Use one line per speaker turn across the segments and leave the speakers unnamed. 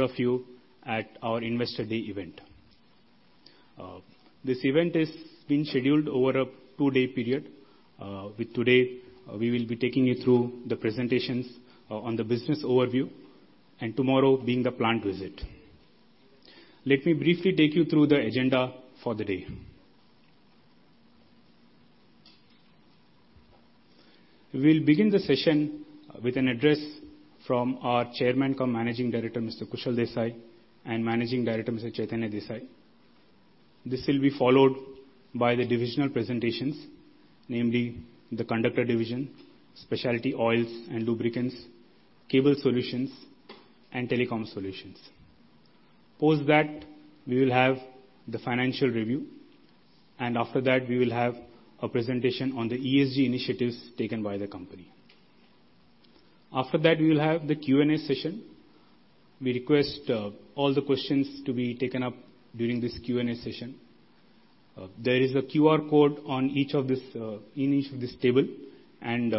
of you at our Investor Day event. This event is been scheduled over a two-day period, with today, we will be taking you through the presentations on the business overview, and tomorrow being the plant visit. Let me briefly take you through the agenda for the day. We'll begin the session with an address from our Chairman and Managing Director, Mr. Kushal Desai, and Managing Director, Mr. Chaitanya Desai. This will be followed by the divisional presentations, namely the Conductor Division, Specialty Oils and Lubricants, Cable Solutions, and Telecom Solutions. Post that, we will have the financial review, and after that, we will have a presentation on the ESG initiatives taken by the company. After that, we will have the Q&A session. We request all the questions to be taken up during this Q&A session. There is a QR code on each of this, in each of this table, and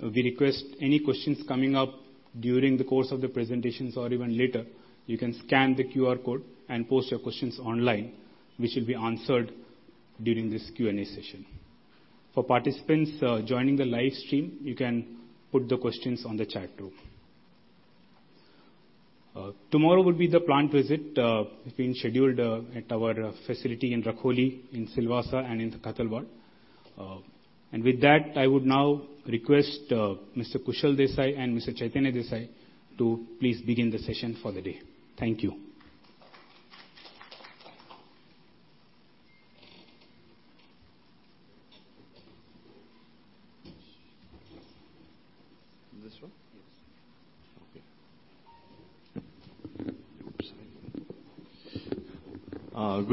we request any questions coming up during the course of the presentations or even later, you can scan the QR code and post your questions online, which will be answered during this Q&A session. For participants joining the live stream, you can put the questions on the chat room. Tomorrow will be the plant visit, it's been scheduled at our facility in Rakholi, in Silvassa, and in Khattalwada. With that, I would now request Mr. Kushal Desai and Mr. Chaitanya Desai to please begin the session for the day. Thank you.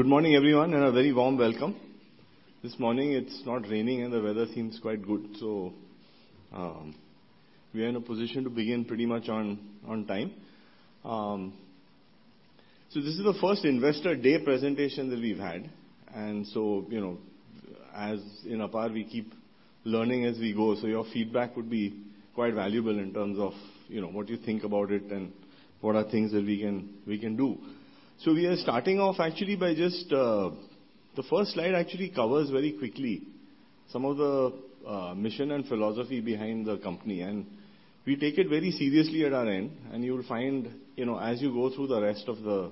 This one?
Yes.
Okay. Good morning, everyone, and a very warm welcome. This morning, it's not raining, and the weather seems quite good, so we are in a position to begin pretty much on, on time. This is the first Investor Day presentation that we've had, and so, you know, as in APAR, we keep learning as we go, so your feedback would be quite valuable in terms of, you know, what you think about it and what are things that we can, we can do. We are starting off actually by just-- The first slide actually covers very quickly some of the mission and philosophy behind the company, and we take it very seriously at our end, and you'll find, you know, as you go through the rest of the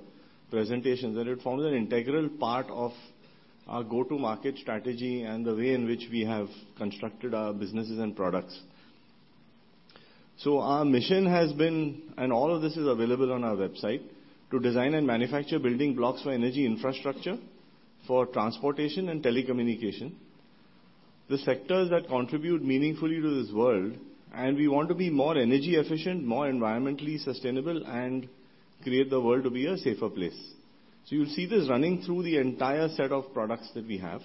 presentation, that it forms an integral part of our go-to-market strategy and the way in which we have constructed our businesses and products. Our mission has been, and all of this is available on our website, to design and manufacture building blocks for energy infrastructure, for transportation and telecommunication, the sectors that contribute meaningfully to this world, and we want to be more energy efficient, more environmentally sustainable, and create the world to be a safer place. You'll see this running through the entire set of products that we have.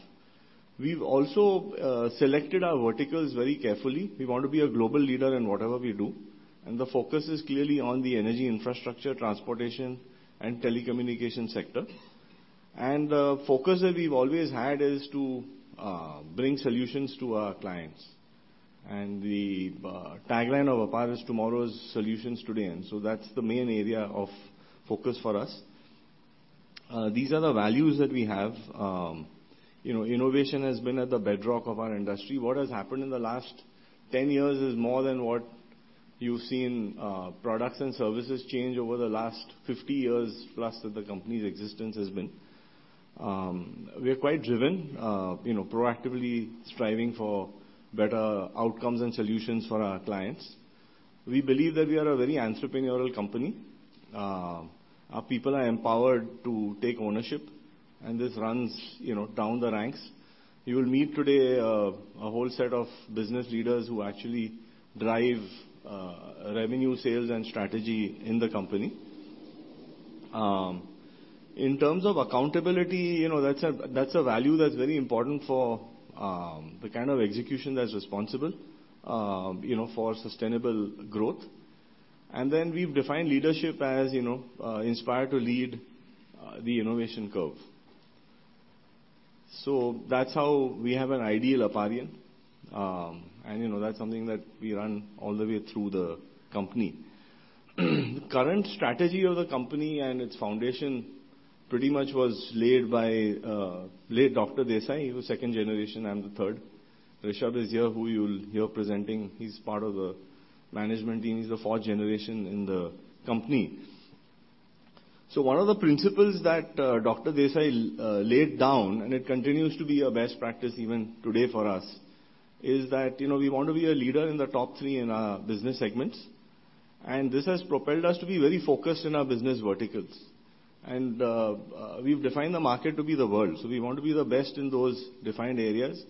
We've also selected our verticals very carefully. We want to be a global leader in whatever we do, and the focus is clearly on the energy infrastructure, transportation, and telecommunication sector. The focus that we've always had is to bring solutions to our clients. The tagline of APAR is, "Tomorrow's solutions today." That's the main area of focus for us. These are the values that we have. You know, innovation has been at the bedrock of our industry. What has happened in the last 10 years is more than what you've seen, products and services change over the last 50 years, plus, that the company's existence has been. We are quite driven, you know, proactively striving for better outcomes and solutions for our clients. We believe that we are a very entrepreneurial company. Our people are empowered to take ownership, and this runs, you know, down the ranks. You will meet today, a whole set of business leaders who actually drive, revenue, sales, and strategy in the company. In terms of accountability, you know, that's a, that's a value that's very important for, the kind of execution that's responsible, you know, for sustainable growth. Then we've defined leadership as, you know, inspire to lead, the innovation curve. That's how we have an ideal Aparian, and, you know, that's something that we run all the way through the company. The current strategy of the company and its foundation pretty much was laid by, late Dr. Desai. He was second generation, I'm the third. Rishabh is here, who you'll hear presenting. He's part of the management team. He's the fourth generation in the company. One of the principles that Dr. Desai laid down, and it continues to be a best practice even today for us, is that, you know, we want to be a leader in the top three in our business segments. This has propelled us to be very focused in our business verticals. We've defined the market to be the world, so we want to be the best in those defined areas,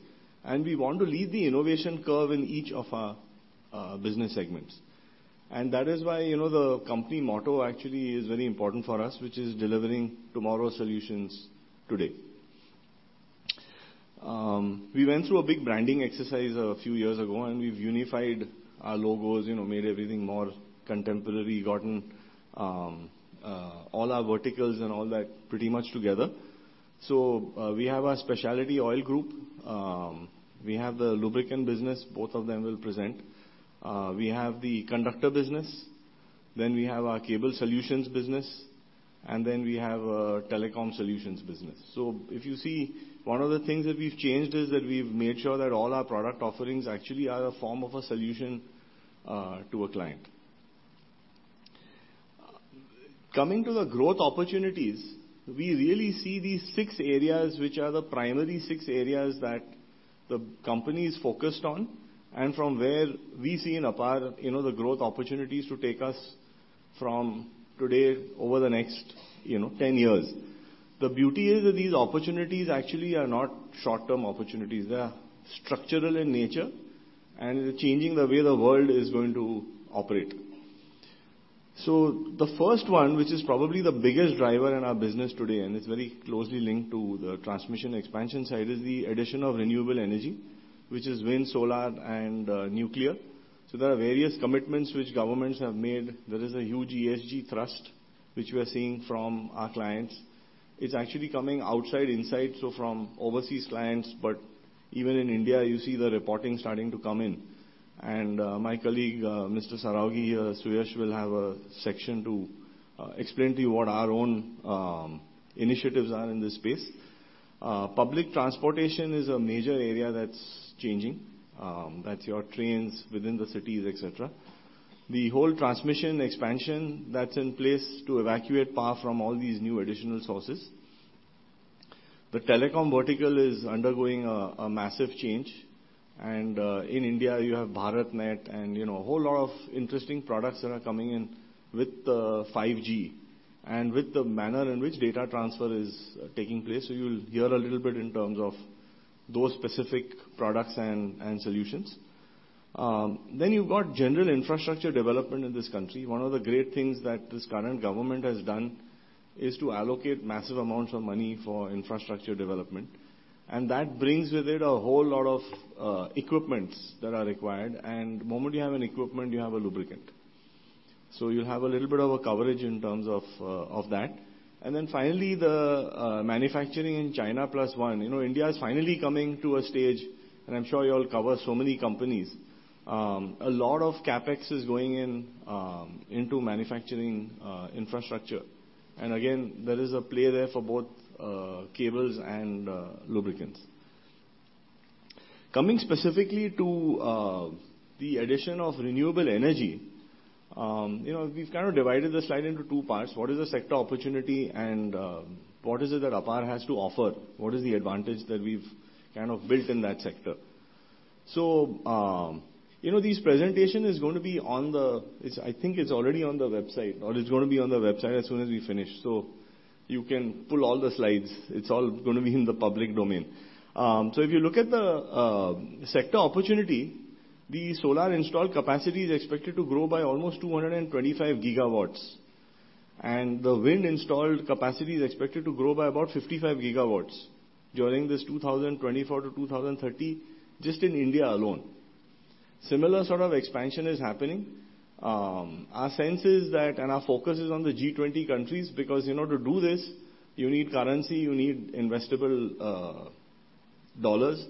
and we want to lead the innovation curve in each of our business segments. That is why, you know, the company motto actually is very important for us, which is: Delivering tomorrow's solutions today. We went through a big branding exercise a few years ago, and we've unified our logos, you know, made everything more contemporary, gotten all our verticals and all that pretty much together. We have our specialty oil group, we have the lubricant business, both of them will present. We have the conductor business, then we have our Cable Solutions business, and then we have our telecom solutions business. If you see, one of the things that we've changed is that we've made sure that all our product offerings actually are a form of a solution to a client. Coming to the growth opportunities, we really see these six areas, which are the primary six areas that the company is focused on, and from where we see in APAR, you know, the growth opportunities to take us from today over the next, you know, 10 years. The beauty is that these opportunities actually are not short-term opportunities. They are structural in nature, and they're changing the way the world is going to operate. The first one, which is probably the biggest driver in our business today, and it's very closely linked to the transmission expansion side, is the addition of renewable energy, which is wind, solar, and nuclear. There are various commitments which governments have made. There is a huge ESG thrust, which we are seeing from our clients. It's actually coming outside, inside, so from overseas clients, but even in India, you see the reporting starting to come in. My colleague, Mr. Saraogi, Suyash, will have a section to explain to you what our own initiatives are in this space. Public transportation is a major area that's changing, that's your trains within the cities, et cetera. The whole transmission expansion that's in place to evacuate power from all these new additional sources. The telecom vertical is undergoing a massive change, and in India, you have BharatNet and, you know, a whole lot of interesting products that are coming in with 5G, and with the manner in which data transfer is taking place. You will hear a little bit in terms of those specific products and solutions. You've got general infrastructure development in this country. One of the great things that this current government has done is to allocate massive amounts of money for infrastructure development, and that brings with it a whole lot of equipments that are required, and the moment you have an equipment, you have a lubricant. You'll have a little bit of a coverage in terms of of that. Finally, the manufacturing in China Plus One. You know, India is finally coming to a stage, and I'm sure you all cover so many companies. A lot of CapEx is going in into manufacturing infrastructure. Again, there is a play there for both cables and lubricants. Coming specifically to the addition of renewable energy, you know, we've kind of divided the slide into two parts. What is the sector opportunity and what is it that APAR has to offer? What is the advantage that we've kind of built in that sector? You know, this presentation is going to be it's, I think it's already on the website, or it's going to be on the website as soon as we finish. You can pull all the slides. It's all going to be in the public domain. If you look at the sector opportunity, the solar installed capacity is expected to grow by almost 225 GW, and the wind installed capacity is expected to grow by about 55 GW during this 2024 to 2030, just in India alone. Similar sort of expansion is happening. Our sense is that, and our focus is on the G20 countries, because, you know, to do this, you need currency, you need investable dollars.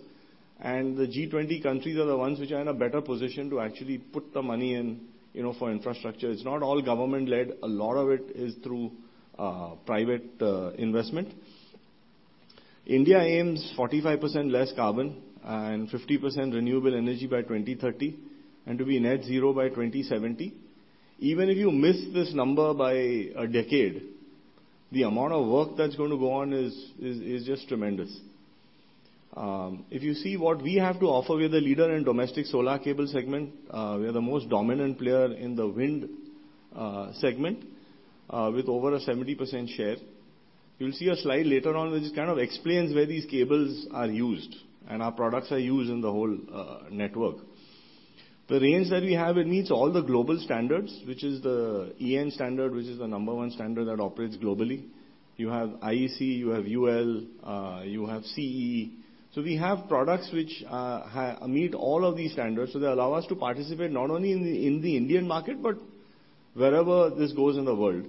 The G20 countries are the ones which are in a better position to actually put the money in, you know, for infrastructure. It's not all government-led. A lot of it is through private investment. India aims 45% less carbon and 50% renewable energy by 2030, and to be net zero by 2070. Even if you miss this number by a decade, the amount of work that's going to go on is, is, is just tremendous. If you see what we have to offer, we're the leader in domestic solar cable segment. We are the most dominant player in the wind segment, with over a 70% share. You'll see a slide later on, which kind of explains where these cables are used, and our products are used in the whole network. The range that we have, it meets all the global standards, which is the EN standard, which is the number one standard that operates globally. You have IEC, you have UL, you have CE. So we have products which meet all of these standards, so they allow us to participate not only in the, in the Indian market, but wherever this goes in the world.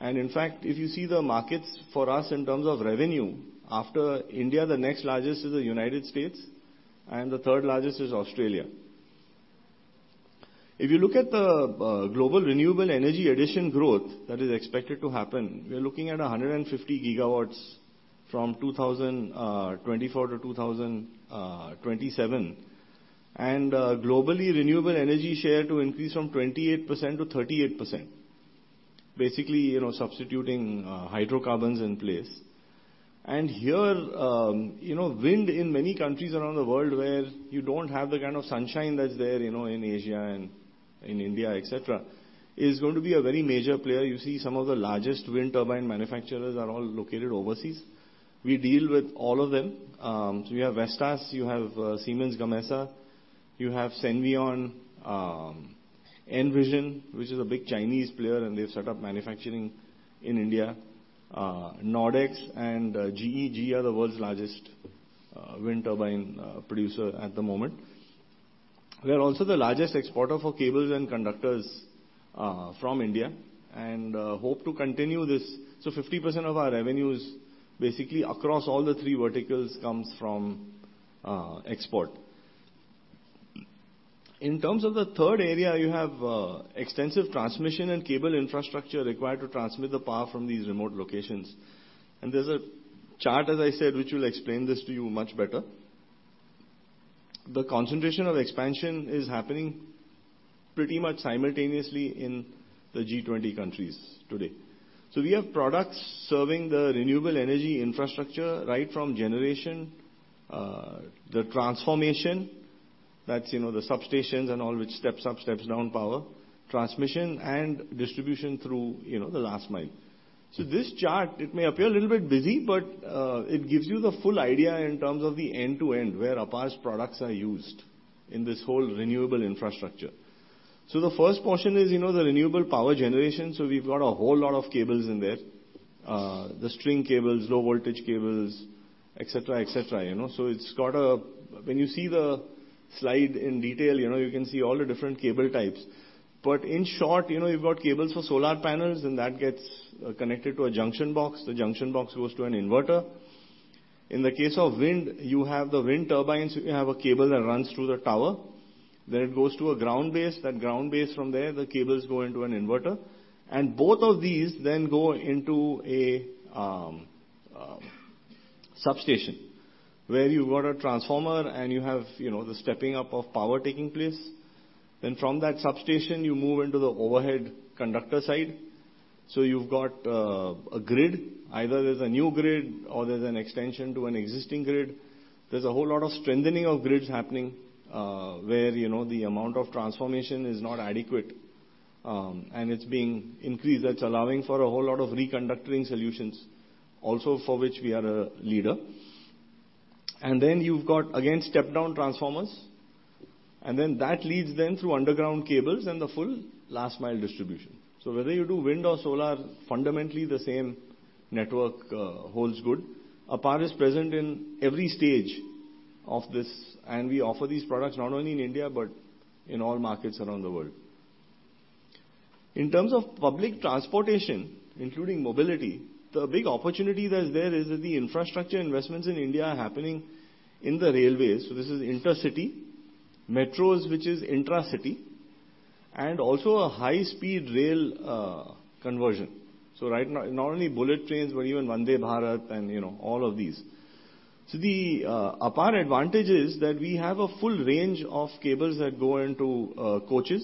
In fact, if you see the markets for us in terms of revenue, after India, the next largest is the United States, and the third largest is Australia. If you look at the global renewable energy addition growth that is expected to happen, we are looking at 150 GW from 2024 to 2027. Globally, renewable energy share to increase from 28% to 38%. Basically, you know, substituting hydrocarbons in place. Here, you know, wind in many countries around the world where you don't have the kind of sunshine that's there, you know, in Asia and in India, et cetera, is going to be a very major player. You see some of the largest wind turbine manufacturers are all located overseas. We deal with all of them. So you have Vestas, you have Siemens Gamesa, you have Senvion, Envision Energy, which is a big Chinese player, and they've set up manufacturing in India. Nordex and GE. GE are the world's largest wind turbine producer at the moment. We are also the largest exporter for cables and conductors from India, and hope to continue this. 50% of our revenue is basically across all the three verticals, comes from export. In terms of the third area, you have extensive transmission and cable infrastructure required to transmit the power from these remote locations. There's a chart, as I said, which will explain this to you much better. The concentration of expansion is happening pretty much simultaneously in the G20 countries today. We have products serving the renewable energy infrastructure, right from generation, the transformation, that's, you know, the substations and all, which steps up, steps down power, transmission and distribution through, you know, the last mile. This chart, it may appear a little bit busy, but it gives you the full idea in terms of the end-to-end, where APAR's products are used in this whole renewable infrastructure. The first portion is, you know, the renewable power generation, we've got a whole lot of cables in there. The string cables, low voltage cables, et cetera, et cetera, you know, When you see the slide in detail, you know, you can see all the different cable types. In short, you know, you've got cables for solar panels, and that gets connected to a junction box. The junction box goes to an inverter. In the case of wind, you have the wind turbines, you have a cable that runs through the tower, then it goes to a ground base. That ground base, from there, the cables go into an inverter, and both of these then go into a substation, where you've got a transformer and you have, you know, the stepping up of power taking place. From that substation, you move into the overhead conductor side. You've got a grid, either there's a new grid or there's an extension to an existing grid. There's a whole lot of strengthening of grids happening, where, you know, the amount of transformation is not adequate, and it's being increased. That's allowing for a whole lot of reconductoring solutions also, for which we are a leader. You've got, again, step-down transformers, and then that leads then through underground cables and the full last mile distribution. Whether you do wind or solar, fundamentally, the same network holds good. APAR is present in every stage of this, and we offer these products not only in India, but in all markets around the world. In terms of public transportation, including mobility, the big opportunity that's there is that the infrastructure investments in India are happening in the railways. This is intercity, metros, which is intracity, and also a high-speed rail conversion. Right now, not only bullet trains, but even Vande Bharat and, you know, all of these. The APAR advantage is that we have a full range of cables that go into coaches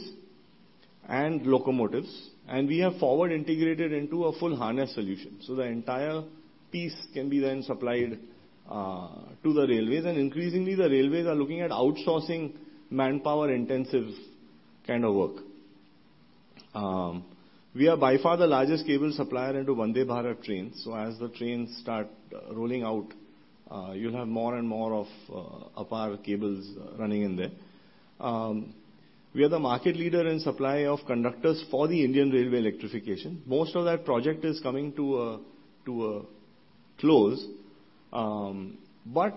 and locomotives, and we have forward integrated into a full harness solution, so the entire piece can be then supplied to the railways. Increasingly, the railways are looking at outsourcing manpower intensive kind of work. We are by far the largest cable supplier into Vande Bharat trains. As the trains start rolling out, you'll have more and more of APAR cables running in there. We are the market leader in supply of conductors for the Indian railway electrification. Most of that project is coming to a close, but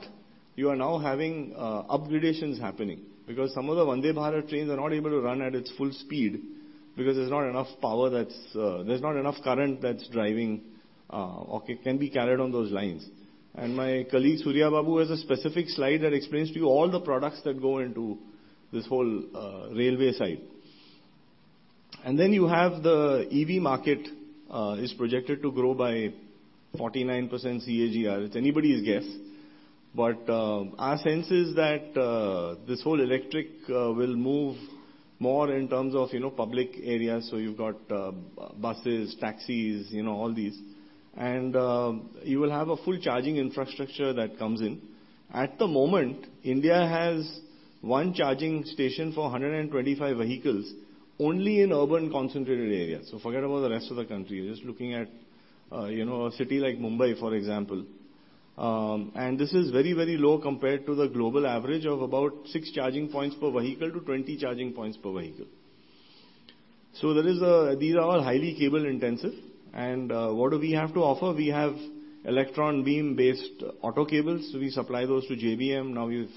you are now having upgradations happening, because some of the Vande Bharat trains are not able to run at its full speed, because there's not enough power that's-- There's not enough current that's driving, or can be carried on those lines. My colleague, Surya Babu, has a specific slide that explains to you all the products that go into this whole railway side. Then you have the EV market is projected to grow by 49% CAGR. It's anybody's guess, but our sense is that this whole electric will move more in terms of, you know, public areas. You've got buses, taxis, you know, all these, and you will have a full charging infrastructure that comes in. At the moment, India has one charging station for 125 vehicles, only in urban concentrated areas. Forget about the rest of the country, just looking at, you know, a city like Mumbai, for example. This is very, very low compared to the global average of about six charging points per vehicle to 20 charging points per vehicle. There is these are all highly cable intensive. What do we have to offer? We have electron beam-based auto cables. We supply those to JBM Group. Now, we've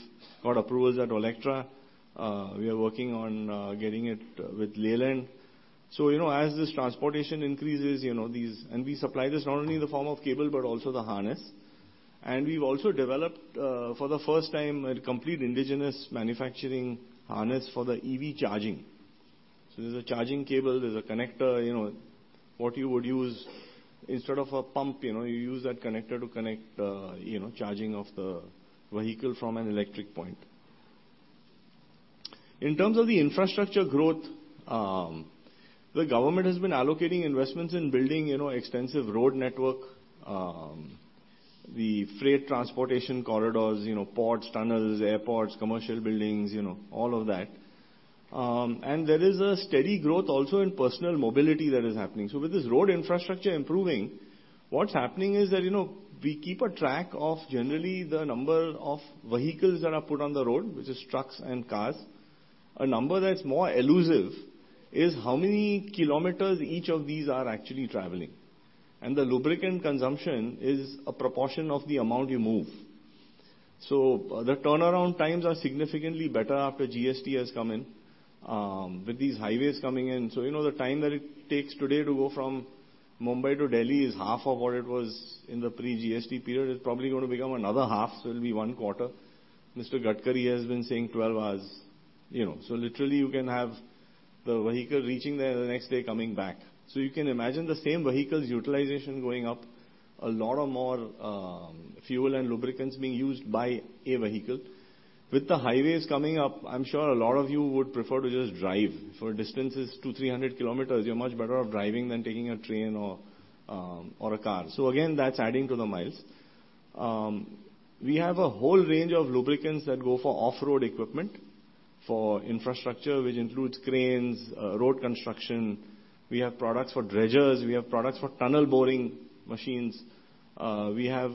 got approvals at Electra EV. We are working on getting it with Leyland. You know, as this transportation increases, you know, and we supply this not only in the form of cable, but also the harness. We've also developed for the first time, a complete indigenous manufacturing harness for the EV charging. There's a charging cable, there's a connector, you know, what you would use instead of a pump, you know, you use that connector to connect, you know, charging of the vehicle from an electric point. In terms of the infrastructure growth, the government has been allocating investments in building, you know, extensive road network, the freight transportation corridors, you know, ports, tunnels, airports, commercial buildings, you know, all of that. There is a steady growth also in personal mobility that is happening. With this road infrastructure improving, what's happening is that, you know, we keep a track of generally the number of vehicles that are put on the road, which is trucks and cars. A number that's more elusive is how many kilometers each of these are actually traveling? The lubricant consumption is a proportion of the amount you move. The turnaround times are significantly better after GST has come in, with these highways coming in. You know, the time that it takes today to go from Mumbai to Delhi is half of what it was in the pre-GST period. It's probably going to become another half, so it'll be one quarter. Mr. Gadkari has been saying 12 hours, you know. Literally, you can have the vehicle reaching there, the next day coming back. You can imagine the same vehicle's utilization going up, a lot of more fuel and lubricants being used by a vehicle. With the highways coming up, I'm sure a lot of you would prefer to just drive. For distances two, 300 km, you're much better off driving than taking a train or a car. Again, that's adding to the miles. We have a whole range of lubricants that go for off-road equipment, for infrastructure, which includes cranes, road construction. We have products for dredgers, we have products for tunnel boring machines, we have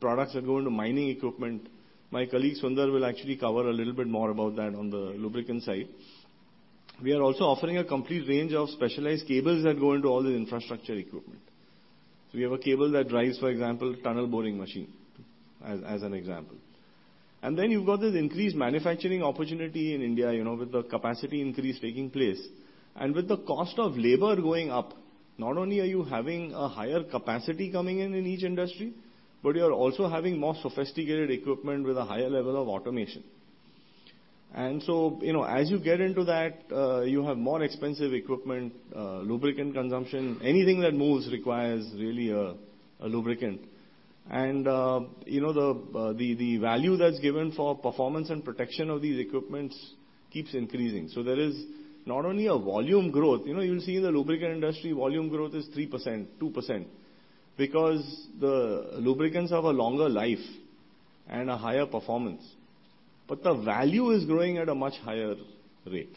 products that go into mining equipment. My colleague, Sundar, will actually cover a little bit more about that on the lubricant side. We are also offering a complete range of specialized cables that go into all the infrastructure equipment. We have a cable that drives, for example, tunnel boring machine, as, as an example. Then you've got this increased manufacturing opportunity in India, you know, with the capacity increase taking place. With the cost of labor going up, not only are you having a higher capacity coming in in each industry, but you are also having more sophisticated equipment with a higher level of automation. You know, as you get into that, you have more expensive equipment, lubricant consumption. Anything that moves requires really a, a lubricant. You know, the, the, the value that's given for performance and protection of these equipments keeps increasing. There is not only a volume growth, you know, you'll see in the lubricant industry, volume growth is 3%, 2%, because the lubricants have a longer life and a higher performance. The value is growing at a much higher rate.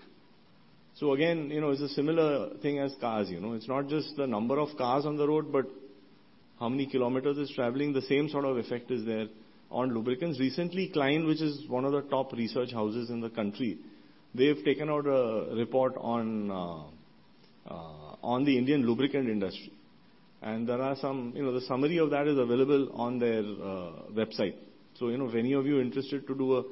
Again, you know, it's a similar thing as cars, you know. It's not just the number of cars on the road, but how many kilometers it's traveling. The same sort of effect is there on lubricants. Recently, Kline, which is one of the top research houses in the country, they've taken out a report on the Indian lubricant industry, and there are some-- You know, the summary of that is available on their website. You know, if any of you are interested to do a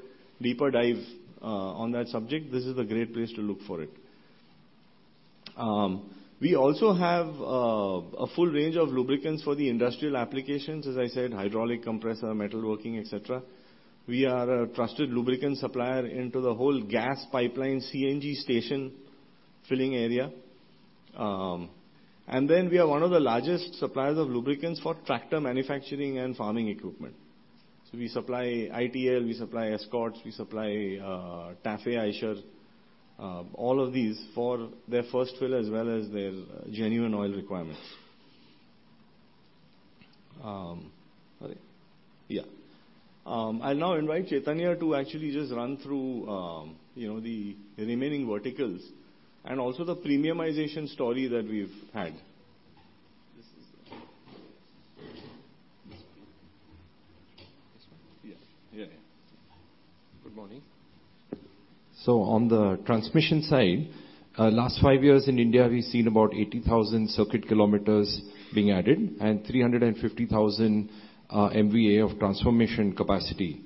deeper dive on that subject, this is a great place to look for it. We also have a full range of lubricants for the industrial applications, as I said, hydraulic compressor, metalworking, et cetera. We are a trusted lubricant supplier into the whole gas pipeline, CNG station filling area. We are one of the largest suppliers of lubricants for tractor manufacturing and farming equipment. We supply ITL, we supply Escorts, we supply TAFE, Eicher, all of these for their first fill as well as their genuine oil requirements. All right. I'll now invite Chaitanya to actually just run through, you know, the remaining verticals and also the premiumization story that we've had.
Yeah, yeah. Good morning. On the transmission side, last 5 years in India, we've seen about 80,000 circuit kilometers being added and 350,000 MVA of transformation capacity.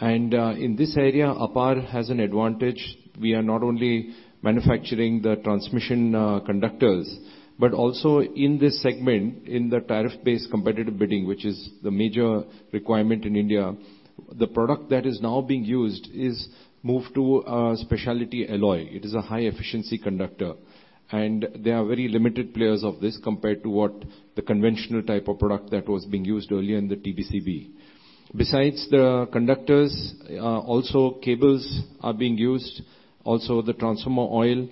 In this area, APAR has an advantage. We are not only manufacturing the transmission conductors, but also in this segment, in the tariff-based competitive bidding, which is the major requirement in India, the product that is now being used is moved to a specialty alloy. It is a high-efficiency conductor, and there are very limited players of this compared to what the conventional type of product that was being used earlier in the TBCB. Besides the conductors, also cables are being used, also the transformer oil.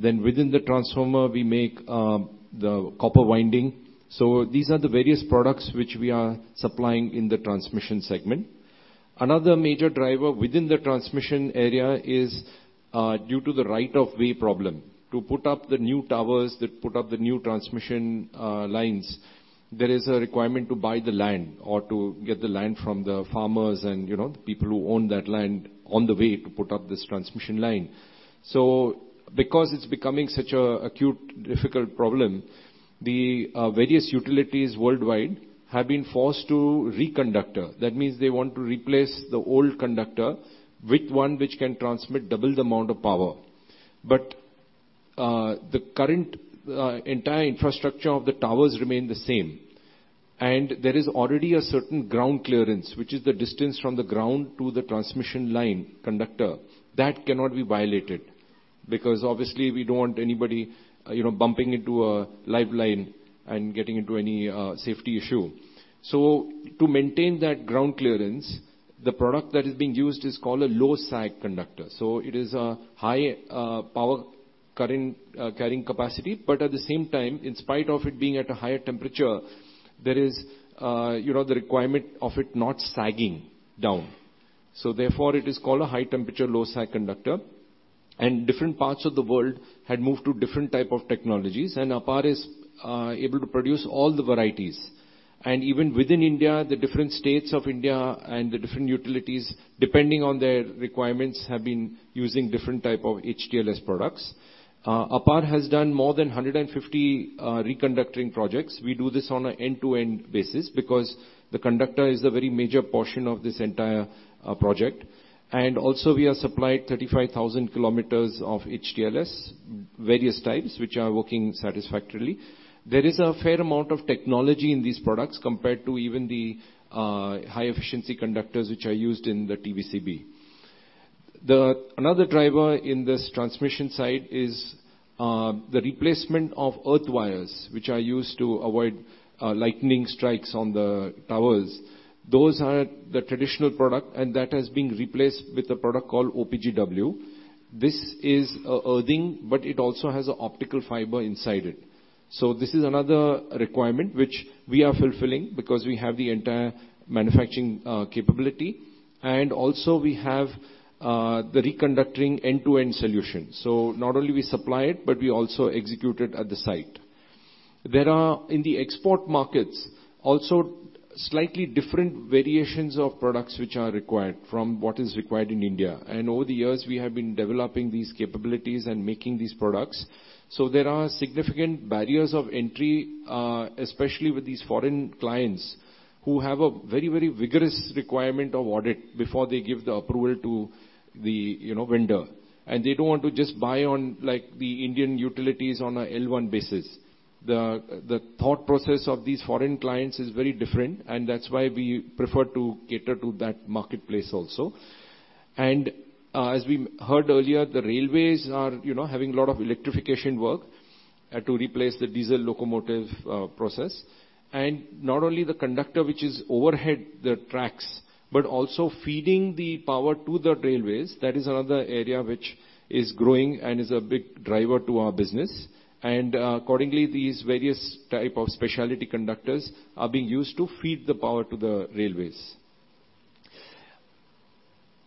Within the transformer, we make the copper winding. These are the various products which we are supplying in the transmission segment. Another major driver within the transmission area is due to the right of way problem. To put up the new towers, to put up the new transmission lines, there is a requirement to buy the land or to get the land from the farmers and, you know, the people who own that land on the way to put up this transmission line. Because it's becoming such an acute, difficult problem, the various utilities worldwide have been forced to reconductor. That means they want to replace the old conductor with one which can transmit double the amount of power. The current entire infrastructure of the towers remain the same, and there is already a certain ground clearance, which is the distance from the ground to the transmission line conductor. That cannot be violated, because obviously, we don't want anybody, you know, bumping into a live line and getting into any safety issue. So to maintain that ground clearance, the product that is being used is called a low sag conductor. So it is a high power current carrying capacity, but at the same time, in spite of it being at a higher temperature, there is, you know, the requirement of it not sagging down. So therefore, it is called a high temperature, low sag conductor. Different parts of the world had moved to different type of technologies, and APAR is able to produce all the varieties. Even within India, the different states of India and the different utilities, depending on their requirements, have been using different type of HTLS products. APAR has done more than 150 reconductoring projects. We do this on a end-to-end basis, because the conductor is a very major portion of this entire project. Also, we have supplied 35,000 km of HTLS, various types, which are working satisfactorily. There is a fair amount of technology in these products compared to even the high-efficiency conductors, which are used in the TBCB. Another driver in this transmission side is the replacement of earth wires, which are used to avoid lightning strikes on the towers. Those are the traditional product, and that has been replaced with a product called OPGW. This is earthing, but it also has a optical fiber inside it. This is another requirement which we are fulfilling, because we have the entire manufacturing capability, and also we have the reconductoring end-to-end solution. Not only we supply it, we also execute it at the site. There are, in the export markets, also slightly different variations of products which are required from what is required in India. Over the years, we have been developing these capabilities and making these products. There are significant barriers of entry, especially with these foreign clients, who have a very, very vigorous requirement of audit before they give the approval to the, you know, vendor. They don't want to just buy on, like, the Indian utilities on a L1 basis. The thought process of these foreign clients is very different, and that's why we prefer to cater to that marketplace also. As we heard earlier, the railways are, you know, having a lot of electrification work to replace the diesel locomotive process. Not only the conductor, which is overhead the tracks, but also feeding the power to the railways, that is another area which is growing and is a big driver to our business. Accordingly, these various type of speciality conductors are being used to feed the power to the railways.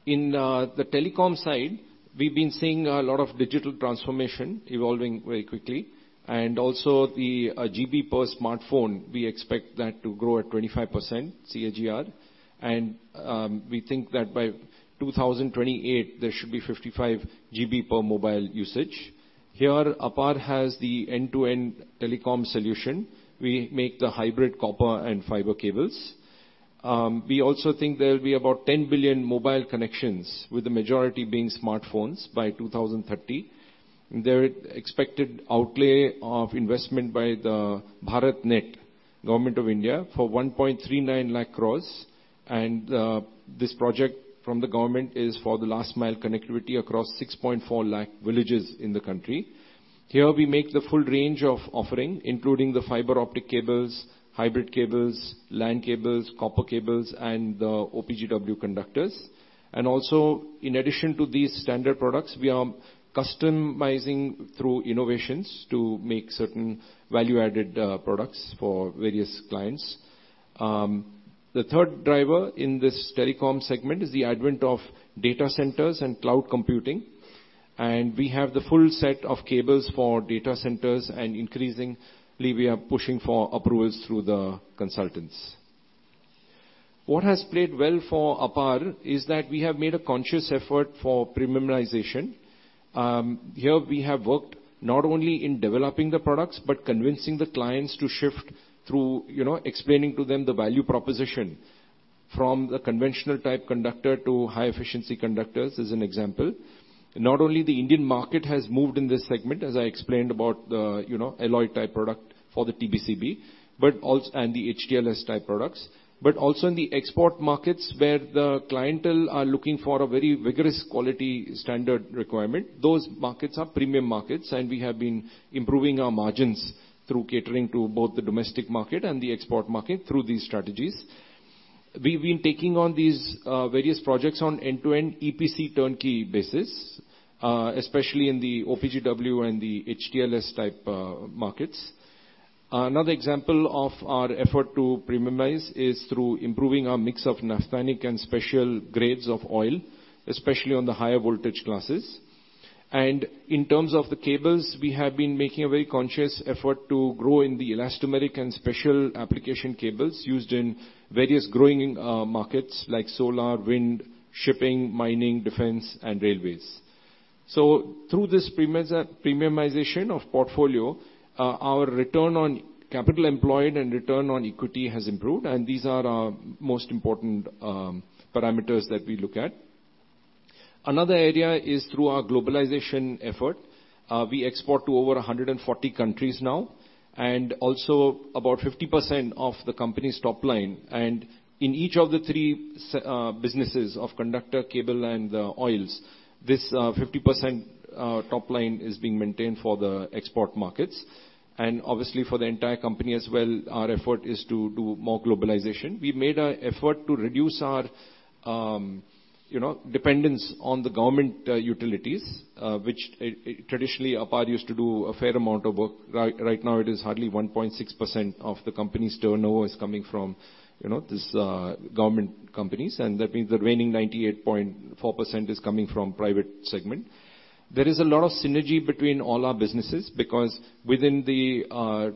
In the telecom side, we've been seeing a lot of digital transformation evolving very quickly. Also the GB per smartphone, we expect that to grow at 25% CAGR. We think that by 2028, there should be 55 GB per mobile usage. Here, APAR has the end-to-end telecom solution. We make the hybrid copper and fiber cables. We also think there will be about 10 billion mobile connections, with the majority being smartphones, by 2030. There is expected outlay of investment by the BharatNet, government of India, for 139,000 crore. This project from the government is for the last mile connectivity across 6.4 lakh villages in the country. Here, we make the full range of offering, including the fiber optic cables, hybrid cables, LAN cables, copper cables, and the OPGW conductors. Also, in addition to these standard products, we are customizing through innovations to make certain value-added products for various clients. The third driver in this telecom segment is the advent of data centers and cloud computing, and we have the full set of cables for data centers, and increasingly, we are pushing for approvals through the consultants. What has played well for APAR is that we have made a conscious effort for premiumization. Here, we have worked not only in developing the products, but convincing the clients to shift through, you know, explaining to them the value proposition from the conventional type conductor to high-efficiency conductors, as an example. Not only the Indian market has moved in this segment, as I explained about the, you know, alloy-type product for the TBCB, but and the HTLS-type products, but also in the export markets, where the clientele are looking for a very vigorous quality standard requirement. Those markets are premium markets, we have been improving our margins through catering to both the domestic market and the export market through these strategies. We've been taking on these various projects on end-to-end EPC turnkey basis, especially in the OPGW and the HTLS-type markets. Another example of our effort to premiumize is through improving our mix of naphthenic and special grades of oil, especially on the higher voltage classes. In terms of the cables, we have been making a very conscious effort to grow in the elastomeric and special application cables used in various growing markets, like solar, wind, shipping, mining, defense, and railways. Through this premiumization of portfolio, our return on capital employed and return on equity has improved, and these are our most important parameters that we look at. Another area is through our globalization effort. We export to over 140 countries now, and also about 50% of the company's top line. In each of the three businesses of conductor, cable, and oils, this 50% top line is being maintained for the export markets. Obviously, for the entire company as well, our effort is to do more globalization. We made an effort to reduce our, you know, dependence on the government utilities, which traditionally, APAR used to do a fair amount of work. Right now, it is hardly 1.6% of the company's turnover is coming from, you know, this government companies, and that means the remaining 98.4% is coming from private segment. There is a lot of synergy between all our businesses, because within the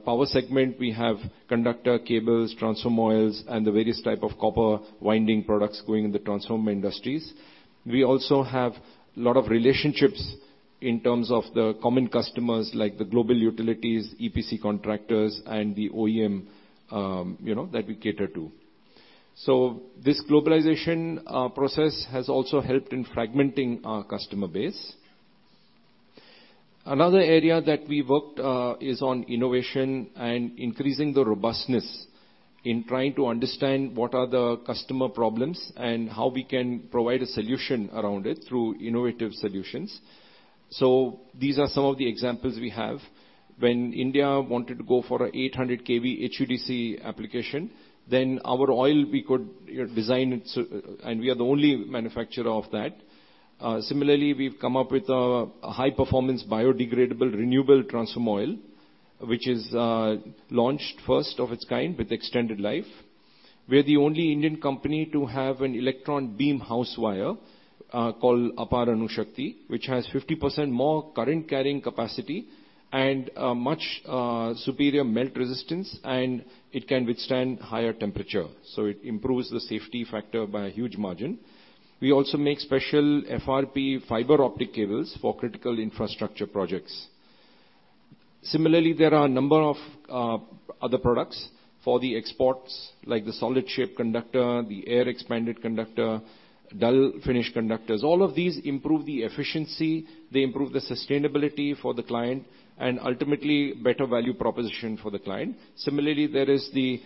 power segment, we have conductor, cables, transformer oils, and the various type of copper winding products going in the transformer industries. We also have a lot of relationships in terms of the common customers, like the global utilities, EPC contractors, and the OEM, you know, that we cater to. This globalization process has also helped in fragmenting our customer base. Another area that we worked is on innovation and increasing the robustness in trying to understand what are the customer problems, and how we can provide a solution around it through innovative solutions. These are some of the examples we have. When India wanted to go for a 800 kV HVDC application, then our oil, we could, you know, design it so, and we are the only manufacturer of that. Similarly, we've come up with a high-performance, biodegradable, renewable transformer oil, which is launched first of its kind with extended life. We're the only Indian company to have an electron beam house wire, called APAR Anushakti, which has 50% more current carrying capacity and much superior melt resistance, and it can withstand higher temperature, so it improves the safety factor by a huge margin. We also make special FRP fiber optic cables for critical infrastructure projects. Similarly, there are a number of other products for the exports, like the solid shape conductor, the air expanded conductor, dull finish conductors. All of these improve the efficiency, they improve the sustainability for the client, and ultimately, better value proposition for the client. Similarly, there is the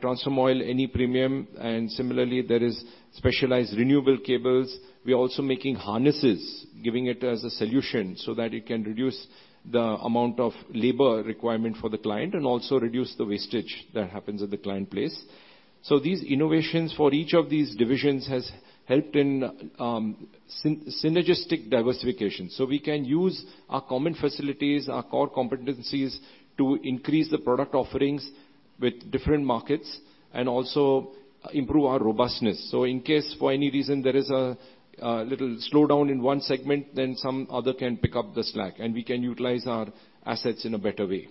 transformer oil, NE Premium, and similarly, there is specialized renewable cables. We are also making harnesses, giving it as a solution, so that it can reduce the amount of labor requirement for the client, and also reduce the wastage that happens at the client place. These innovations for each of these divisions has helped in synergistic diversification. We can use our common facilities, our core competencies, to increase the product offerings with different markets, and also improve our robustness. In case, for any reason, there is a little slowdown in one segment, then some other can pick up the slack, and we can utilize our assets in a better way.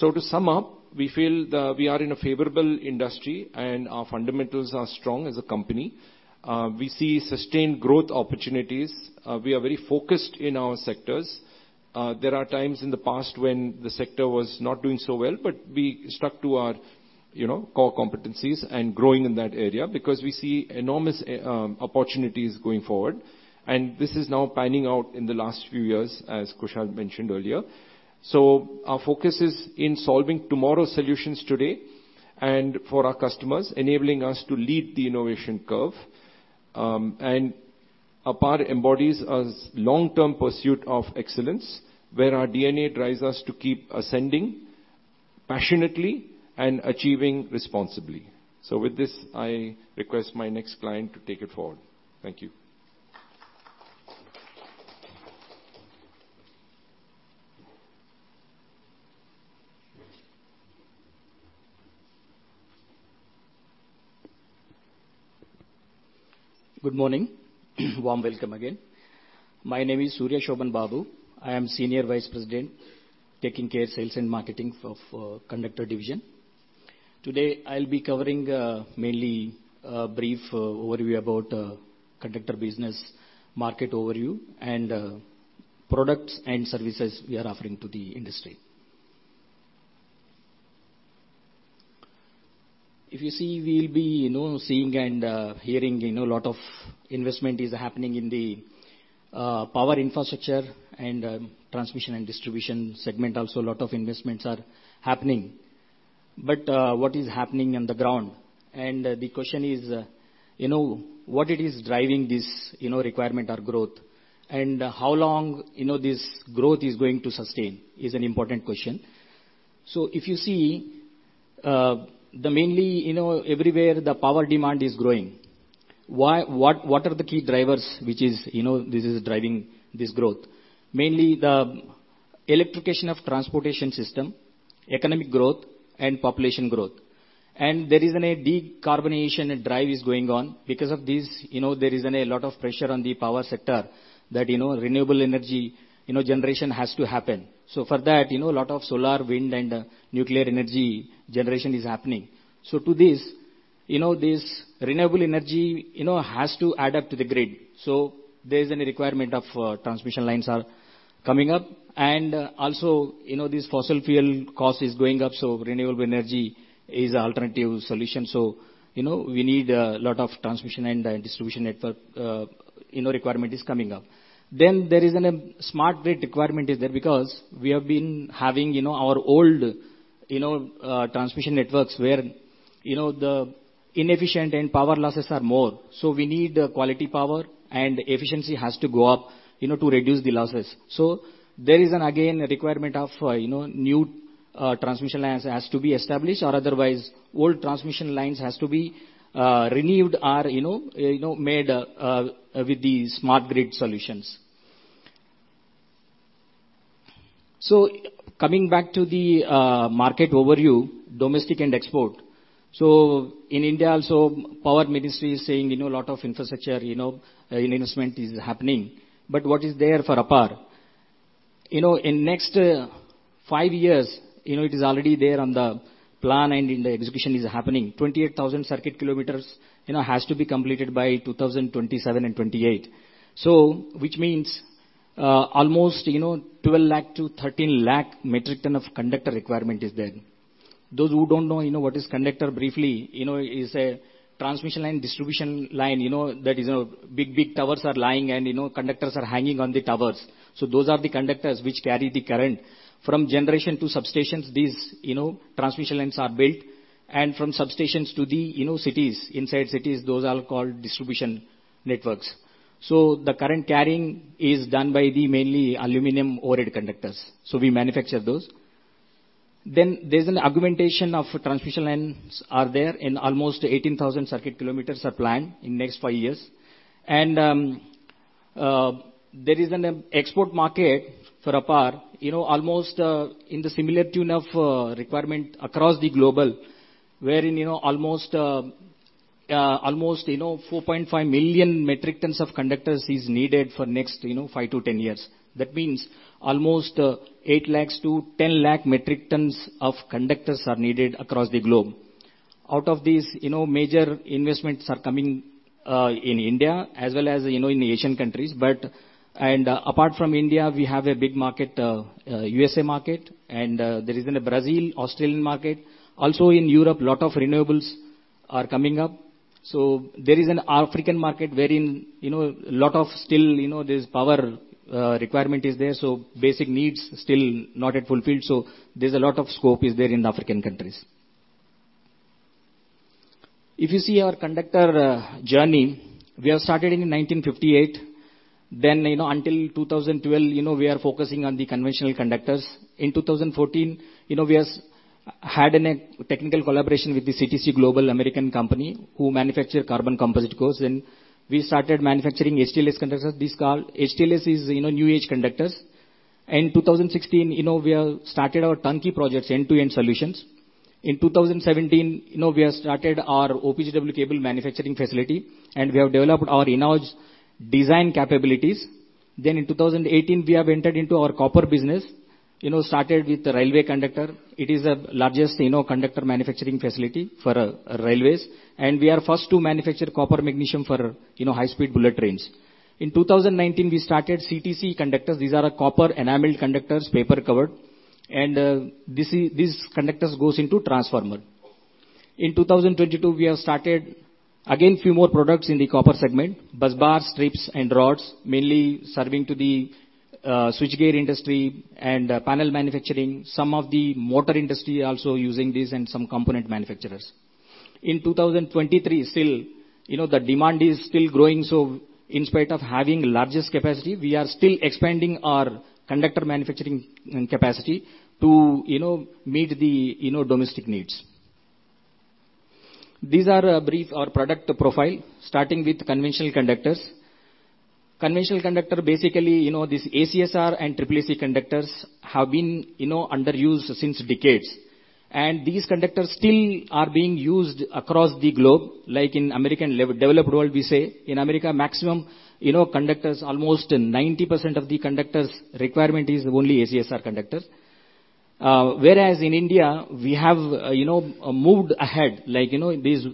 To sum up, we feel that we are in a favorable industry, and our fundamentals are strong as a company. We see sustained growth opportunities. We are very focused in our sectors. There are times in the past when the sector was not doing so well, but we stuck to our, you know, core competencies, and growing in that area, because we see enormous opportunities going forward. This is now panning out in the last few years, as Kushal mentioned earlier. Our focus is in solving tomorrow's solutions today, and for our customers, enabling us to lead the innovation curve. APAR embodies a long-term pursuit of excellence, where our DNA drives us to keep ascending passionately and achieving responsibly. With this, I request my next client to take it forward. Thank you.
Good morning. Warm welcome again. My name is Surya Shoban Babu. I am Senior Vice President, taking care of sales and marketing for Conductor Division. Today, I'll be covering, mainly, a brief overview about conductor business, market overview, and products and services we are offering to the industry. If you see, we'll be, you know, seeing and hearing, you know, a lot of investment is happening in the power infrastructure and transmission and distribution segment, also a lot of investments are happening. What is happening on the ground? The question is, you know, what it is driving this, you know, requirement or growth, and how long, you know, this growth is going to sustain, is an important question. If you see, the mainly, you know, everywhere, the power demand is growing. What are the key drivers, which is, you know, this is driving this growth? Mainly the electrification of transportation system, economic growth, and population growth. There is a decarbonization drive is going on. Because of this, you know, there is a lot of pressure on the power sector that, you know, renewable energy, you know, generation has to happen. For that, you know, a lot of solar, wind, and nuclear energy generation is happening. To this, you know, this renewable energy, you know, has to add up to the grid, so there is a requirement of transmission lines are coming up. Also, you know, this fossil fuel cost is going up, so renewable energy is an alternative solution. We need a lot of transmission and distribution network, you know, requirement is coming up. There is an, a smart grid requirement is there, because we have been having, you know, our old, you know, transmission networks, where, you know, the inefficient and power losses are more. We need a quality power, and efficiency has to go up, you know, to reduce the losses. There is an, again, a requirement of, you know, new, transmission lines has to be established, or otherwise, old transmission lines has to be, renewed or, you know, made, with these smart grid solutions. Coming back to the, market overview, domestic and export. In India also, Power Ministry is saying, you know, a lot of infrastructure, you know, investment is happening, but what is there for APAR? You know, in next five years, you know, it is already there on the plan, and the execution is happening. 28,000 circuit kilometers, you know, has to be completed by 2027 and 2028. Which means almost, you know, 12 lakh to 13 lakh metric ton of conductor requirement is there. Those who don't know, you know, what is conductor, briefly, you know, is a transmission line, distribution line, you know, that is big, big towers are lying and, you know, conductors are hanging on the towers. Those are the conductors which carry the current. From generation to substations, these, you know, transmission lines are built, and from substations to the, you know, cities, inside cities, those are called distribution networks. The current carrying is done by the mainly aluminum overhead conductors, so we manufacture those. There's an augmentation of transmission lines are there, and almost 18,000 circuit kilometers are planned in next five years. There is an e-export market for APAR, you know, almost in the similar tune of requirement across the global, wherein, you know, almost, you know, 4.5 million metric tons of conductors is needed for next, you know, 5-10 years. That means almost 8 lakh-10 lakh metric tons of conductors are needed across the globe. Out of these, you know, major investments are coming in India as well as, you know, in the Asian countries. Apart from India, we have a big market, USA market, and there is in Brazil, Australian market. Also in Europe, lot of renewables are coming up. There is an African market wherein, you know, a lot of still, you know, there's power requirement is there, so basic needs still not yet fulfilled. There's a lot of scope is there in the African countries. If you see our conductor journey, we have started in 1958. You know, until 2012, you know, we are focusing on the conventional conductors. In 2014, you know, we had a technical collaboration with the CTC Global, American company, who manufacture carbon composite cores. We started manufacturing HTLS conductors. These called HTLS is, you know, new age conductors. In 2016, you know, we have started our turnkey projects, end-to-end solutions. In 2017, you know, we have started our OPGW cable manufacturing facility, and we have developed our in-house design capabilities. In 2018, we have entered into our copper business, you know, started with the railway conductor. It is the largest, you know, conductor manufacturing facility for railways, and we are first to manufacture copper magnesium for, you know, high-speed bullet trains. In 2019, we started CTC Conductors. These are our copper enameled conductors, paper covered, and these conductors goes into transformer. In 2022, we have started, again, few more products in the copper segment, busbar, strips, and rods, mainly serving to the switchgear industry and panel manufacturing. Some of the motor industry are also using this and some component manufacturers. In 2023, still, you know, the demand is still growing, so in spite of having largest capacity, we are still expanding our conductor manufacturing capacity to, you know, meet the, you know, domestic needs. These are a brief, our product profile, starting with conventional conductors. Conventional conductor, basically, you know, this ACSR and AAAC conductors have been, you know, under use since decades, and these conductors still are being used across the globe, like in American developed world, we say. In America, maximum, you know, conductors, almost 90% of the conductors' requirement is only ACSR conductors. Whereas in India, we have, you know, moved ahead, like, you know, these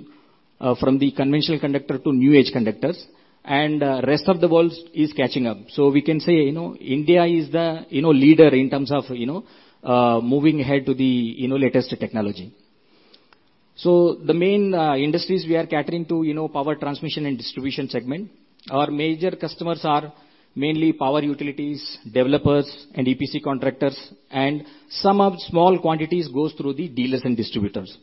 from the conventional conductor to new age conductors, and rest of the world is catching up. We can say, you know, India is the, you know, leader in terms of, you know, moving ahead to the, you know, latest technology. The main industries we are catering to, you know, power transmission and distribution segment. Our major customers are mainly power utilities, developers, and EPC contractors, and some of small quantities goes through the dealers and distributors.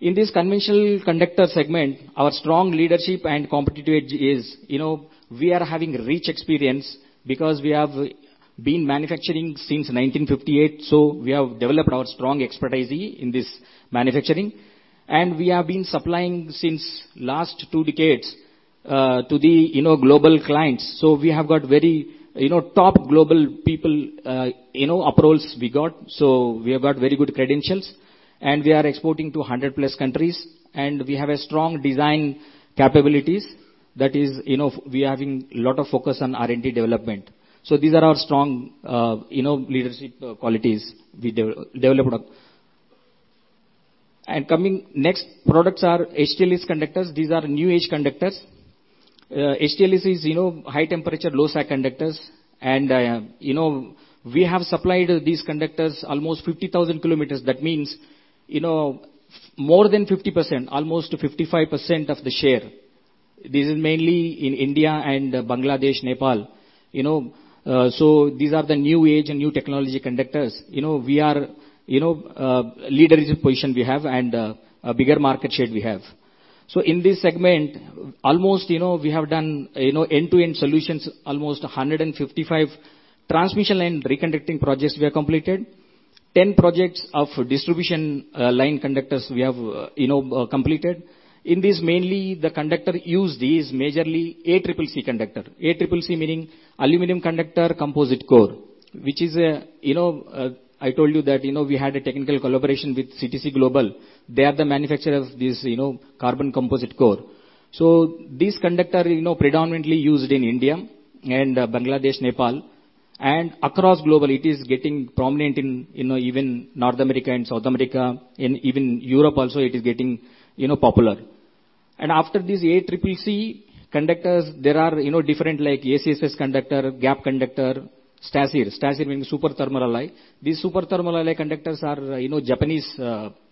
In this conventional conductor segment, our strong leadership and competitive edge is, you know, we are having rich experience because we have been manufacturing since 1958, so we have developed our strong expertise in this manufacturing, and we have been supplying since last two decades, to the, you know, global clients. We have got very, you know, top global people, you know, approvals we got, so we have got very good credentials, and we are exporting to 100+ countries, and we have a strong design capabilities. That is, you know, we are having a lot of focus on R&D development. These are our strong, you know, leadership qualities we developed up. Coming next, products are HTLS conductors. These are new age conductors. HTLS is, you know, high temperature, low sag conductors, and, you know, we have supplied these conductors almost 50,000 km. That means, you know, more than 50%, almost 55% of the share. This is mainly in India and Bangladesh, Nepal. You know, these are the new age and new technology conductors. You know, we are, you know, leadership position we have, and a bigger market share we have. In this segment, almost, you know, we have done, you know, end-to-end solutions, almost 155 transmission line reconductoring projects we have completed. 10 projects of distribution line conductors we have, you know, completed. In this, mainly the conductor used is majorly AAAC conductor. ACCC meaning Aluminum Conductor Composite Core, which is a, you know, I told you that, you know, we had a technical collaboration with CTC Global. They are the manufacturer of this, you know, carbon composite core. These conductor, you know, predominantly used in India and Bangladesh, Nepal, and across global, it is getting prominent in, you know, even North America and South America, in even Europe also, it is getting, you know, popular. After these ACCC conductors, there are, you know, different, like ACSS conductor, gap conductor, STACIR. STACIR means super thermal alloy. These super thermal alloy conductors are, you know, Japanese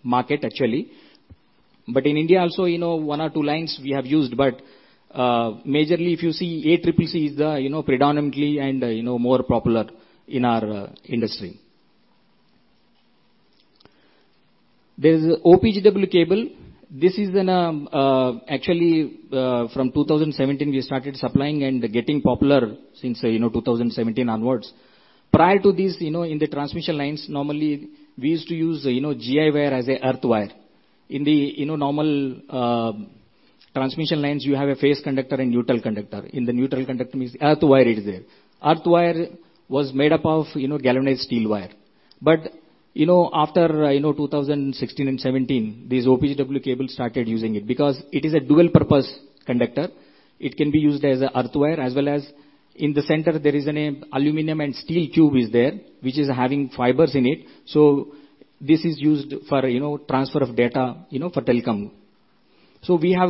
market, actually. In India also, you know, one or two lines we have used, but majorly, if you see, ACCC is the, you know, predominantly and, you know, more popular in our industry. There's OPGW cable. This is in, actually, from 2017, we started supplying and getting popular since, you know, 2017 onwards. Prior to this, you know, in the transmission lines, normally we used to use, you know, GI wire as a earth wire. In the, you know, normal transmission lines, you have a phase conductor and neutral conductor. In the neutral conductor, means earth wire is there. Earth wire was made up of, you know, galvanized steel wire. You know, after, you know, 2016 and 2017, these OPGW cable started using it, because it is a dual-purpose conductor. It can be used as a earth wire, as well as in the center, there is an aluminum and steel tube is there, which is having fibers in it. This is used for, you know, transfer of data, you know, for telecom. We have,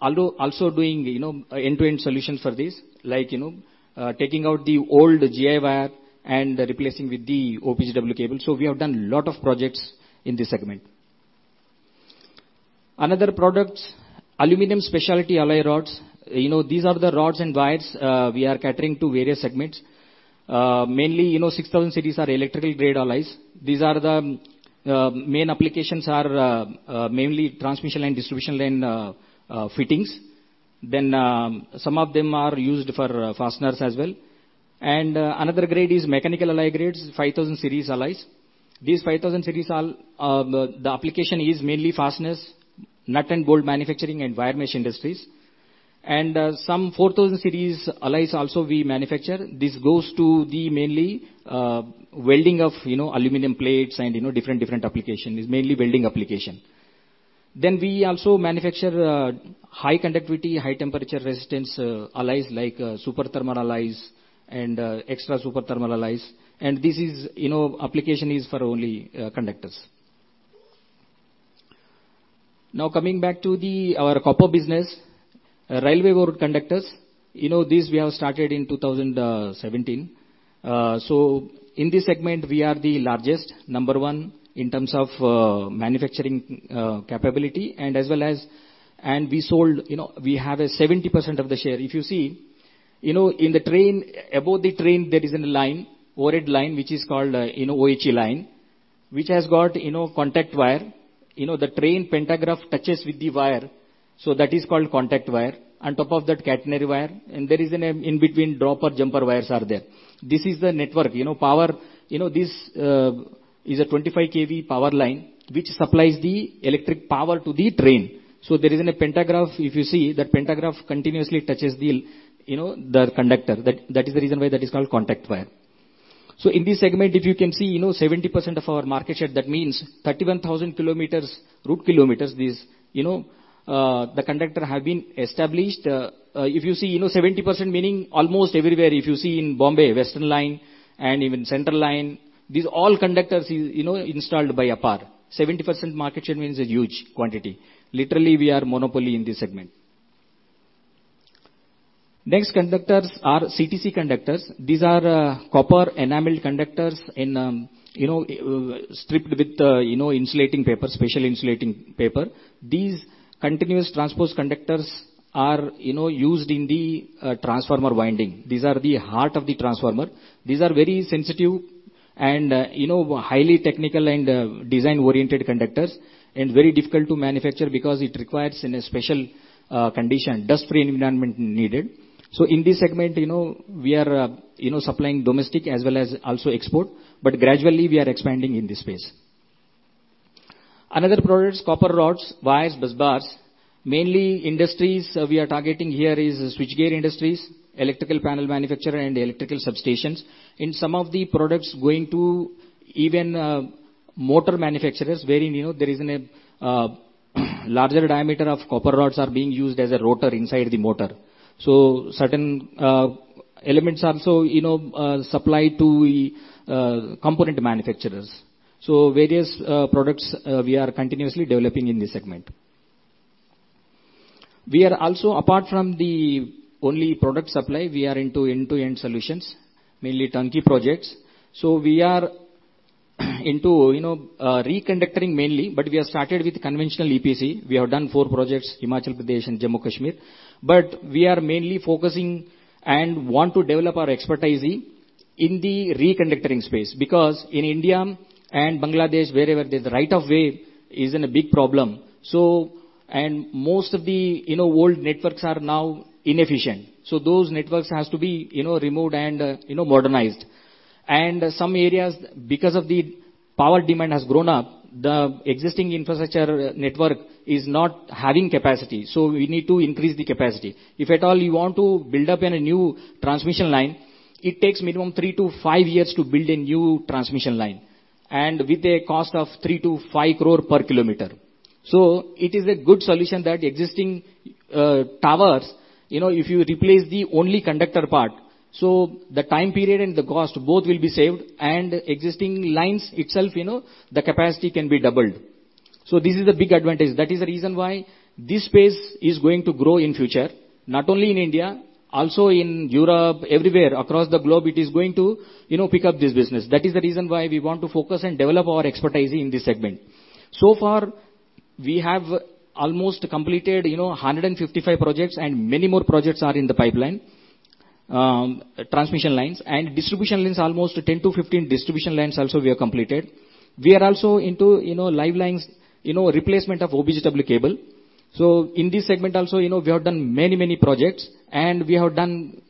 although also doing, you know, end-to-end solution for this, like, you know, taking out the old GI wire and replacing with the OPGW cable. We have done a lot of projects in this segment. Another product, aluminum specialty alloy rods. You know, these are the rods and wires, we are catering to various segments. Mainly, you know, 6000 series are electrical grade alloys. These are the main applications are mainly transmission line, distribution line, fittings. Some of them are used for fasteners as well. Another grade is mechanical alloy grades, 5,000 series alloys. These 5,000 series all, the application is mainly fasteners, nut and bolt manufacturing, and wire mesh industries. Some 4,000 series alloys also we manufacture. This goes to the mainly welding of, you know, aluminum plates and, you know, different, different application, is mainly welding application. We also manufacture high conductivity, high temperature resistance alloys, like Super Thermal Alloys and Extra Super Thermal Alloys. This is, you know, application is for only conductors. Now coming back to our copper business, Railway Board conductors. You know, this we have started in 2017. So in this segment, we are the largest, number one, in terms of manufacturing capability, and as well as. We sold, you know, we have a 70% of the share. If you see, you know, in the train, above the train, there is a line, overhead line, which is called, you know, OHE line, which has got, you know, contact wire. You know, the train pantograph touches with the wire, so that is called contact wire. On top of that, catenary wire, and there is an in between dropper jumper wires are there. This is the network, you know, power, you know, this is a 25 kV power line, which supplies the electric power to the train. So there is an a pantograph. If you see, that pantograph continuously touches the, you know, the conductor. That, that is the reason why that is called contact wire. In this segment, if you can see, you know, 70% of our market share, that means 31,000 km, route kilometers, this, you know, the conductor have been established. If you see, you know, 70%, meaning almost everywhere. If you see in Bombay, Western Line and even Central Line, these all conductors is, you know, installed by APAR. 70% market share means a huge quantity. Literally, we are monopoly in this segment. Next conductors are CTC conductors. These are copper enameled conductors in, you know, stripped with, you know, insulating paper, special insulating paper. These continuous transposed conductors are, you know, used in the transformer winding. These are the heart of the transformer. These are very sensitive and, you know, highly technical and design-oriented conductors, and very difficult to manufacture because it requires in a special condition, dust-free environment needed. In this segment, you know, we are, you know, supplying domestic as well as also export, but gradually we are expanding in this space. Another product, copper rods, wires, busbars. Mainly industries, we are targeting here is switchgear industries, electrical panel manufacturer, and electrical substations. In some of the products going to even motor manufacturers, wherein, you know, there is an larger diameter of copper rods are being used as a rotor inside the motor. Certain elements are also, you know, supplied to the component manufacturers. Various products, we are continuously developing in this segment. We are also, apart from the only product supply, we are into end-to-end solutions, mainly turnkey projects. We are, into, you know, reconductoring mainly, but we have started with conventional EPC. We have done four projects, Himachal Pradesh and Jammu Kashmir, but we are mainly focusing and want to develop our expertise in the reconductoring space, because in India and Bangladesh, wherever there's right-of-way, is an a big problem. And most of the, you know, old networks are now inefficient, so those networks has to be, you know, removed and, you know, modernized. And some areas, because of the power demand has grown up, the existing infrastructure network is not having capacity, so we need to increase the capacity. If at all you want to build up a new transmission line, it takes minimum three-five years to build a new transmission line. With a cost of 3 crore-5 crore per kilometer. It is a good solution that existing towers, you know, if you replace the only conductor part, so the time period and the cost, both will be saved, and existing lines itself, you know, the capacity can be doubled. This is a big advantage. That is the reason why this space is going to grow in future, not only in India, also in Europe, everywhere across the globe, it is going to, you know, pick up this business. That is the reason why we want to focus and develop our expertise in this segment. So far, we have almost completed, you know, 155 projects, and many more projects are in the pipeline. Transmission lines and distribution lines, almost 10-15 distribution lines also we have completed. We are also into, you know, live lines, you know, replacement of OPGW cable. In this segment also, you know, we have done many, many projects, and we have done,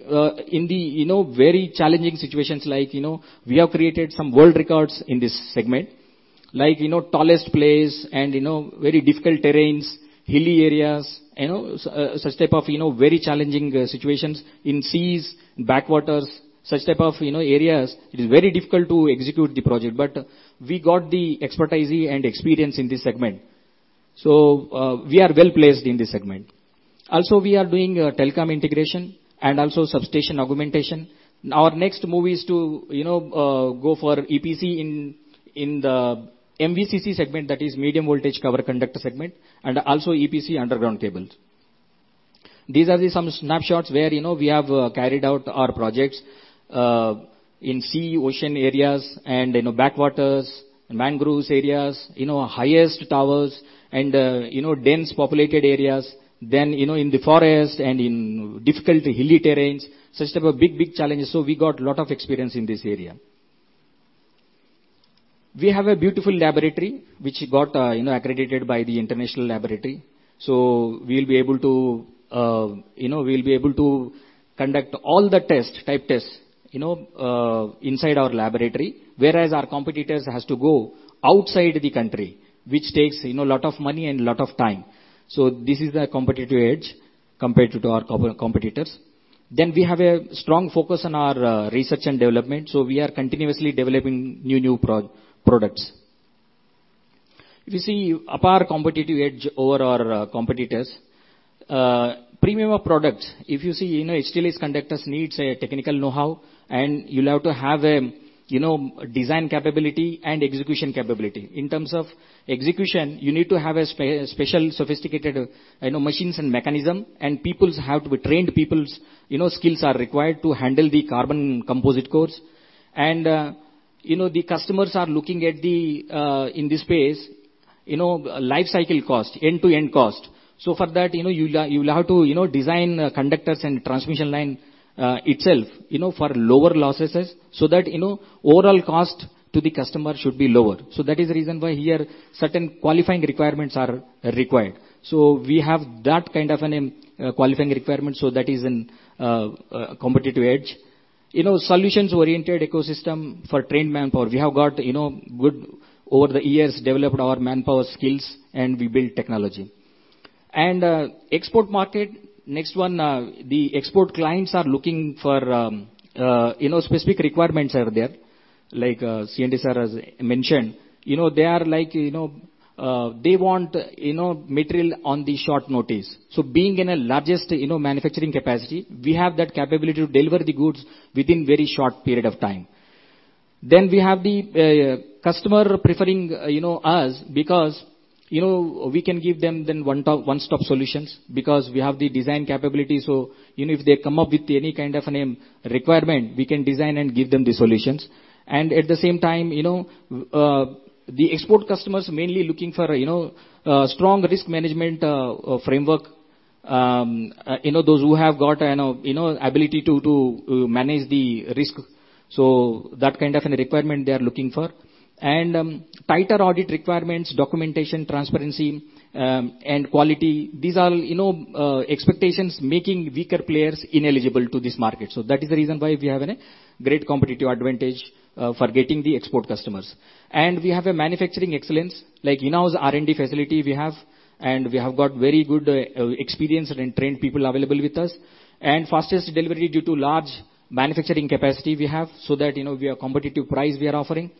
in the, you know, very challenging situations, like, you know, we have created some world records in this segment. Like, you know, tallest place and you know, very difficult terrains, hilly areas, you know, such type of, you know, very challenging situations in seas, backwaters, such type of, you know, areas it is very difficult to execute the project. We got the expertise and experience in this segment. We are well-placed in this segment. Also, we are doing telecom integration and also substation augmentation. Our next move is to, you know, go for EPC in, in the MVCC segment, that is Medium Voltage Covered Conductor segment, and also EPC underground cables. These are the some snapshots where, you know, we have carried out our projects in sea, ocean areas and, you know, backwaters, mangroves areas, you know, highest towers and, you know, dense populated areas, then, you know, in the forest and in difficult hilly terrains, such type of big, big challenges. We got a lot of experience in this area. We have a beautiful laboratory, which got, you know, accredited by the international laboratory. We'll be able to, you know, we'll be able to conduct all the tests, type tests, you know, inside our laboratory, whereas our competitors has to go outside the country, which takes, you know, a lot of money and a lot of time. This is the competitive edge compared to our competitors. We have a strong focus on our research and development, so we are continuously developing new, new products. If you see APAR competitive edge over our competitors, premium of products, if you see, you know, HTLS conductors needs a technical know-how, and you'll have to have a, you know, design capability and execution capability. In terms of execution, you need to have a special sophisticated, you know, machines and mechanism, and peoples have to be trained peoples. You know, skills are required to handle the carbon composite cores. You know, the customers are looking at the in this space, you know, life cycle cost, end-to-end cost. For that, you know, you'll, you'll have to, you know, design conductors and transmission line itself, you know, for lower losses, so that, you know, overall cost to the customer should be lower. That is the reason why here certain qualifying requirements are required. We have that kind of an qualifying requirement, so that is an competitive edge. You know, solutions-oriented ecosystem for trained manpower. We have got, you know, good over the years, developed our manpower skills, and we build technology. Export market, next one, the export clients are looking for, you know, specific requirements are there, like CMD sir has mentioned. You know, they are like, you know, they want, you know, material on the short notice. Being in a largest, you know, manufacturing capacity, we have that capability to deliver the goods within very short period of time. We have the customer preferring, you know, us because, you know, we can give them then one-stop solutions, because we have the design capability. You know, if they come up with any kind of an requirement, we can design and give them the solutions. At the same time, you know, the export customers mainly looking for, you know, strong risk management framework. You know, those who have got, you know, ability to manage the risk, so that kind of an requirement they are looking for. Tighter audit requirements, documentation, transparency, and quality, these are, you know, expectations making weaker players ineligible to this market. That is the reason why we have a great competitive advantage for getting the export customers. We have a manufacturing excellence, like, in-house R&D facility we have, and we have got very good experienced and trained people available with us, and fastest delivery due to large manufacturing capacity we have, so that, you know, we have competitive price we are offering.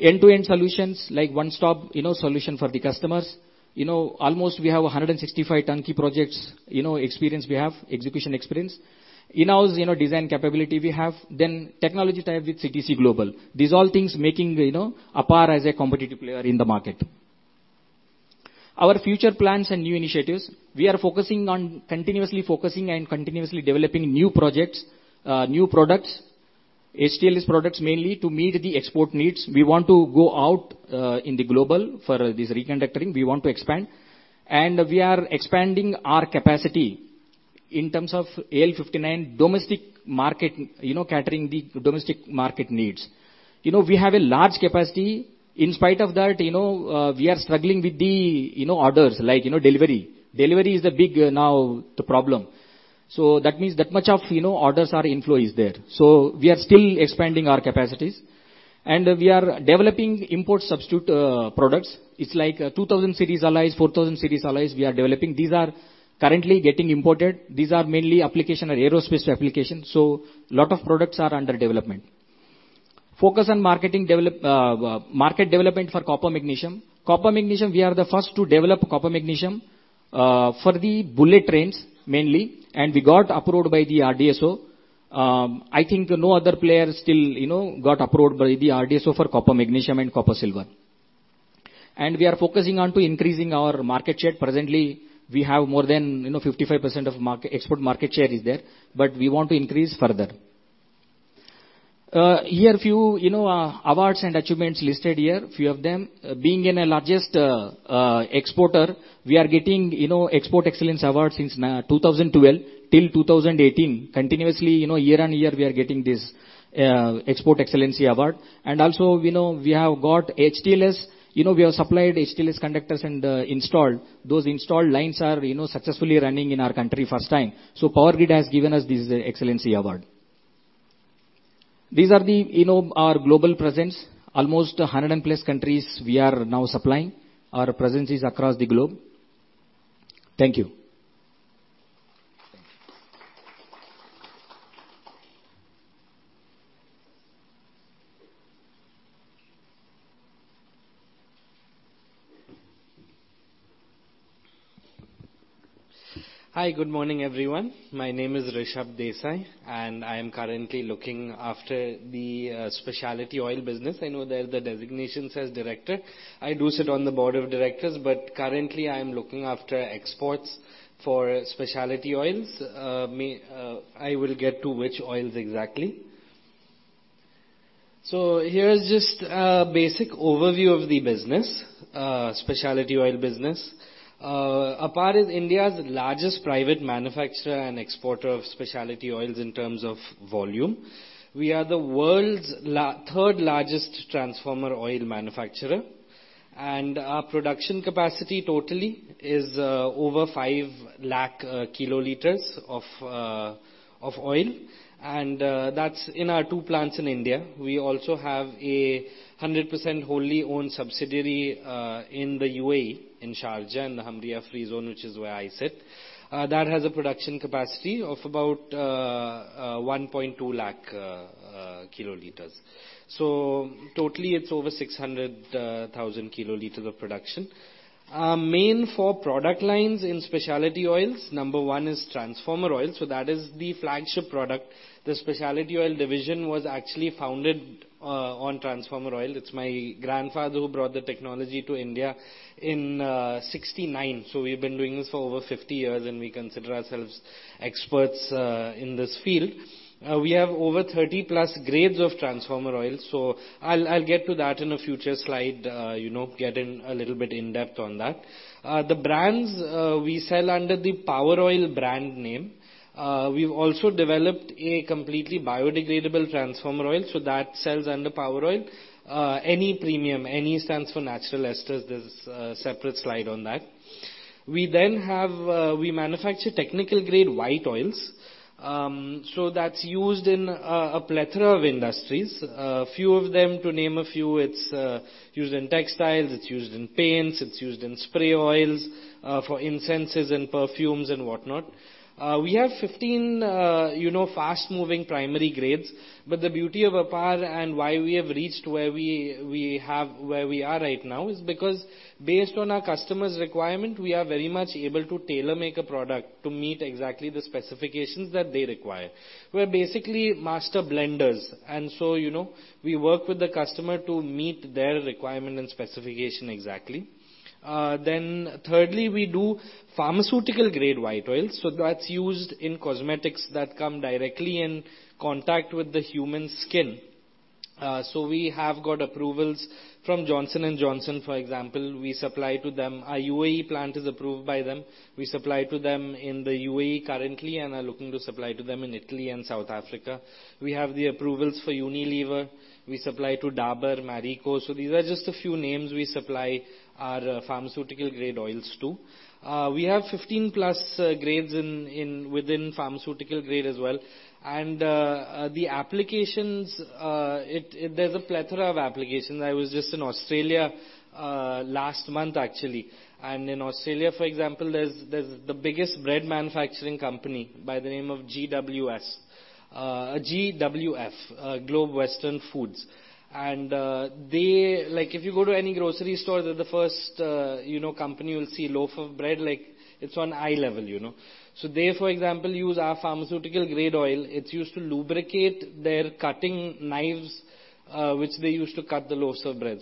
End-to-end solutions, like one-stop, you know, solution for the customers. You know, almost we have 165 turnkey projects, you know, experience we have, execution experience. In-house, you know, design capability we have. Technology tie-up with CTC Global. These all things making, you know, APAR as a competitive player in the market. Our future plans and new initiatives, we are focusing on-- continuously focusing and continuously developing new projects, new products, HTLS products mainly to meet the export needs. We want to go out in the global for this reconductoring, we want to expand. And we are expanding our capacity in terms of AL59 domestic market, you know, catering the domestic market needs. You know, we have a large capacity. In spite of that, you know, we are struggling with the, you know, orders, like, you know, delivery. Delivery is a big now, the problem. So that means that much of, you know, orders are inflow is there. So we are still expanding our capacities, and we are developing import substitute products. It's like 2,000 series alloys, 4,000 series alloys we are developing. These are currently getting imported. These are mainly application, aerospace application, lot of products are under development. Focus on marketing develop, market development for copper magnesium. Copper magnesium, we are the first to develop copper magnesium for the bullet trains, mainly, and we got approved by the RDSO. I think no other player still, you know, got approved by the RDSO for copper magnesium and copper silver. We are focusing on to increasing our market share. Presently, we have more than, you know, 55% of market-- export market share is there, we want to increase further. Here, a few, you know, awards and achievements listed here, a few of them. Being in a largest exporter, we are getting, you know, Export Excellence Award since 2012 till 2018. Continuously, you know, year-on-year, we are getting this Export Excellency Award. Also, we know, we have got HTLS. You know, we have supplied HTLS conductors and installed. Those installed lines are, you know, successfully running in our country first time. Power Grid has given us this Excellency Award. These are the, you know, our global presence. Almost 100+ countries we are now supplying. Our presence is across the globe. Thank you.
Hi, good morning, everyone. My name is Rishabh Desai, I am currently looking after the specialty oil business. I know there, the designation says director. I do sit on the board of directors, currently, I am looking after exports for specialty oils. I will get to which oils exactly. Here is just a basic overview of the business, specialty oil business. APAR is India's largest private manufacturer and exporter of specialty oils in terms of volume. We are the world's third largest transformer oil manufacturer, our production capacity totally is over 5 lakh kiloliters of oil, that's in our two plants in India. We also have a 100% wholly owned subsidiary in the UAE, in Sharjah, in the Hamriyah Free Zone, which is where I sit. That has a production capacity of about 1.2 lakh kiloliters. Totally, it's over 600,000 kiloliters of production. Our main four product lines in specialty oils: number one is transformer oil, so that is the flagship product. The specialty Oil Division was actually founded on transformer oil. It's my grandfather who brought the technology to India in 1969. We've been doing this for over 50 years, and we consider ourselves experts in this field. We have over 30+ grades of transformer oil, so I'll get to that in a future slide, you know, get in a little bit in-depth on that. The brands we sell under the POWEROIL brand name. We've also developed a completely biodegradable transformer oil, so that sells under POWEROIL. NE Premium, NE stands for natural esters. There's a separate slide on that. We then have. We manufacture technical grade white oils. That's used in a plethora of industries. A few of them, to name a few, it's used in textiles, it's used in paints, it's used in spray oils for incenses and perfumes and whatnot. We have 15, you know, fast-moving primary grades, but the beauty of APAR and why we have reached where we have-- where we are right now, is because based on our customer's requirement, we are very much able to tailor-make a product to meet exactly the specifications that they require. We're basically master blenders. You know, we work with the customer to meet their requirement and specification exactly. Thirdly, we do pharmaceutical-grade white oils, so that's used in cosmetics that come directly in contact with the human skin. We have got approvals from Johnson & Johnson, for example. We supply to them. Our UAE plant is approved by them. We supply to them in the UAE currently, are looking to supply to them in Italy and South Africa. We have the approvals for Unilever. We supply to Dabur, Marico. These are just a few names we supply our pharmaceutical-grade oils to. We have 15+ grades within pharmaceutical grade as well. The applications, there's a plethora of applications. I was just in Australia last month, actually. In Australia, for example, there's the biggest bread manufacturing company by the name of GWS, GWF, Globe Western Foods. They-- Like, if you go to any grocery store, they're the first, you know, company you'll see loaf of bread, like, it's on eye level, you know? They, for example, use our pharmaceutical-grade oil. It's used to lubricate their cutting knives, which they use to cut the loaves of bread.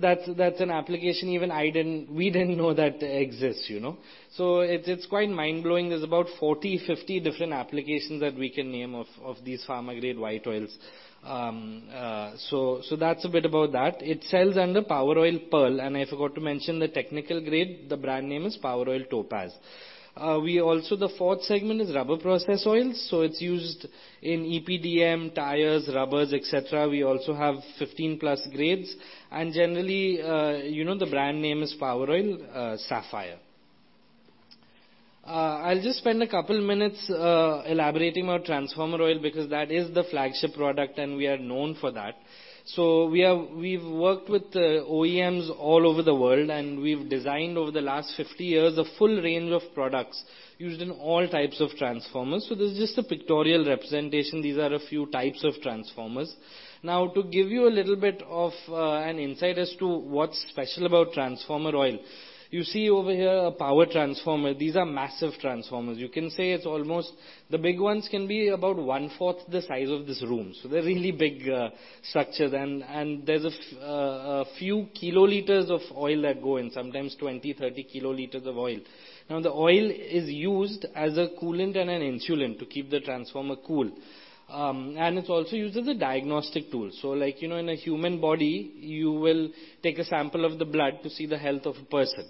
That's, that's an application even I didn't, we didn't know that exists, you know? It's, it's quite mind-blowing. There's about 40, 50 different applications that we can name of, of these pharma grade white oils. That's a bit about that. It sells under POWEROIL Pearl. I forgot to mention the technical grade. The brand name is POWEROIL Topaz. We also, the fourth segment is rubber process oils, so it's used in EPDM, tires, rubbers, et cetera. We also have 15+ grades, and generally, you know, the brand name is POWEROIL Sapphire. I'll just spend a couple minutes elaborating about transformer oil, because that is the flagship product, and we are known for that. We have, we've worked with OEMs all over the world, and we've designed over the last 50 years, a full range of products used in all types of transformers. This is just a pictorial representation. These are a few types of transformers. Now, to give you a little bit of an insight as to what's special about transformer oil. You see over here, a power transformer. These are massive transformers. You can say it's almost. The big ones can be about 1/4 the size of this room, so they're really big structures. There's a few kiloliters of oil that go in, sometimes 20, 30 kiloliters of oil. Now, the oil is used as a coolant and an insulant to keep the transformer cool. And it's also used as a diagnostic tool. So like, you know, in a human body, you will take a sample of the blood to see the health of a person.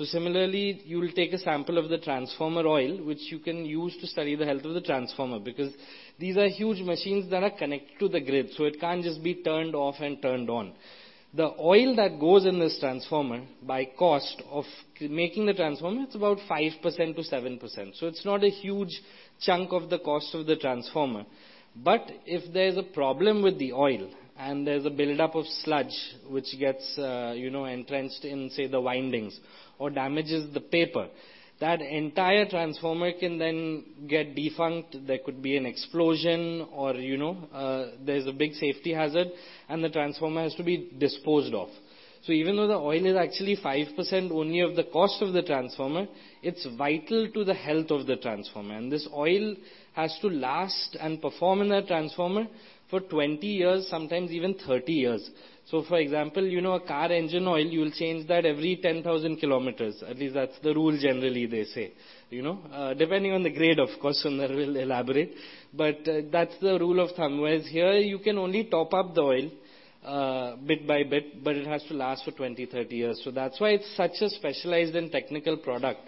So similarly, you will take a sample of the transformer oil, which you can use to study the health of the transformer, because these are huge machines that are connected to the grid, so it can't just be turned off and turned on. The oil that goes in this transformer, by cost of making the transformer, it's about 5%-7%, so it's not a huge chunk of the cost of the transformer. If there's a problem with the oil, and there's a buildup of sludge, which gets, you know, entrenched in, say, the windings or damages the paper, that entire transformer can then get defunct. There could be an explosion or, you know, there's a big safety hazard, and the transformer has to be disposed of. Even though the oil is actually 5% only of the cost of the transformer, it's vital to the health of the transformer, and this oil has to last and perform in a transformer for 20 years, sometimes even 30 years. For example, you know, a car engine oil, you will change that every 10,000 km. At least that's the rule generally, they say, you know, depending on the grade, of course, and I will elaborate, but that's the rule of thumb. Here you can only top up the oil, bit by bit, but it has to last for 20, 30 years. That's why it's such a specialized and technical product.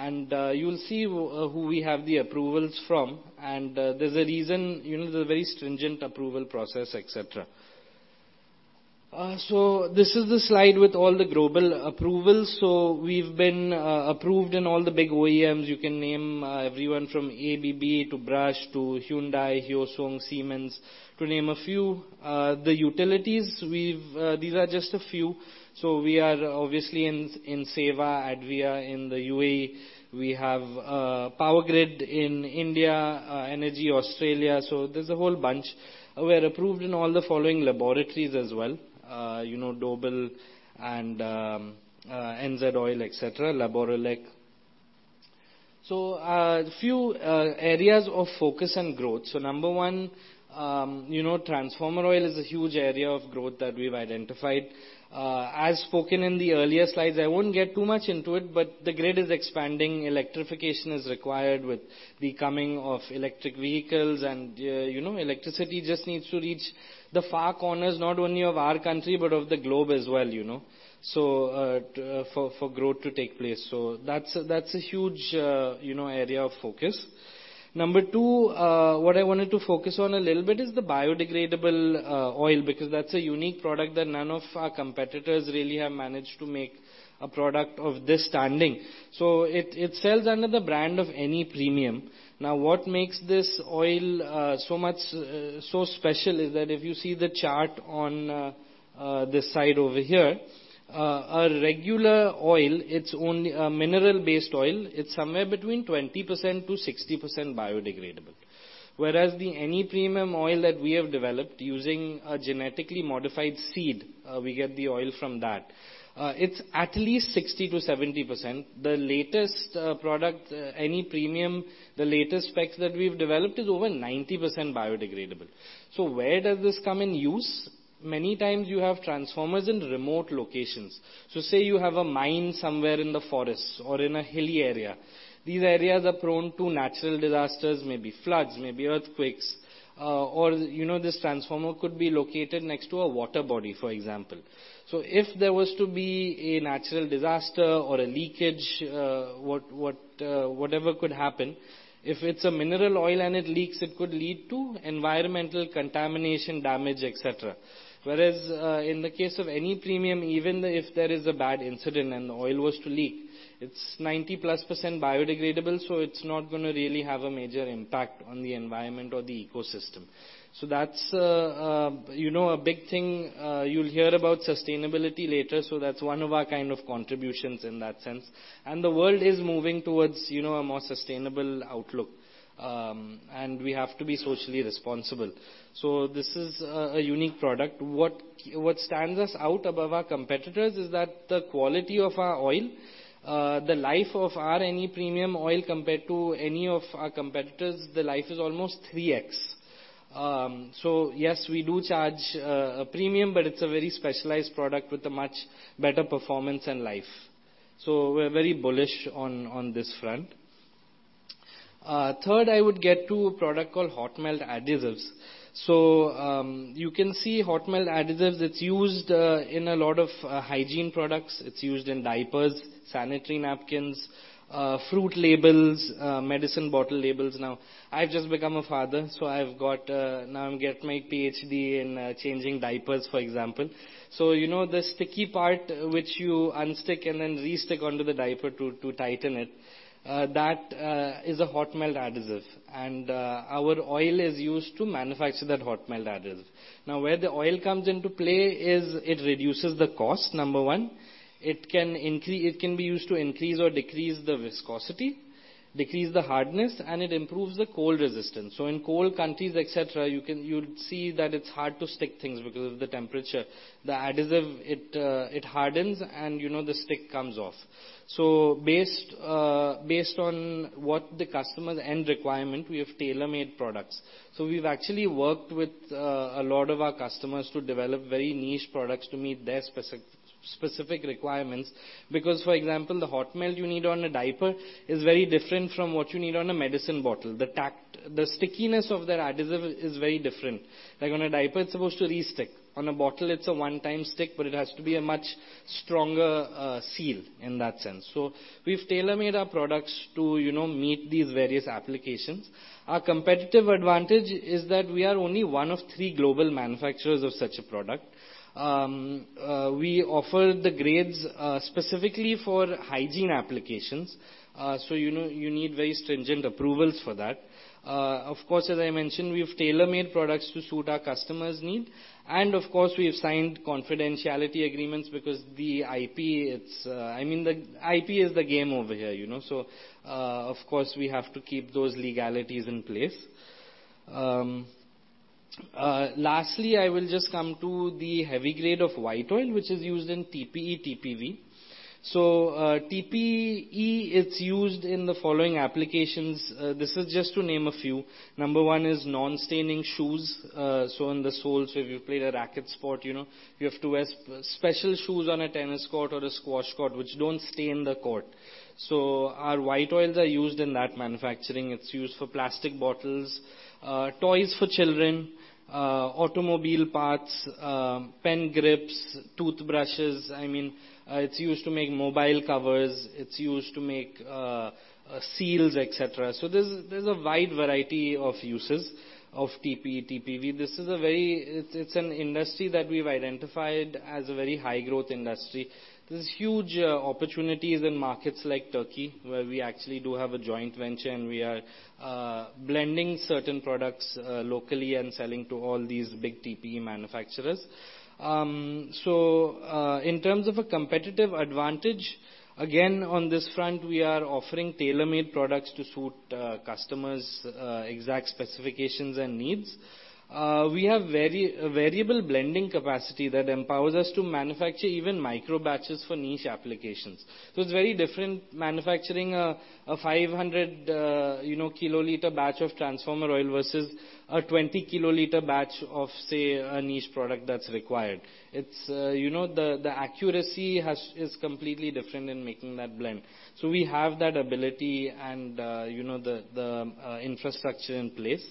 You'll see who we have the approvals from, and there's a reason, you know, there's a very stringent approval process, et cetera. This is the slide with all the global approvals. We've been approved in all the big OEMs. You can name everyone from ABB to Brush to Hyundai, Hyosung, Siemens, to name a few. The utilities, we've-- These are just a few. We are obviously in SEWA, ADWEA in the UAE. We have Power Grid in India, Energy Australia, so there's a whole bunch. We're approved in all the following laboratories as well, you know, Doble and NZ Oil, et cetera, Laborelec. Few areas of focus and growth. Number one, you know, transformer oil is a huge area of growth that we've identified. As spoken in the earlier slides, I won't get too much into it, but the grid is expanding. Electrification is required with the coming of electric vehicles, electricity just needs to reach the far corners, not only of our country, but of the globe as well, you know, for, for growth to take place. That's a, that's a huge, you know, area of focus. Number two, what I wanted to focus on a little bit is the biodegradable oil, because that's a unique product that none of our competitors really have managed to make a product of this standing. It sells under the brand of NE Premium. What makes this oil so much so special is that if you see the chart on this side over here, a regular oil, it's only mineral-based oil, it's somewhere between 20%-60% biodegradable. Whereas the NE Premium oil that we have developed using a genetically modified seed, we get the oil from that, it's at least 60%-70%. The latest product, NE Premium, the latest specs that we've developed is over 90% biodegradable. Where does this come in use? Many times you have transformers in remote locations. Say you have a mine somewhere in the forest or in a hilly area. These areas are prone to natural disasters, maybe floods, maybe earthquakes, or, you know, this transformer could be located next to a water body, for example. If there was to be a natural disaster or a leakage, what, what, whatever could happen, if it's a mineral oil and it leaks, it could lead to environmental contamination, damage, et cetera. Whereas, in the case of NE Premium, even though if there is a bad incident and the oil was to leak, it's +90% biodegradable, so it's not gonna really have a major impact on the environment or the ecosystem. That's a, you know, a big thing. You'll hear about sustainability later, so that's one of our kind of contributions in that sense. The world is moving towards, you know, a more sustainable outlook, and we have to be socially responsible. This is a, a unique product. What, what stands us out above our competitors is that the quality of our oil, the life of our NE Premium oil compared to any of our competitors, the life is almost 3x. Yes, we do charge a premium, but it's a very specialized product with a much better performance and life. We're very bullish on, on this front. Third, I would get to a product called hot melt adhesives. You can see hot melt adhesives, it's used in a lot of hygiene products. It's used in diapers, sanitary napkins, fruit labels, medicine bottle labels now. I've just become a father, so I've got, now I'm getting my PhD in changing diapers, for example. You know, the sticky part which you unstick and then restick onto the diaper to, to tighten it, that is a hot melt adhesive, and our oil is used to manufacture that hot melt adhesive. Where the oil comes into play is it reduces the cost, number one. It can be used to increase or decrease the viscosity, decrease the hardness, and it improves the cold resistance. In cold countries, et cetera, you'd see that it's hard to stick things because of the temperature. The adhesive, it hardens, and, you know, the stick comes off. Based, based on what the customer's end requirement, we have tailor-made products. We've actually worked with a lot of our customers to develop very niche products to meet their specific requirements. For example, the hot melt you need on a diaper is very different from what you need on a medicine bottle. The stickiness of that adhesive is very different. Like, on a diaper, it's supposed to restick. On a bottle, it's a one-time stick, but it has to be a much stronger seal in that sense. We've tailor-made our products to, you know, meet these various applications. Our competitive advantage is that we are only one of three global manufacturers of such a product. We offer the grades specifically for hygiene applications. You know, you need very stringent approvals for that. Of course, as I mentioned, we have tailor-made products to suit our customers' need. Of course, we have signed confidentiality agreements because the IP, it's, I mean, the IP is the game over here, you know? Of course, we have to keep those legalities in place. Lastly, I will just come to the heavy grade of white oil, which is used in TPE, TPV. TPE, it's used in the following applications. This is just to name a few. Number one is non-staining shoes, so in the soles. If you played a racket sport, you know, you have to wear special shoes on a tennis court or a squash court, which don't stain the court. Our white oils are used in that manufacturing. It's used for plastic bottles, toys for children, automobile parts, pen grips, toothbrushes. I mean, it's used to make mobile covers, it's used to make seals, et cetera. There's a wide variety of uses of TPE, TPV. It's an industry that we've identified as a very high-growth industry. There's huge opportunities in markets like Turkey, where we actually do have a joint venture, and we are blending certain products locally and selling to all these big TPE manufacturers. In terms of a competitive advantage, again, on this front, we are offering tailor-made products to suit customers' exact specifications and needs. We have very variable blending capacity that empowers us to manufacture even micro batches for niche applications. It's very different manufacturing a 500, you know, kiloliter batch of transformer oil versus a 20-kiloliter batch of, say, a niche product that's required. It's, you know, the, the accuracy has, is completely different in making that blend. We have that ability and, you know, the, the, infrastructure in place.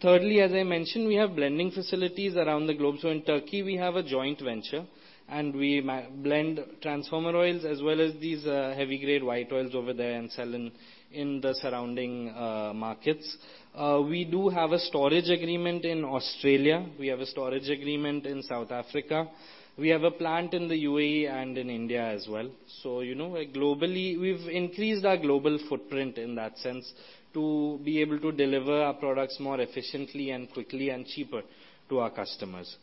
Thirdly, as I mentioned, we have blending facilities around the globe. In Turkey, we have a joint venture, and we blend transformer oils as well as these, heavy-grade white oils over there and sell in, in the surrounding, markets. We do have a storage agreement in Australia. We have a storage agreement in South Africa. We have a plant in the UAE and in India as well. You know, globally, we've increased our global footprint in that sense to be able to deliver our products more efficiently and quickly and cheaper to our customers.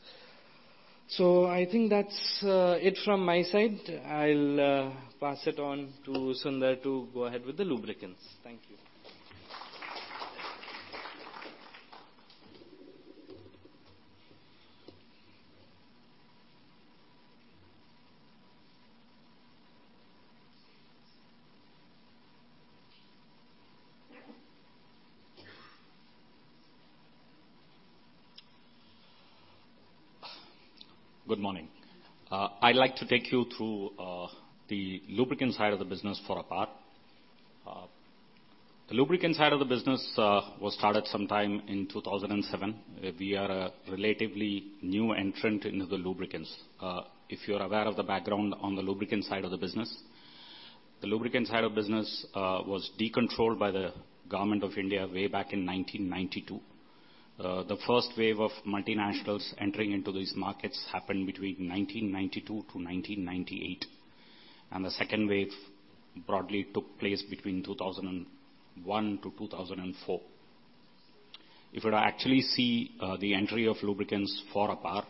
I think that's, it from my side. I'll, pass it on to Sundar to go ahead with the lubricants. Thank you.
Good morning. I'd like to take you through the lubricants side of the business for APAR. The lubricants side of the business was started sometime in 2007. We are a relatively new entrant into the lubricants. If you're aware of the background on the lubricants side of the business, the lubricants side of business was decontrolled by the government of India way back in 1992. The first wave of multinationals entering into these markets happened between 1992 to 1998, and the second wave broadly took place between 2001 to 2004. If you were to actually see the entry of lubricants for APAR,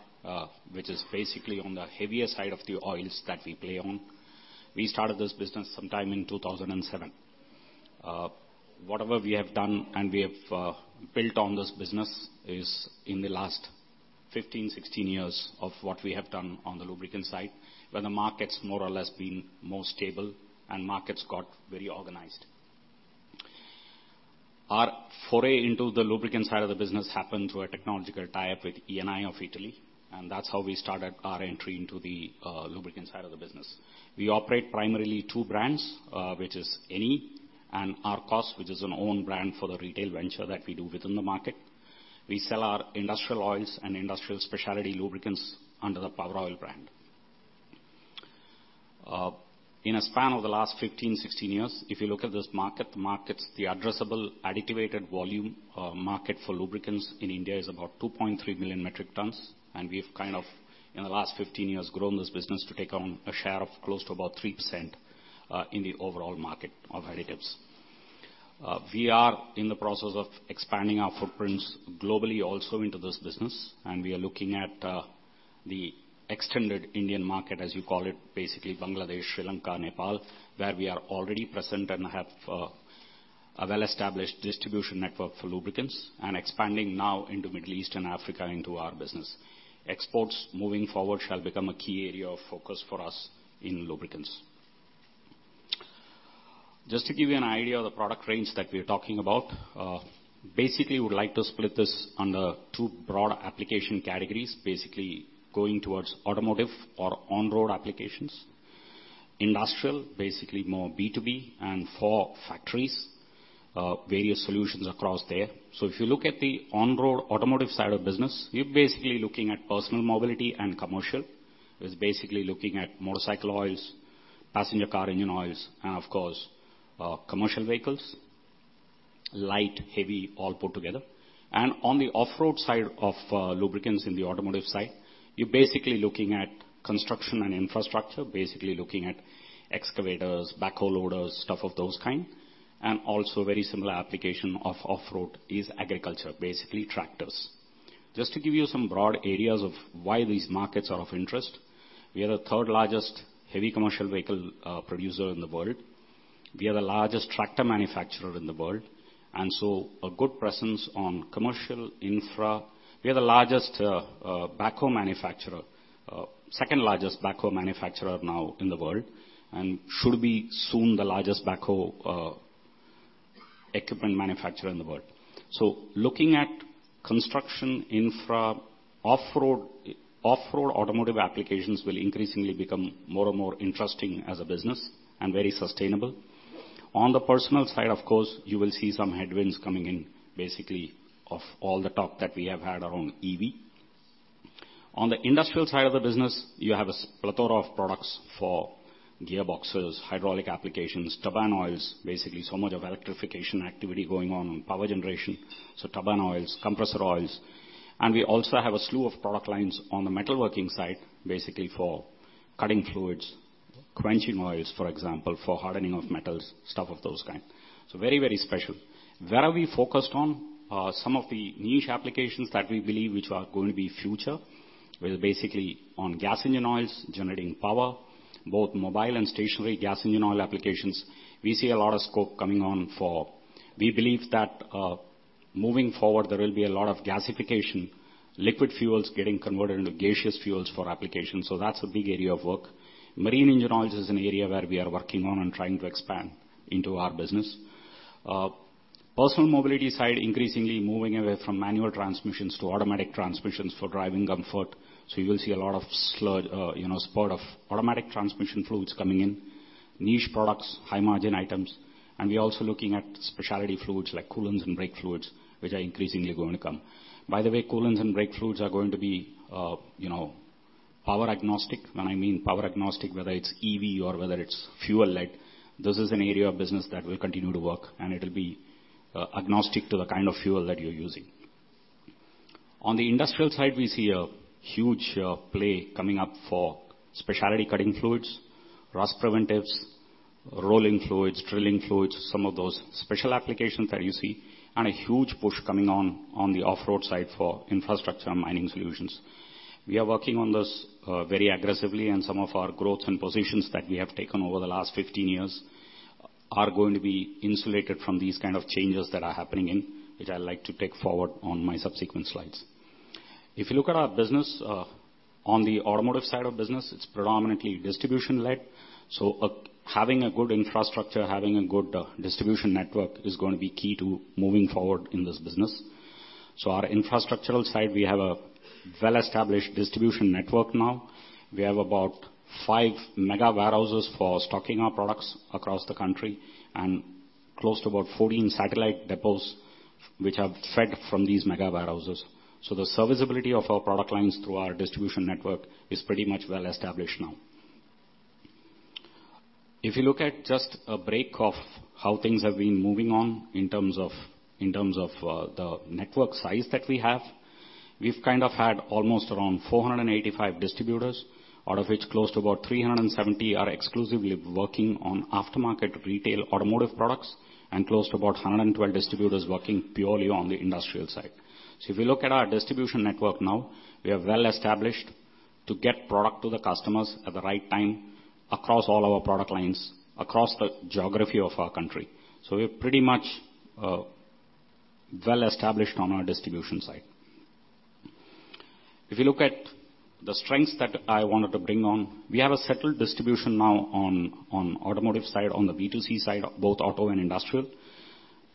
which is basically on the heavier side of the oils that we play on, we started this business sometime in 2007. Whatever we have done and we have built on this business is in the last 15, 16 years of what we have done on the lubricants side, where the market's more or less been more stable and markets got very organized. Our foray into the lubricant side of the business happened through a technological tie-up with ENI of Italy, and that's how we started our entry into the lubricant side of the business. We operate primarily two brands, which is ENI and ARKOS, which is an own brand for the retail venture that we do within the market. We sell our industrial oils and industrial specialty lubricants under the POWEROIL brand. In a span of the last 15, 16 years, if you look at this market, the markets, the addressable, additivated volume market for lubricants in India is about 2.3 billion metric tons, and we've kind of, in the last 15 years, grown this business to take on a share of close to about 3% in the overall market of additives. We are in the process of expanding our footprints globally also into this business, and we are looking at the extended Indian market, as you call it, basically Bangladesh, Sri Lanka, Nepal, where we are already present and have a well-established distribution network for lubricants, and expanding now into Middle East and Africa into our business. Exports moving forward shall become a key area of focus for us in lubricants. Just to give you an idea of the product range that we are talking about, basically, we would like to split this under two broad application categories, basically going towards automotive or on-road applications. Industrial, basically more B2B, and for factories, various solutions across there. If you look at the on-road automotive side of business, you're basically looking at personal mobility and commercial. It's basically looking at motorcycle oils, passenger car engine oils, and of course, commercial vehicles, light, heavy, all put together. On the off-road side of lubricants in the automotive side, you're basically looking at construction and infrastructure, basically looking at excavators, backhoe loaders, stuff of those kind, and also very similar application of off-road is agriculture, basically tractors. Just to give you some broad areas of why these markets are of interest, we are the third largest heavy commercial vehicle producer in the world. We are the largest tractor manufacturer in the world, and so a good presence on commercial infra. We are the largest backhoe manufacturer, second largest backhoe manufacturer now in the world, and should be soon the largest backhoe equipment manufacturer in the world. Looking at construction, infra, off-road, off-road automotive applications will increasingly become more and more interesting as a business and very sustainable. On the personal side, of course, you will see some headwinds coming in, basically, of all the talk that we have had around EV. On the industrial side of the business, you have a plethora of products for gearboxes, hydraulic applications, turbine oils, basically so much of electrification activity going on in power generation, so turbine oils, compressor oils. We also have a slew of product lines on the metalworking side, basically for cutting fluids, quenching oils, for example, for hardening of metals, stuff of those kind. Very, very special. Where are we focused on? Some of the niche applications that we believe which are going to be future, where basically on gas engine oils, generating power, both mobile and stationary gas engine oil applications, we see a lot of scope coming on for. We believe that moving forward, there will be a lot of gasification, liquid fuels getting converted into gaseous fuels for application, so that's a big area of work. Marine engine oils is an area where we are working on and trying to expand into our business. Personal mobility side, increasingly moving away from manual transmissions to automatic transmissions for driving comfort. You will see a lot of, you know, spurt of automatic transmission fluids coming in, niche products, high-margin items. We are also looking at specialty fluids like coolants and brake fluids, which are increasingly going to come. By the way, coolants and brake fluids are going to be, you know, power agnostic. When I mean power agnostic, whether it's EV or whether it's fuel-led, this is an area of business that will continue to work, and it will be agnostic to the kind of fuel that you're using. On the industrial side, we see a huge play coming up for specialty cutting fluids, rust preventives, rolling fluids, drilling fluids, some of those special applications that you see, and a huge push coming on on the off-road side for infrastructure and mining solutions. We are working on this very aggressively, and some of our growth and positions that we have taken over the last 15 years are going to be insulated from these kind of changes that are happening in, which I like to take forward on my subsequent slides. If you look at our business on the automotive side of business, it's predominantly distribution-led. Having a good infrastructure, having a good distribution network is going to be key to moving forward in this business. Our infrastructural side, we have a well-established distribution network now. We have about five mega warehouses for stocking our products across the country, and close to about 14 satellite depots, which are fed from these mega warehouses. The serviceability of our product lines through our distribution network is pretty much well established now. If you look at just a break of how things have been moving on in terms of, in terms of, the network size that we have, we've kind of had almost around 485 distributors, out of which close to about 370 are exclusively working on aftermarket retail automotive products, and close to about 112 distributors working purely on the industrial side. If you look at our distribution network now, we are well established to get product to the customers at the right time, across all our product lines, across the geography of our country. We're pretty much well established on our distribution side. If you look at the strengths that I wanted to bring on, we have a settled distribution now on, on automotive side, on the B2C side, both auto and industrial.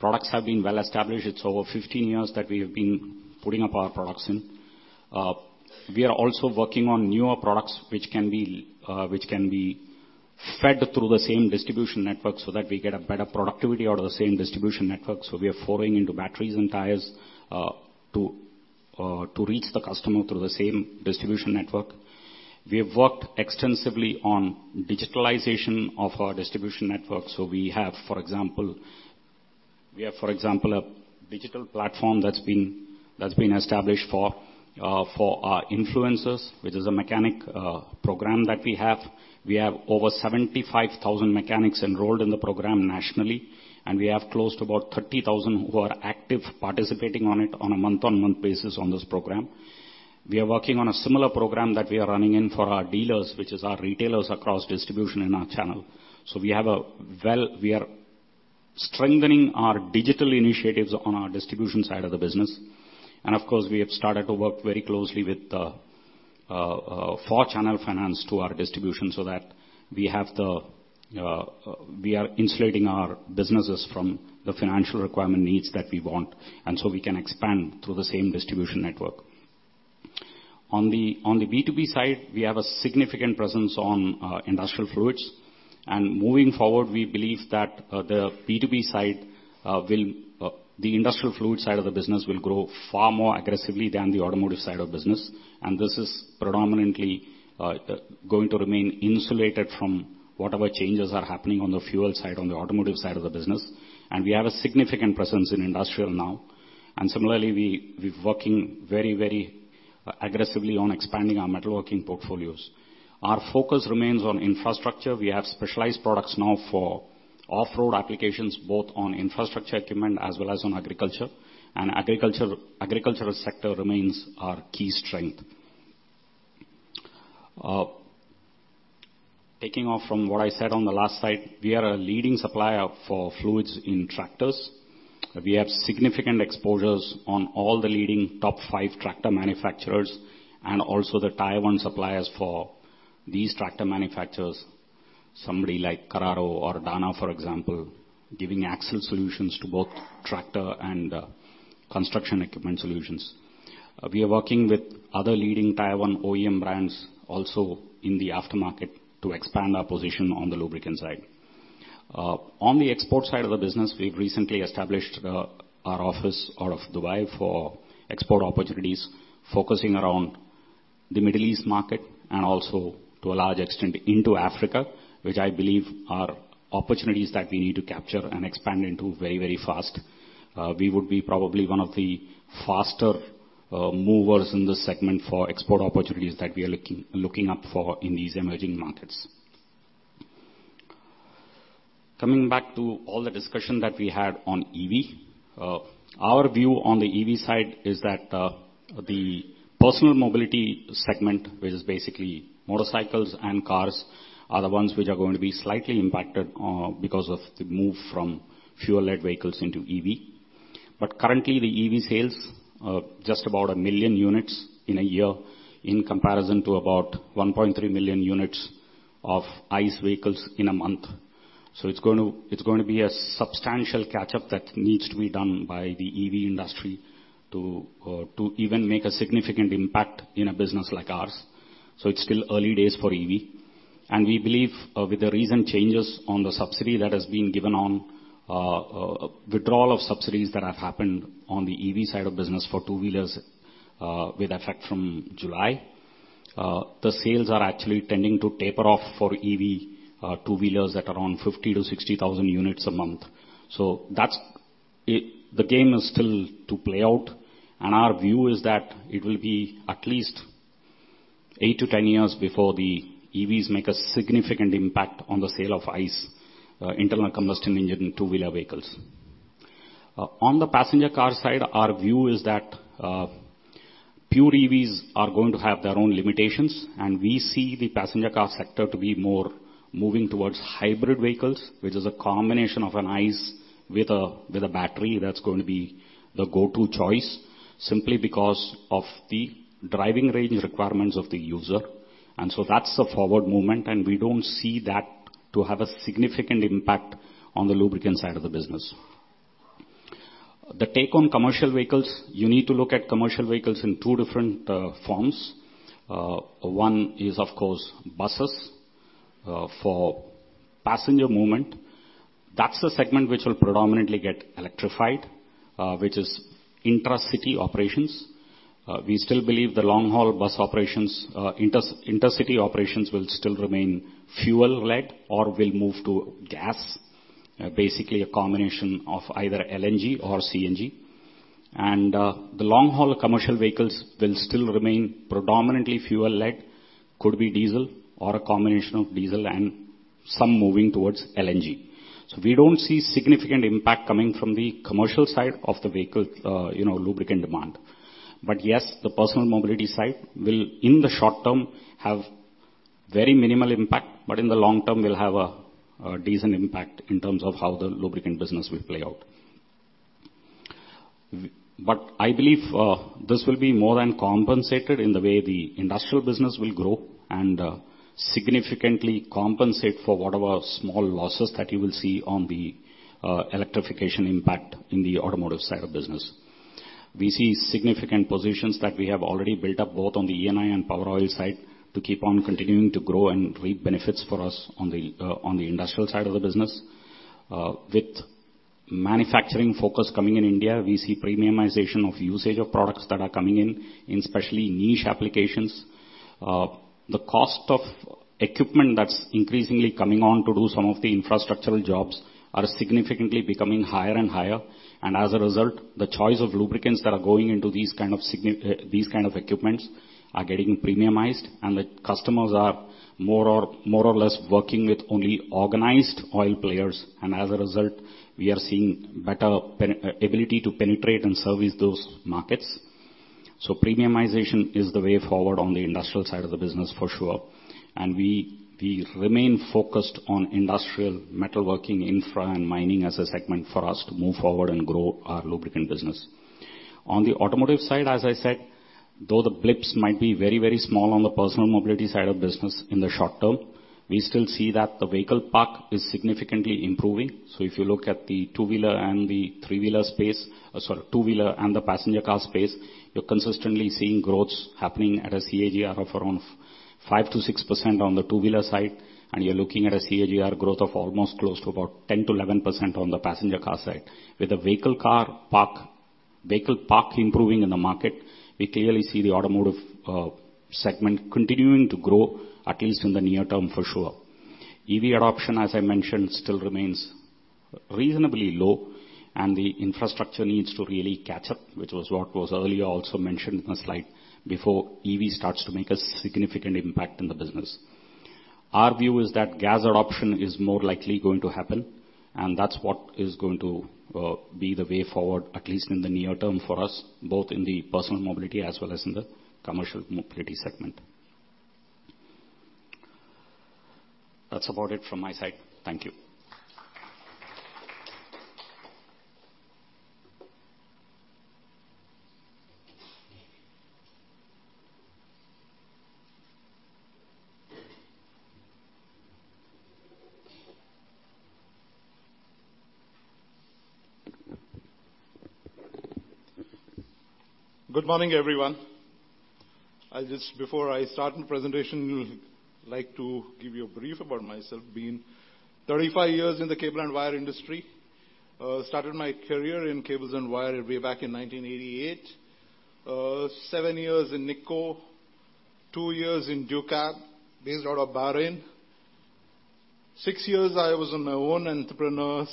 Products have been well established. It's over 15 years that we have been putting up our products in. We are also working on newer products, which can be fed through the same distribution network, so that we get a better productivity out of the same distribution network. We are foraying into batteries and tires, to reach the customer through the same distribution network. We have worked extensively on digitalization of our distribution network, so we have, for example, a digital platform that's been established for our influencers, which is a mechanic program that we have. We have over 75,000 mechanics enrolled in the program nationally, and we have close to about 30,000 who are active, participating on it on a month-on-month basis on this program. We are working on a similar program that we are running in for our dealers, which is our retailers across distribution in our channel. We are strengthening our digital initiatives on our distribution side of the business. Of course, we have started to work very closely with for channel finance to our distribution, so that we are insulating our businesses from the financial requirement needs that we want, and so we can expand through the same distribution network. On the B2B side, we have a significant presence on industrial fluids, and moving forward, we believe that the B2B side the industrial fluid side of the business will grow far more aggressively than the automotive side of business. This is predominantly going to remain insulated from whatever changes are happening on the fuel side, on the automotive side of the business. We have a significant presence in industrial now. Similarly, we're working very, very aggressively on expanding our metalworking portfolios. Our focus remains on infrastructure. We have specialized products now for off-road applications, both on infrastructure equipment as well as on agriculture. Agriculture, agricultural sector remains our key strength. Taking off from what I said on the last slide, we are a leading supplier for fluids in tractors. We have significant exposures on all the leading top five tractor manufacturers, and also the Tier One suppliers for these tractor manufacturers, somebody like Carraro or Dana, for example, giving axle solutions to both tractor and construction equipment solutions. We are working with other leading Tier 1 OEM brands also in the aftermarket to expand our position on the lubricant side. On the export side of the business, we've recently established our office out of Dubai for export opportunities, focusing around the Middle East market and also, to a large extent, into Africa, which I believe are opportunities that we need to capture and expand into very, very fast. We would be probably one of the faster movers in this segment for export opportunities that we are looking, looking up for in these emerging markets. Coming back to all the discussion that we had on EV. Our view on the EV side is that the personal mobility segment, which is basically motorcycles and cars, are the ones which are going to be slightly impacted because of the move from fuel-led vehicles into EV. Currently, the EV sales are just about 1 million units in a year, in comparison to about 1.3 million units of ICE vehicles in a month. It's going to, it's going to be a substantial catch-up that needs to be done by the EV industry to even make a significant impact in a business like ours. It's still early days for EV. We believe, with the recent changes on the subsidy that has been given on withdrawal of subsidies that have happened on the EV side of business for two-wheelers, with effect from July, the sales are actually tending to taper off for EV two-wheelers at around 50,000-60,000 units a month. That's it, the game is still to play out, and our view is that it will be at least 8-10 years before the EVs make a significant impact on the sale of ICE, internal combustion engine, in two-wheeler vehicles. On the passenger car side, our view is that pure EVs are going to have their own limitations, and we see the passenger car sector to be more moving towards hybrid vehicles, which is a combination of an ICE with a with a battery that's going to be the go-to choice, simply because of the driving range requirements of the user. So that's a forward movement, and we don't see that to have a significant impact on the lubricant side of the business. The take on commercial vehicles, you need to look at commercial vehicles in 2 different forms. 1 is, of course, buses for passenger movement. That's the segment which will predominantly get electrified, which is intracity operations. We still believe the long-haul bus operations, inter- intercity operations, will still remain fuel-led or will move to gas, basically a combination of either LNG or CNG. The long-haul commercial vehicles will still remain predominantly fuel-led, could be diesel or a combination of diesel and some moving towards LNG. We don't see significant impact coming from the commercial side of the vehicle, you know, lubricant demand. Yes, the personal mobility side will, in the short term, have very minimal impact, but in the long term, will have a decent impact in terms of how the lubricant business will play out. I believe, this will be more than compensated in the way the industrial business will grow, and significantly compensate for whatever small losses that you will see on the electrification impact in the automotive side of business. We see significant positions that we have already built up, both on the ENI and POWEROIL side, to keep on continuing to grow and reap benefits for us on the industrial side of the business. With manufacturing focus coming in India, we see premiumization of usage of products that are coming in, in especially niche applications. The cost of equipment that's increasingly coming on to do some of the infrastructural jobs, are significantly becoming higher and higher. As a result, the choice of lubricants that are going into these kind of equipments, are getting premiumized, and the customers are more or, more or less working with only organized oil players. As a result, we are seeing better ability to penetrate and service those markets. Premiumization is the way forward on the industrial side of the business, for sure. We, we remain focused on industrial metalworking, infra, and mining as a segment for us to move forward and grow our lubricant business. On the automotive side, as I said, though the blips might be very, very small on the personal mobility side of business in the short term, we still see that the vehicle park is significantly improving. If you look at the two-wheeler and the three-wheeler space, sorry, two-wheeler and the passenger car space, you're consistently seeing growths happening at a CAGR of around 5%-6% on the two-wheeler side, and you're looking at a CAGR growth of almost close to about 10%-11% on the passenger car side. With the vehicle car park, vehicle park improving in the market, we clearly see the automotive segment continuing to grow, at least in the near term, for sure. EV adoption, as I mentioned, still remains reasonably low, and the infrastructure needs to really catch up, which was what was earlier also mentioned in a slide, before EV starts to make a significant impact in the business. Our view is that gas adoption is more likely going to happen, and that's what is going to be the way forward, at least in the near term for us, both in the personal mobility as well as in the commercial mobility segment. That's about it from my side. Thank you.
Good morning, everyone. I'll just, before I start the presentation, like to give you a brief about myself. Been 35 years in the cable and wire industry. Started my career in cables and wire way back in 1988. Seven years in Nicco, two years in Ducab, based out of Bahrain. Six years, I was on my own, entrepreneur,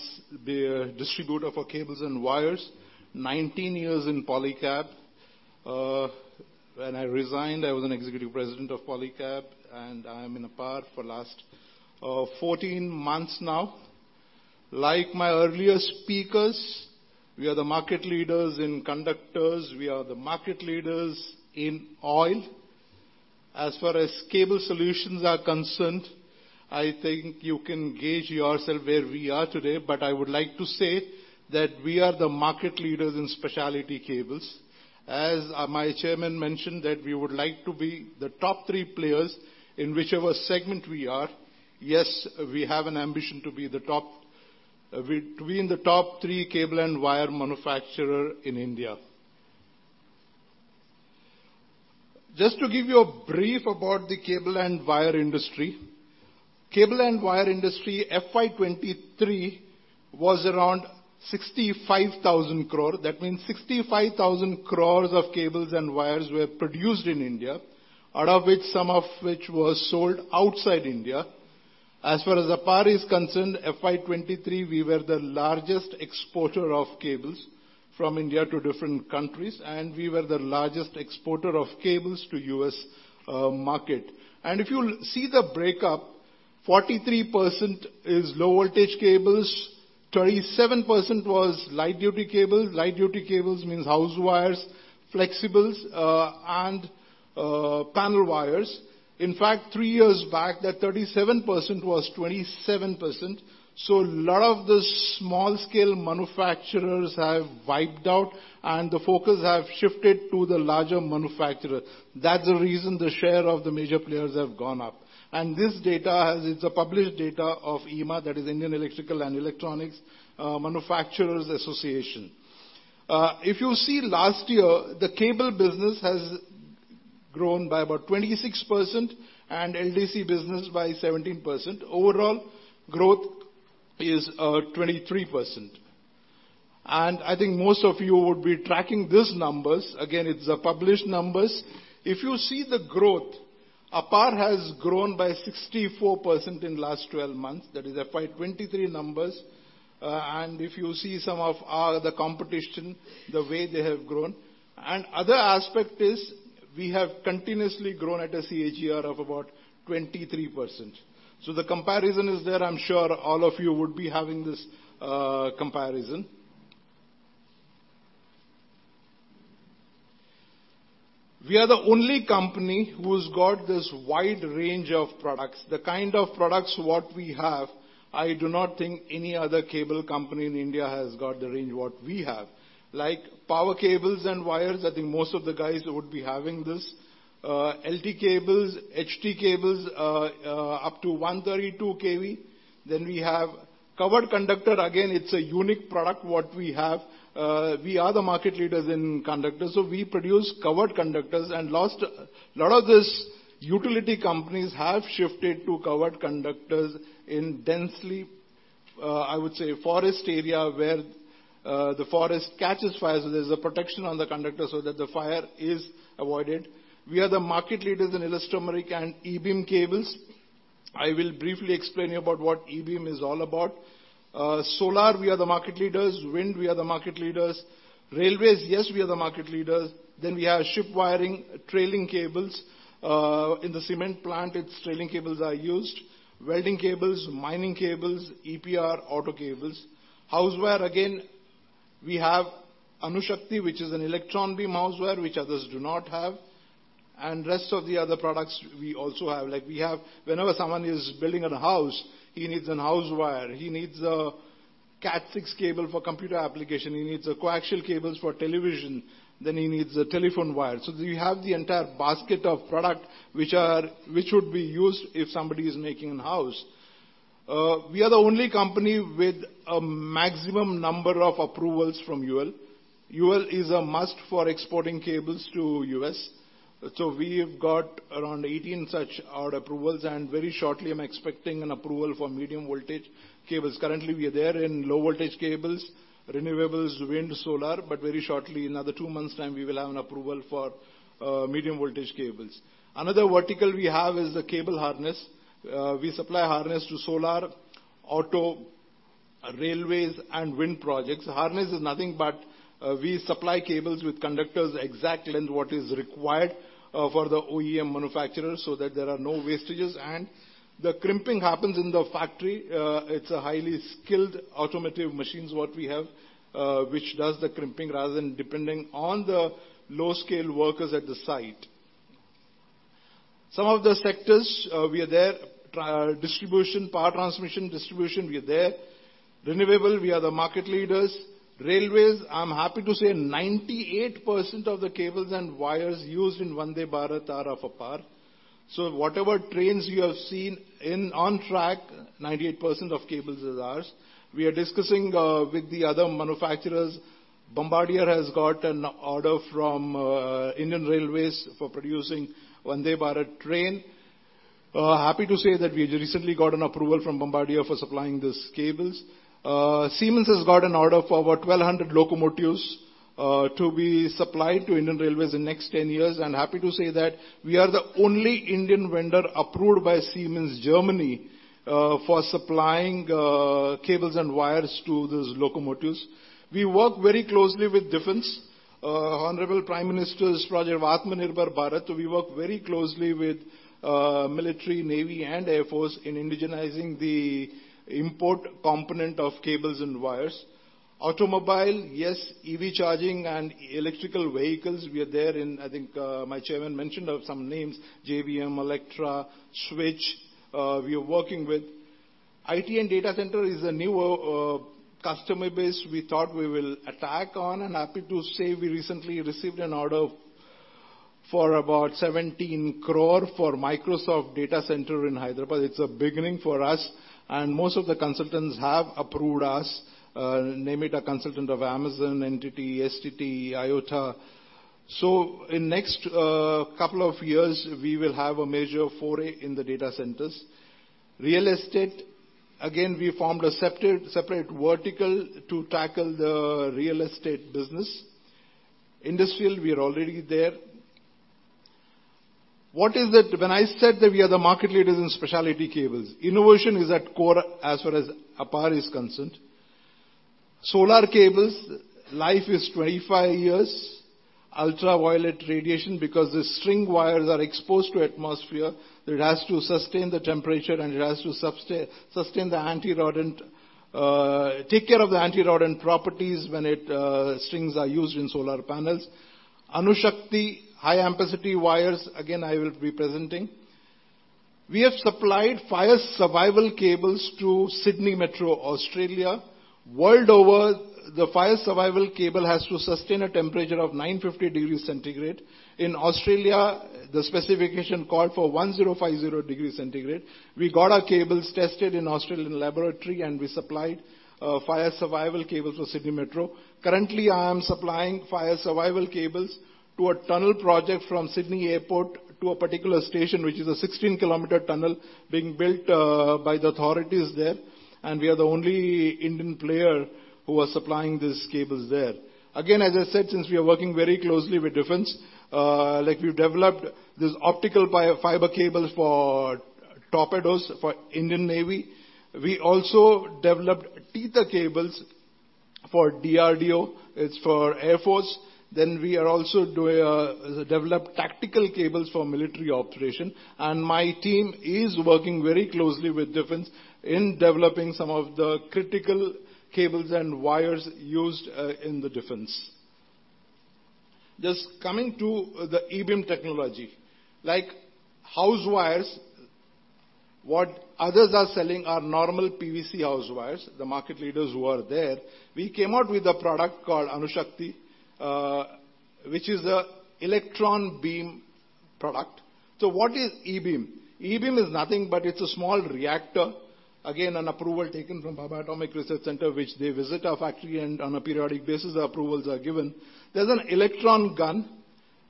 the distributor for cables and wires. 19 years in Polycab. When I resigned, I was an executive president of Polycab, I am in APAR for last, 14 months now. Like my earlier speakers, we are the market leaders in conductors, we are the market leaders in oil. As far as cable solutions are concerned, I think you can gauge yourself where we are today, but I would like to say that we are the market leaders in specialty cables. As my chairman mentioned, that we would like to be the top three players in whichever segment we are. Yes, we have an ambition to be in the top three cable and wire manufacturer in India. Just to give you a brief about the cable and wire industry. Cable and wire industry, FY 2023, was around 65,000 crore. That means 65,000 crore of cables and wires were produced in India, out of which, some of which was sold outside India. As far as APAR is concerned, FY 2023, we were the largest exporter of cables from India to different countries, and we were the largest exporter of cables to U.S. market. If you'll see the breakup, 43% is low-voltage cables, 37% was light-duty cable. Light-duty cables means house wires, flexibles, and panel wires. In fact, three years back, that 37% was 27%, so a lot of the small-scale manufacturers have wiped out, and the focus have shifted to the larger manufacturer. That's the reason the share of the major players have gone up. This data. It's a published data of IEEMA, that is Indian Electrical and Electronics Manufacturers Association. If you see last year, the cable business has grown by about 26% and LDC business by 17%. Overall, growth is 23%. I think most of you would be tracking these numbers. Again, it's the published numbers. If you see the growth, APAR has grown by 64% in last 12 months, that is FY 2023 numbers. If you see some of our competition, the way they have grown. Other aspect is, we have continuously grown at a CAGR of about 23%. The comparison is there. I'm sure all of you would be having this comparison. We are the only company who's got this wide range of products. The kind of products what we have, I do not think any other cable company in India has got the range what we have. Like power cables and wires, I think most of the guys would be having this LT cables, HT cables, up to 132 kV. We have covered conductor. Again, it's a unique product, what we have. We are the market leaders in conductors, so we produce covered conductors, and last, a lot of these utility companies have shifted to covered conductors in densely, I would say, forest area, where the forest catches fire, so there's a protection on the conductor so that the fire is avoided. We are the market leaders in elastomeric and E-Beam cables. I will briefly explain you about what E-Beam is all about. Solar, we are the market leaders. Wind, we are the market leaders. Railways, yes, we are the market leaders. We have ship wiring, trailing cables. In the cement plant, its trailing cables are used. Welding cables, mining cables, EPR, auto cables. House wire, again, we have Anushakti, which is an electron beam house wire, which others do not have. Rest of the other products we also have. we have whenever someone is building an house, he needs an house wire, he needs a Cat 6 cable for computer application, he needs a coaxial cables for television, then he needs a telephone wire. we have the entire basket of product, which are which would be used if somebody is making an house. we are the only company with a maximum number of approvals from UL. UL is a must for exporting cables to U.S. we've got around 18 such approvals, and very shortly, I'm expecting an approval for medium voltage cables. Currently, we are there in low voltage cables, renewables, wind, solar, but very shortly, another two months' time, we will have an approval for medium voltage cables. Another vertical we have is the cable harness. we supply harness to solar, auto, railways, and wind projects. Harness is nothing but, we supply cables with conductors exact length, what is required for the OEM manufacturer, so that there are no wastages. The crimping happens in the factory. It's a highly skilled automotive machines, what we have, which does the crimping, rather than depending on the low-skill workers at the site. Some of the sectors, we are there. Distribution, power transmission distribution, we are there. Renewable, we are the market leaders. Railways, I'm happy to say 98% of the cables and wires used in Vande Bharat are of APAR. Whatever trains you have seen in- on track, 98% of cables is ours. We are discussing with the other manufacturers. Bombardier has got an order from Indian Railways for producing Vande Bharat train. Happy to say that we recently got an approval from Bombardier for supplying these cables. Siemens has got an order for over 1,200 locomotives to be supplied to Indian Railways in the next 10 years. I'm happy to say that we are the only Indian vendor approved by Siemens, Germany, for supplying cables and wires to these locomotives. We work very closely with Defense. Honorable Prime Minister's Project Atmanirbhar Bharat, we work very closely with Military, Navy, and Air Force in indigenizing the import component of cables and wires. Automobile, yes, EV charging and electrical vehicles, we are there in-- I think, my chairman mentioned of some names, JBM, Electra EV, Switch Mobility, we are working with. IT and data center is a new customer base we thought we will attack on, and happy to say we recently received an order for about 17 crore for Microsoft data center in Hyderabad. It's a beginning for us, and most of the consultants have approved us, name it, a consultant of Amazon, NTT, STT, Yotta. In next couple of years, we will have a major foray in the data centers. Real estate, again, we formed a separate vertical to tackle the real estate business. Industrial, we are already there. What is it when I said that we are the market leaders in specialty cables? Innovation is at core as far as APAR is concerned. Solar cables, life is 25 years. Ultraviolet radiation, because the string wires are exposed to atmosphere, it has to sustain the temperature, and it has to sustain the anti-rodent, take care of the anti-rodent properties when it, strings are used in solar panels. Anushakti, high ampacity wires, again, I will be presenting. We have supplied fire survival cables to Sydney Metro, Australia. World over, the fire survival cable has to sustain a temperature of 950 degrees Celsius. In Australia, the specification called for 1,050 degrees Celsius. We got our cables tested in Australian laboratory. We supplied fire survival cables to Sydney Metro. Currently, I am supplying fire survival cables to a tunnel project from Sydney Airport to a particular station, which is a 16-kilometer tunnel being built by the authorities there. We are the only Indian player who are supplying these cables there. Again, as I said, since we are working very closely with Defense, like, we've developed optical BI fiber cables for torpedoes for Indian Navy. We also developed tether cables for DRDO. It's for Air Force. We are also doing, developed tactical cables for military operation, and my team is working very closely with Defense in developing some of the critical cables and wires used, in the Defense. Just coming to the E-Beam technology, like house wires, what others are selling are normal PVC house wires, the market leaders who are there. We came out with a product called Anushakti, which is a electron beam product. What is E-Beam? E-Beam is nothing, but it's a small reactor. An approval taken from Bhabha Atomic Research Centre, which they visit our factory, and on a periodic basis, the approvals are given. There's an electron gun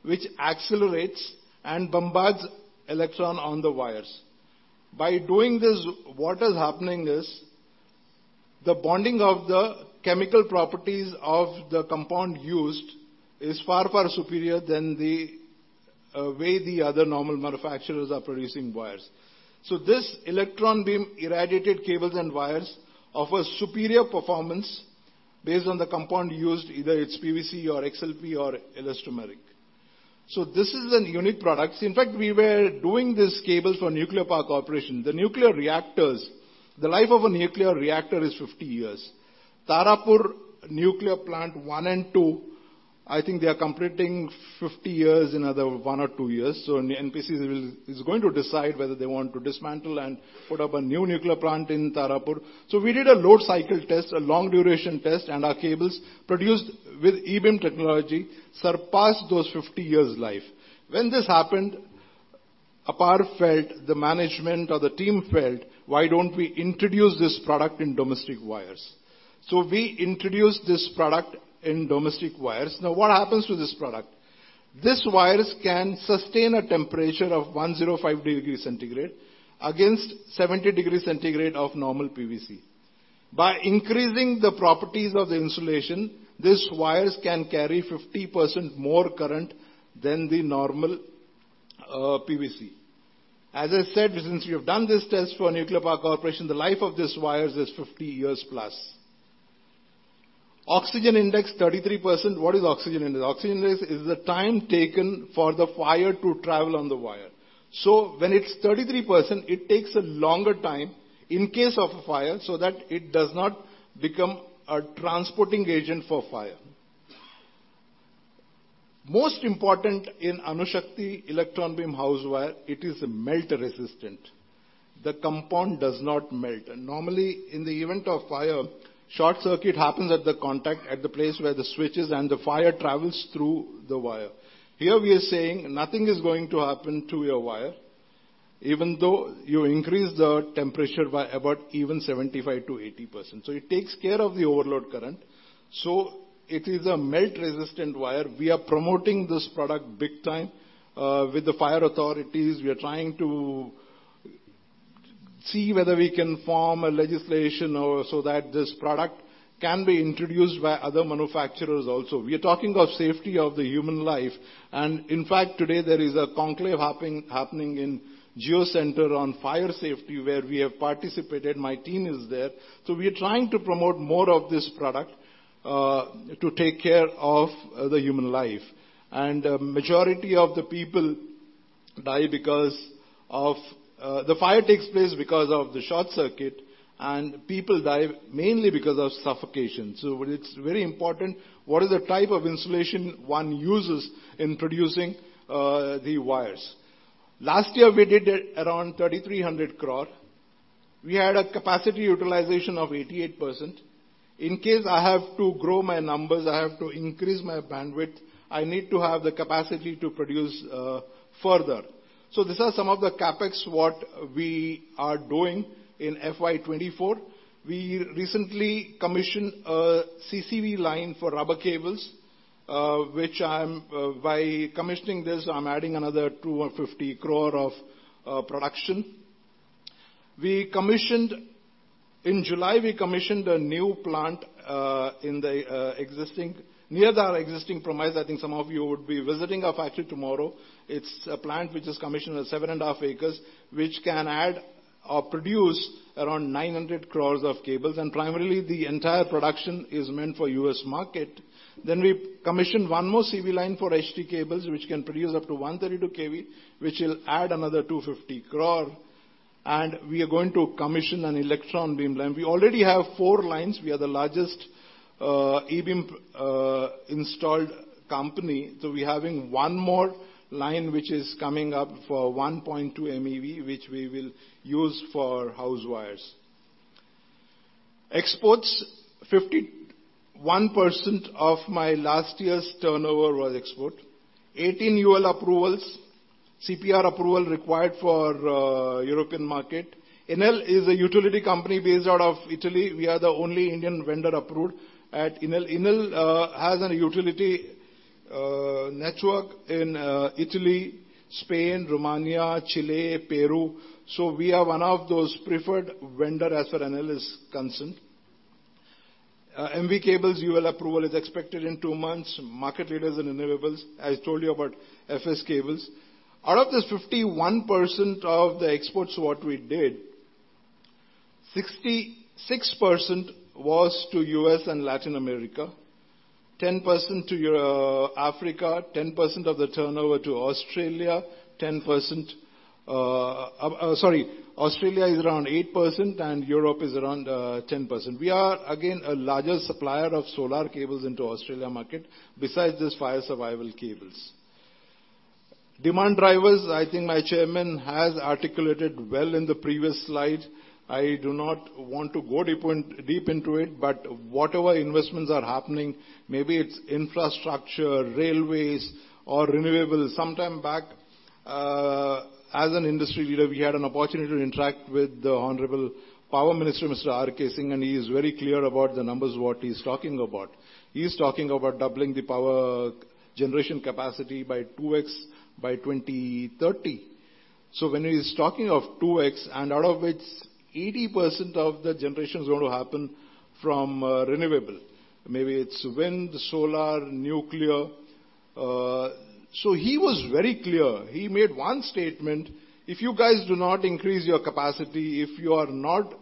which accelerates and bombards electron on the wires. By doing this, what is happening is, the bonding of the chemical properties of the compound used is far, far superior than the way the other normal manufacturers are producing wires. This electron beam irradiated cables and wires offer superior performance based on the compound used, either it's PVC or XLP or elastomeric. This is an unique product. In fact, we were doing these cables for Nuclear Power Corporation. The nuclear reactors, the life of a nuclear reactor is 50 years. Tarapur Nuclear Plant One and Two, I think they are completing 50 years in another one or two years. NPC is going to decide whether they want to dismantle and put up a new nuclear plant in Tarapur. We did a load cycle test, a long duration test, and our cables produced with E-Beam technology surpassed those 50 years life. When this happened, APAR felt, the management or the team felt, "Why don't we introduce this product in domestic wires?" We introduced this product in domestic wires. Now, what happens to this product? These wires can sustain a temperature of 105 degrees Centigrade against 70 degrees Centigrade of normal PVC. By increasing the properties of the insulation, these wires can carry 50% more current than the normal PVC. As I said, since we have done this test for Nuclear Power Corporation, the life of these wires is 50 years plus. Oxygen index, 33%. What is oxygen index? Oxygen index is the time taken for the fire to travel on the wire. When it's 33%, it takes a longer time in case of a fire, so that it does not become a transporting agent for fire. Most important in APAR Anushakti electron beam house wire, it is melt resistant. Normally, in the event of fire, short circuit happens at the contact, at the place where the switches and the fire travels through the wire. Here we are saying nothing is going to happen to your wire, even though you increase the temperature by about even 75%-80%. It takes care of the overload current. It is a melt-resistant wire. We are promoting this product big time with the fire authorities. We are trying to see whether we can form a legislation or so that this product can be introduced by other manufacturers also. We are talking of safety of the human life, and in fact, today there is a conclave happening, happening in Jio Centre on fire safety, where we have participated. My team is there. We are trying to promote more of this product to take care of the human life. Majority of the people die because of-- The fire takes place because of the short circuit, and people die mainly because of suffocation. It's very important what is the type of insulation one uses in producing the wires. Last year, we did around 3,300 crore. We had a capacity utilization of 88%. In case I have to grow my numbers, I have to increase my bandwidth, I need to have the capacity to produce further. These are some of the CapEx, what we are doing in FY 2024. We recently commissioned a CCV line for rubber cables, by commissioning this, I'm adding another 250 crore of production. In July, we commissioned a new plant in the existing near our existing premise. I think some of you would be visiting our factory tomorrow. It's a plant which is commissioned at seven and a half acres, which can add or produce around 900 crore of cables, and primarily, the entire production is meant for U.S. market. We commissioned one more CV line for HT cables, which can produce up to 132 kV, which will add another 250 crore, and we are going to commission an E-Beam line. We already have four lines. We are the largest E-Beam installed company. We're having one more line, which is coming up for 1.2 MeV, which we will use for house wires. Exports. 51% of my last year's turnover was export. 18 UL approvals, CPR approval required for European market. Enel is a utility company based out of Italy. We are the only Indian vendor approved at Enel. Enel has a utility network in Italy, Spain, Romania, Chile, Peru. We are one of those preferred vendor as far Enel is concerned. MV cables UL approval is expected in two months. Market leaders in Enel cables. I told you about FS Cables. Out of this 51% of the exports, what we did, 66% was to U.S. and Latin America, 10% to Europe, Africa, 10% of the turnover to Australia, 10%--sorry, Australia is around 8%, and Europe is around 10%. We are, again, a larger supplier of solar cables into Australia market, besides this fire survival cables. Demand drivers, I think my chairman has articulated well in the previous slide. I do not want to go deep into it, but whatever investments are happening, maybe it's infrastructure, railways, or renewable. Sometime back, as an industry leader, we had an opportunity to interact with the Honorable Power Minister, Mr. R. K. Singh, and he is very clear about the numbers, what he's talking about. He's talking about doubling the power generation capacity by 2x by 2030. When he's talking of 2x, and out of which 80% of the generation is going to happen from renewable, maybe it's wind, solar, nuclear. He was very clear. He made one statement: "If you guys do not increase your capacity, if you are not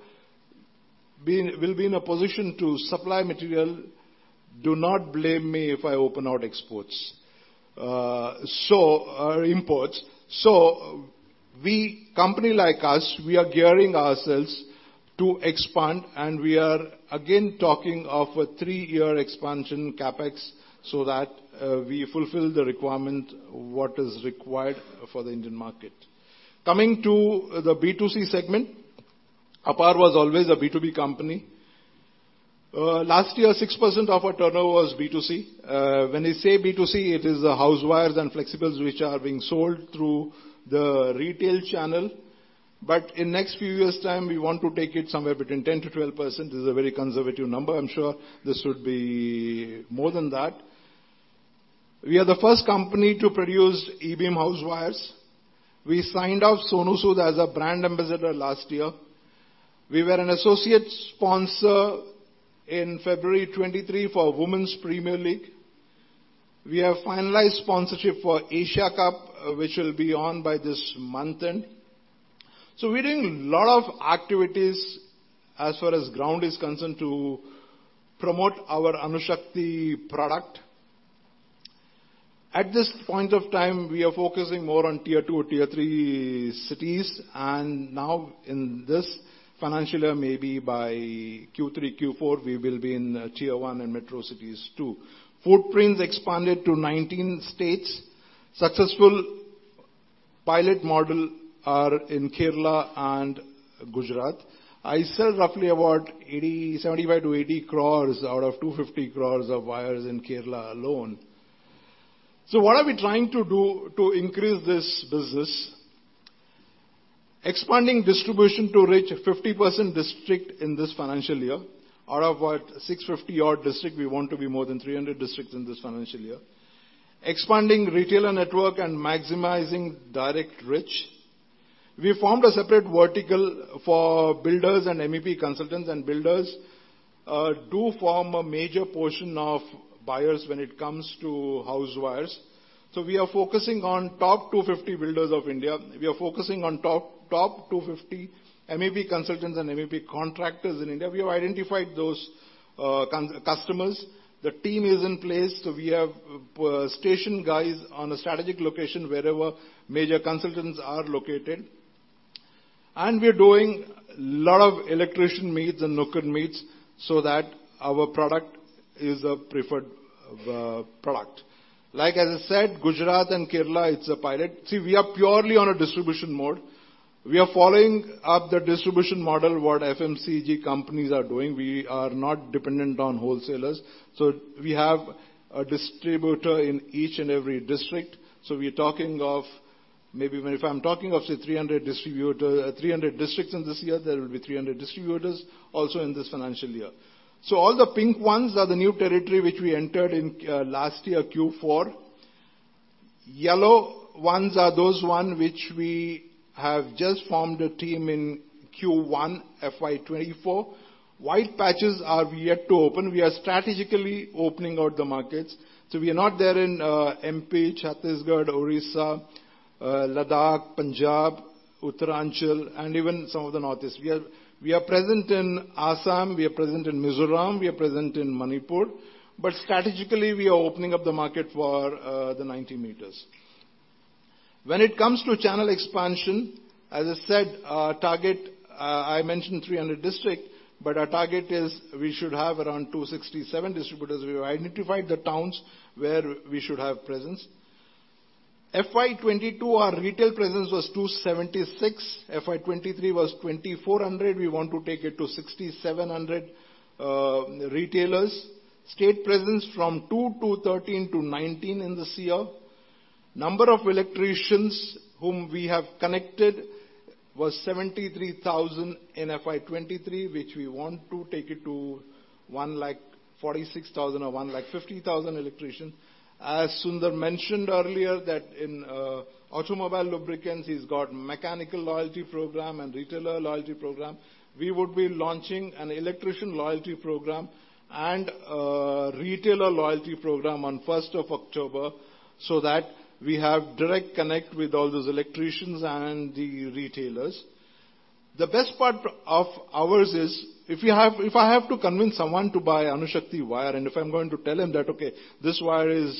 be in-- will be in a position to supply material, do not blame me if I open out exports, Or imports." We, company like us, we are gearing ourselves to expand, and we are again, talking of a three-year expansion CapEx, so that, we fulfill the requirement, what is required for the Indian market. Coming to the B2C segment, APAR was always a B2B company. Last year, 6% of our turnover was B2C. When we say B2C, it is the house wires and flexibles which are being sold through the retail channel. In next few years' time, we want to take it somewhere between 10%-12%. This is a very conservative number. I'm sure this would be more than that. We are the first company to produce E-Beam house wires. We signed up Sonu Sood as a Brand Ambassador last year. We were an associate sponsor in February 2023 for Women's Premier League. We have finalized sponsorship for Asia Cup, which will be on by this month end. We're doing a lot of activities as far as ground is concerned, to promote our Anushakti product. At this point of time, we are focusing more on Tier 2 or Tier 3 cities, and now in this financial year, maybe by Q3, Q4, we will be in Tier 1 and metro cities, too. Footprints expanded to 19 states. Successful pilot model are in Kerala and Gujarat. I sell roughly about 75 crore-80 crore out of 250 crore of wires in Kerala alone. What are we trying to do to increase this business? Expanding distribution to reach 50% districts in this financial year. Out of what, 650 odd districts, we want to be more than 300 districts in this financial year. Expanding retailer network and maximizing direct reach. We formed a separate vertical for builders and MEP consultants, and builders do form a major portion of buyers when it comes to house wires. We are focusing on top 250 builders of India. We are focusing on top, top 250 MEP consultants and MEP contractors in India. We have identified those customers. The team is in place, so we have stationed guys on a strategic location wherever major consultants are located. We're doing a lot of electrician meets and Nukkad meets, so that our product is a preferred product. Like, as I said, Gujarat and Kerala, it's a pilot. We are purely on a distribution mode. We are following up the distribution model, what FMCG companies are doing. We are not dependent on wholesalers, we have a distributor in each and every district. We are talking of maybe even if I'm talking of, say, 300 distributor, 300 districts in this year, there will be 300 distributors also in this financial year. All the pink ones are the new territory which we entered in last year, Q4. Yellow ones are those one which we have just formed a team in Q1, FY 2024. White patches are we yet to open. We are strategically opening out the markets, we are not there in MP, Chhattisgarh, Odisha, Ladakh, Punjab, Uttaranchal, and even some of the Northeast. We are, we are present in Assam, we are present in Mizoram, we are present in Manipur, but strategically, we are opening up the market for the 90 meters. When it comes to channel expansion, as I said, our target, I mentioned 300 districts, but our target is we should have around 267 distributors. We have identified the towns where we should have presence. FY 2022, our retail presence was 276. FY 2023 was 2,400. We want to take it to 6,700 retailers. State presence from 2 to 13 to 19 in this year. Number of electricians whom we have connected was 73,000 in FY 2023, which we want to take it to 146,000 or 150,000 electricians. As Sundar mentioned earlier, that in automobile lubricants, he's got mechanical loyalty program and retailer loyalty program. We would be launching an electrician loyalty program and a retailer loyalty program on 1st of October, so that we have direct connect with all those electricians and the retailers. The best part of ours is, if you have, if I have to convince someone to buy APAR Anushakti wire, and if I'm going to tell him that, "Okay, this wire is,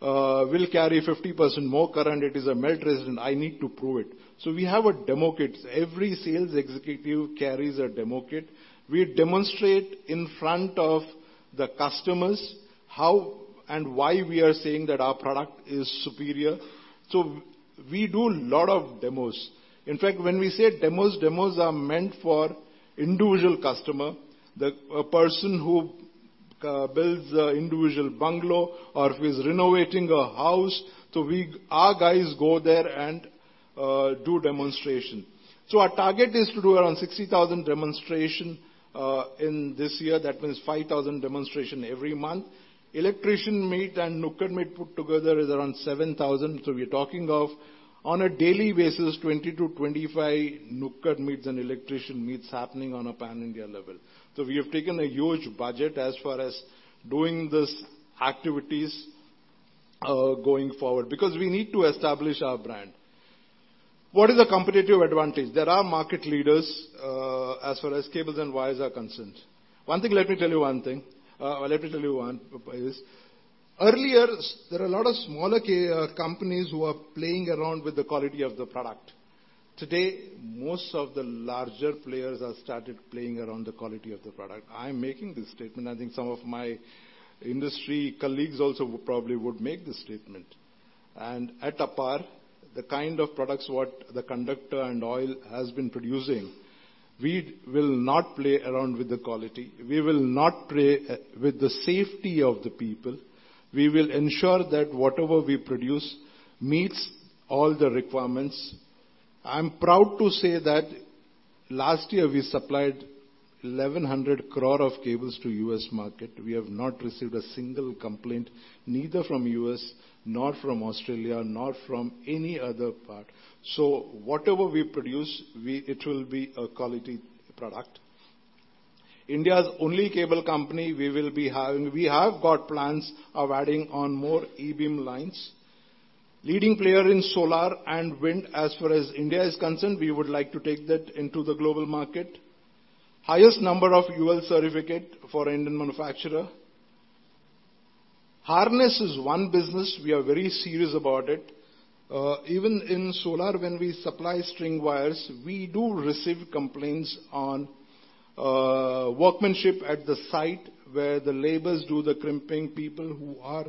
will carry 50% more current, it is a melt resistant," I need to prove it. We have a demo kits. Every sales executive carries a demo kit. We demonstrate in front of the customers how and why we are saying that our product is superior. We do a lot of demos. In fact, when we say demos, demos are meant for individual customer, the a person who builds an individual bungalow or who is renovating a house, our guys go there and do demonstration. Our target is to do around 60,000 demonstration in this year. That means 5,000 demonstration every month. Electrician meet and Nukkad meet put together is around 7,000, we are talking of on a daily basis, 20-25 Nukkad meets and electrician meets happening on a pan-India level. We have taken a huge budget as far as doing these activities going forward, because we need to establish our brand. What is the competitive advantage? There are market leaders as far as cables and wires are concerned. One thing, let me tell you one thing, let me tell you one is: earlier, there are a lot of smaller companies who are playing around with the quality of the product. Today, most of the larger players have started playing around the quality of the product. I'm making this statement, I think some of my industry colleagues also would probably would make this statement. At APAR, the kind of products what the conductor and oil has been producing, we will not play around with the quality. We will not play with the safety of the people. We will ensure that whatever we produce meets all the requirements. I'm proud to say that last year, we supplied 1,100 crore of cables to U.S. market. We have not received a single complaint, neither from U.S., nor from Australia, nor from any other part. Whatever we produce, we -- it will be a quality product. India's only cable company, we will be having-- We have got plans of adding on more E-Beam lines. Leading player in solar and wind, as far as India is concerned, we would like to take that into the global market. Highest number of UL certificate for Indian manufacturer. Harness is one business, we are very serious about it. even in solar, when we supply string wires, we do receive complaints on workmanship at the site where the labors do the crimping. People who are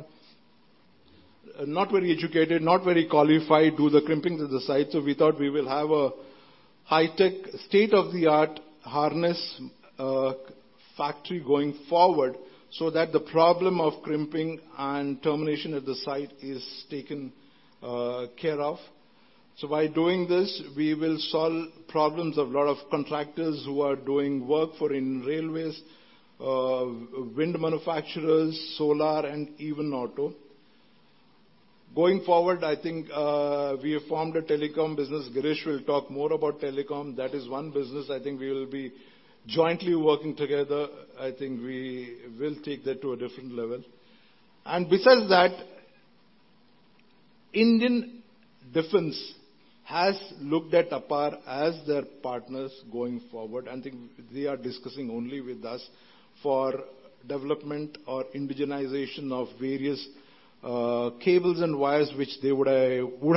not very educated, not very qualified, do the crimping at the site. We thought we will have a high-tech, state-of-the-art harness factory going forward, so that the problem of crimping and termination at the site is taken care of. By doing this, we will solve problems of a lot of contractors who are doing work for in Railways, wind manufacturers, solar and even auto. Going forward, I think, we have formed a telecom business. Girish will talk more about telecom. That is one business I think we will be jointly working together. I think we will take that to a different level. Besides that, Indian Defense has looked at APAR as their partners going forward. I think they are discussing only with us for development or indigenization of various cables and wires, which they would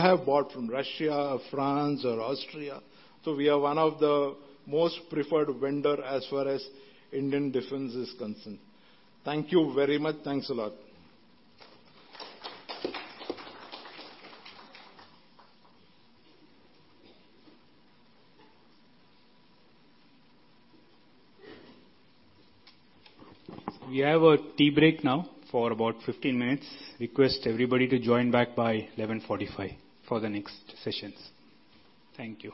have bought from Russia, France, or Austria. We are one of the most preferred vendor as far as Indian Defense is concerned. Thank you very much. Thanks a lot.
We have a tea break now for about 15 minutes. Request everybody to join back by 11:45 A.M. for the next sessions. Thank you.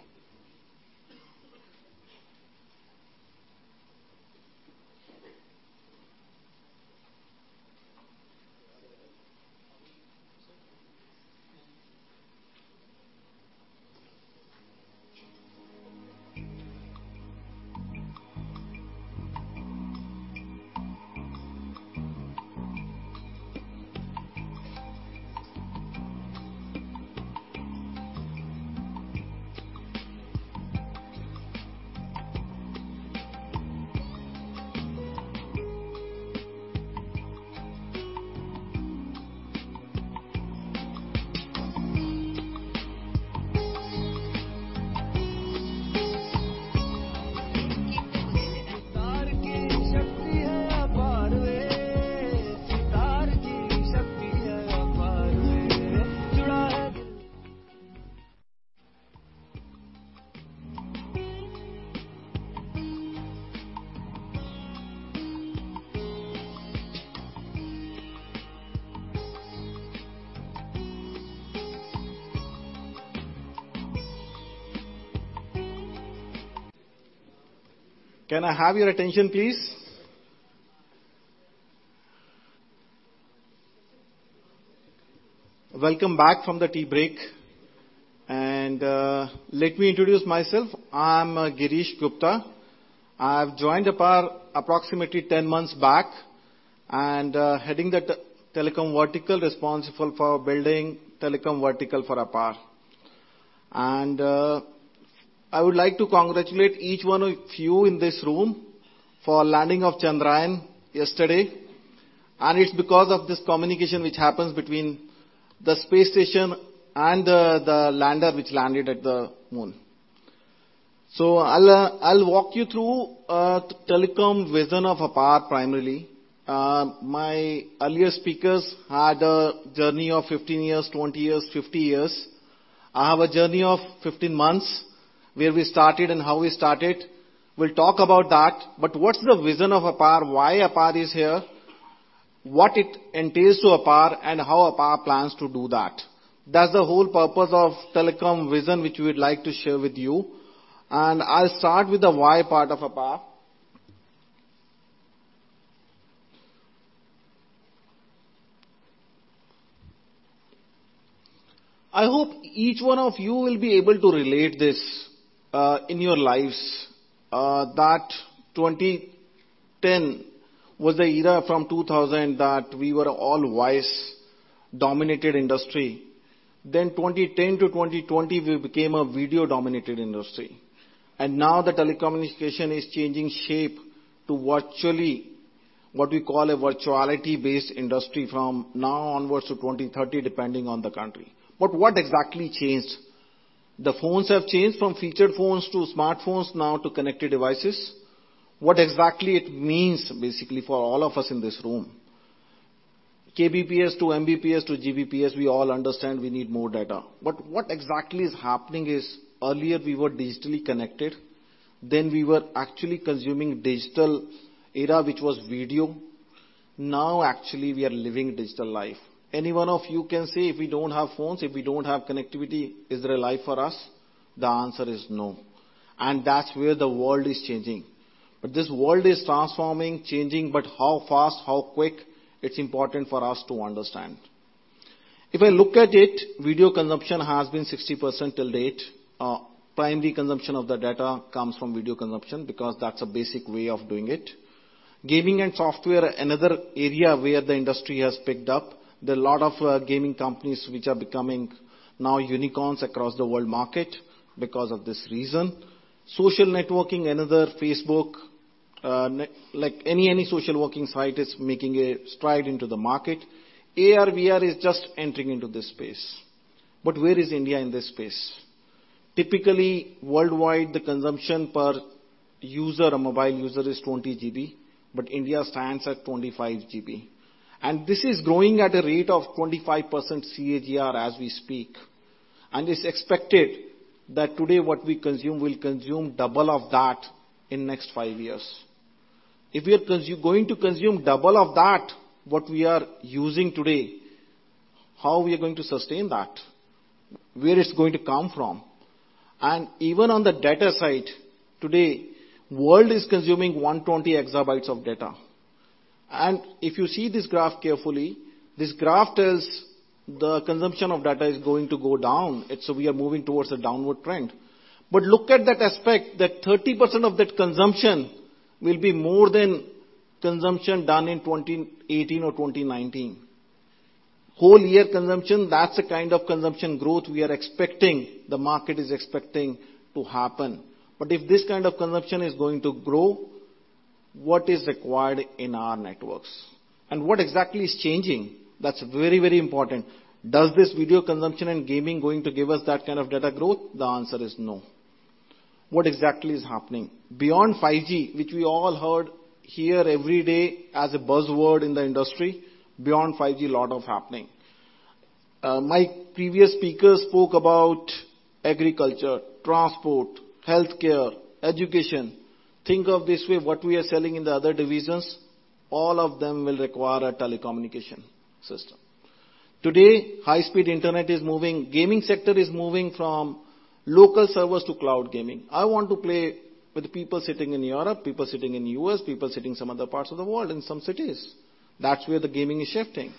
Can I have your attention, please? Welcome back from the tea break, let me introduce myself. I'm Girish Gupta. I've joined APAR approximately 10 months back. Heading the telecom vertical, responsible for building telecom vertical for APAR. I would like to congratulate each one of you in this room for landing of Chandrayaan yesterday. It's because of this communication which happens between the space station and the lander, which landed at the moon. I'll walk you through the telecom vision of APAR, primarily. My earlier speakers had a journey of 15 years, 20 years, 50 years. I have a journey of 15 months, where we started and how we started. We'll talk about that, but what's the vision of APAR? Why APAR is here, what it entails to APAR, and how APAR plans to do that. That's the whole purpose of telecom vision, which we would like to share with you. I'll start with the why part of APAR. I hope each one of you will be able to relate this in your lives that 2010 was the era from 2000 that we were all voice-dominated industry. 2010-2020, we became a video-dominated industry, and now the telecommunication is changing shape to virtually what we call a virtuality-based industry from now onwards to 2030, depending on the country. What exactly changed? The phones have changed from featured phones to smartphones, now to connected devices. What exactly it means, basically, for all of us in this room? Kbps to Mbps to Gbps, we all understand we need more data. What exactly is happening is, earlier, we were digitally connected, then we were actually consuming digital era, which was video. Now, actually, we are living digital life. Any one of you can say, if we don't have phones, if we don't have connectivity, is there a life for us? The answer is no. That's where the world is changing. This world is transforming, changing, but how fast, how quick, it's important for us to understand. If I look at it, video consumption has been 60% till date. Primary consumption of the data comes from video consumption, because that's a basic way of doing it. Gaming and software, another area where the industry has picked up. There are a lot of gaming companies which are becoming now unicorns across the world market because of this reason. Social networking, another. Facebook, like, any, any social working site is making a stride into the market. AR/VR is just entering into this space. Where is India in this space? Typically, worldwide, the consumption per user, a mobile user, is 20 GB, but India stands at 25 GB. This is growing at a rate of 25% CAGR, as we speak. It's expected that today, what we consume, we'll consume double of that in next five years. If we are going to consume double of that, what we are using today, how we are going to sustain that? Where it's going to come from? Even on the data side, today, world is consuming 120 exabytes of data. If you see this graph carefully, this graph tells the consumption of data is going to go down. We are moving towards a downward trend. Look at that aspect, that 30% of that consumption will be more than consumption done in 2018 or 2019. Whole year consumption, that's the kind of consumption growth we are expecting, the market is expecting to happen. If this kind of consumption is going to grow, what is required in our networks? What exactly is changing? That's very, very important. Does this video consumption and gaming going to give us that kind of data growth? The answer is no. What exactly is happening? Beyond 5G, which we all heard here every day as a buzzword in the industry, beyond 5G, lot of happening. My previous speaker spoke about agriculture, transport, healthcare, education. Think of this way, what we are selling in the other divisions, all of them will require a telecommunication system. Today, high-speed internet is moving. Gaming sector is moving from local servers to cloud gaming. I want to play with people sitting in Europe, people sitting in US, people sitting some other parts of the world, in some cities. That's where the gaming is shifting.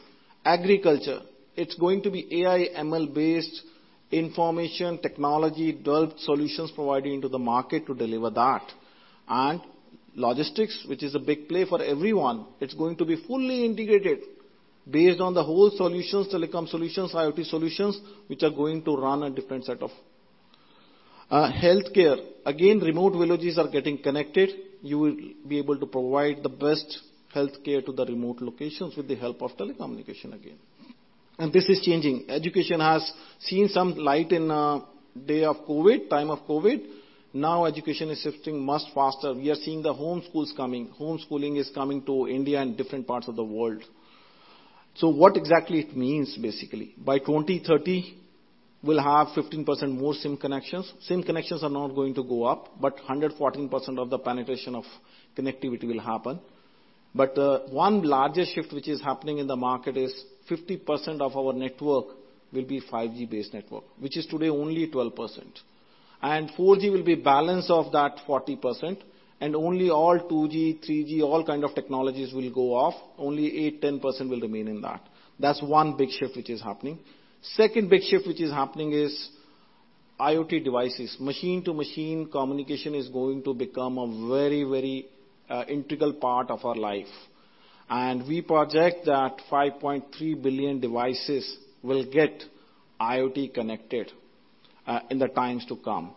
Agriculture, it's going to be AI, ML-based information, technology, developed solutions provided into the market to deliver that. Logistics, which is a big play for everyone, it's going to be fully integrated based on the whole solutions, telecom solutions, IoT solutions, which are going to run a different set of-- Healthcare. Again, remote villages are getting connected. You will be able to provide the best healthcare to the remote locations with the help of telecommunication again. This is changing. Education has seen some light in day of COVID, time of COVID. Now, education is shifting much faster. We are seeing the home schools coming. Homeschooling is coming to India and different parts of the world. What exactly it means, basically? By 2030, we'll have 15% more SIM connections. SIM connections are not going to go up, but 114% of the penetration of connectivity will happen. One larger shift which is happening in the market is 50% of our network will be 5G-based network, which is today only 12%. 4G will be balance of that 40%, and only all 2G, 3G, all kind of technologies will go off. Only 8%-10% will remain in that. That's one big shift which is happening. Second big shift which is happening is. IoT devices, machine-to-machine communication is going to become a very, very integral part of our life. We project that 5.3 billion devices will get IoT connected in the times to come.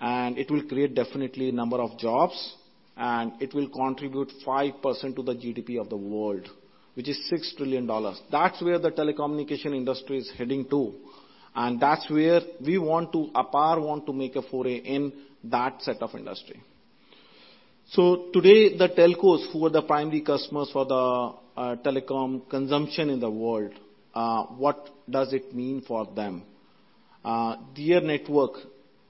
It will create definitely a number of jobs, and it will contribute 5% to the GDP of the world, which is $6 trillion. That's where the telecommunication industry is heading to, that's where we want to, APAR want to make a foray in that set of industry. Today, the telcos, who are the primary customers for the telecom consumption in the world, what does it mean for them? Their network,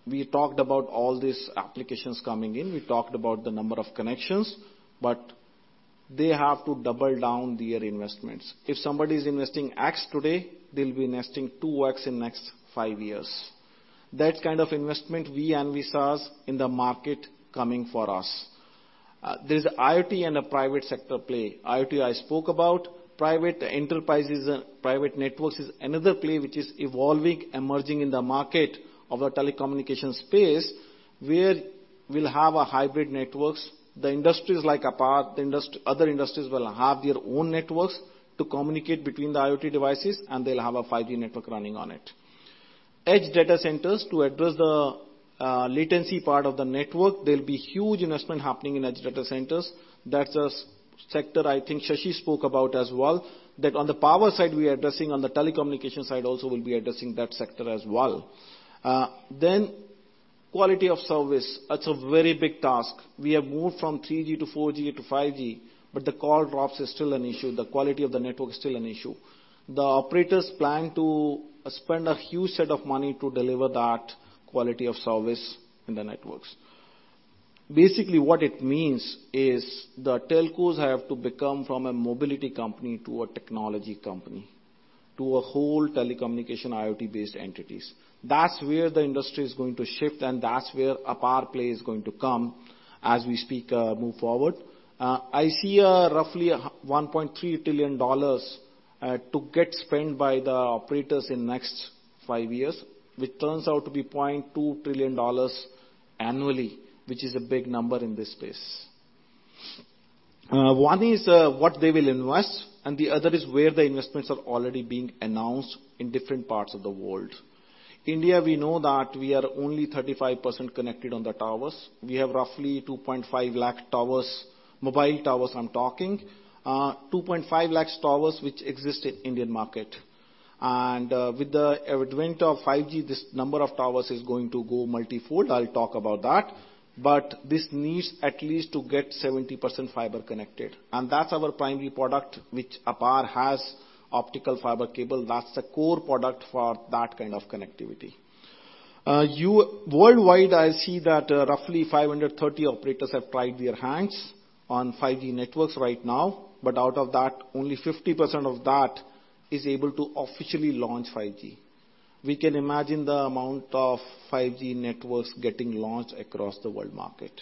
we talked about all these applications coming in. We talked about the number of connections, they have to double down their investments. If somebody is investing X today, they'll be investing 2x in next five years. That kind of investment we envisage in the market coming for us. There's IoT and a private sector play. IoT, I spoke about. Private enterprises and private networks is another play which is evolving, emerging in the market of the telecommunication space, where we'll have a hybrid networks. The industries like APAR, other industries will have their own networks to communicate between the IoT devices, and they'll have a 5G network running on it. Edge data centers, to address the latency part of the network, there'll be huge investment happening in edge data centers. That's a sector I think Shashi spoke about as well, that on the power side, we are addressing, on the telecommunication side also, we'll be addressing that sector as well. Quality of service, that's a very big task. We have moved from 3G to 4G to 5G, but the call drops is still an issue. The quality of the network is still an issue. The operators plan to spend a huge set of money to deliver that quality of service in the networks. Basically, what it means is the telcos have to become from a mobility company to a technology company, to a whole telecommunication IoT-based entities. That's where the industry is going to shift, and that's where APAR play is going to come as we speak, move forward. I see a roughly $1.3 trillion to get spent by the operators in next five years, which turns out to be $0.2 trillion annually, which is a big number in this space. One is what they will invest, and the other is where the investments are already being announced in different parts of the world. India, we know that we are only 35% connected on the towers. We have roughly 2.5 lakh towers, mobile towers, I'm talking. 2.5 lakhs towers, which exist in Indian market. With the advent of 5G, this number of towers is going to go multifold. I'll talk about that. This needs at least to get 70% fiber connected, and that's our primary product, which APAR has, optical fiber cable. That's the core product for that kind of connectivity. Worldwide, I see that, roughly 530 operators have tried their hands on 5G networks right now, but out of that, only 50% of that is able to officially launch 5G. We can imagine the amount of 5G networks getting launched across the world market.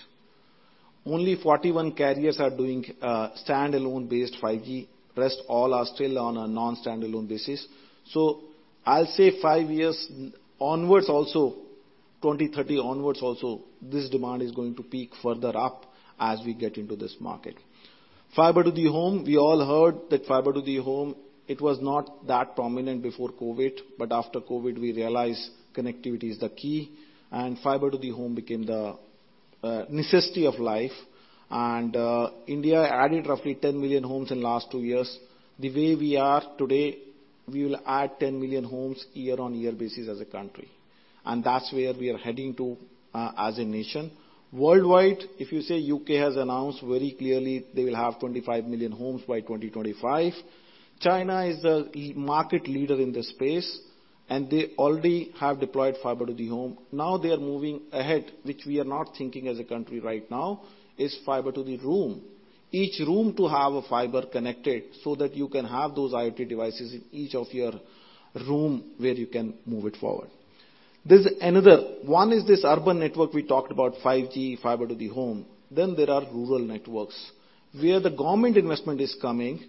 Only 41 carriers are doing, standalone-based 5G. Rest all are still on a non-standalone basis. I'll say five years onwards also, 2030 onwards also, this demand is going to peak further up as we get into this market. Fiber to the home. We all heard that fiber to the home, it was not that prominent before COVID, but after COVID, we realized connectivity is the key, and fiber to the home became the necessity of life. India added roughly 10 million homes in last two years. The way we are today, we will add 10 million homes year-on-year basis as a country, and that's where we are heading to as a nation. Worldwide, if you say U.K. has announced very clearly, they will have 25 million homes by 2025. China is the market leader in this space, and they already have deployed fiber to the home. Now they are moving ahead, which we are not thinking as a country right now, is fiber to the room. Each room to have a fiber connected so that you can have those IoT devices in each of your room, where you can move it forward. There's another-- One is this urban network we talked about, 5G, fiber to the home. There are rural networks, where the government investment is coming.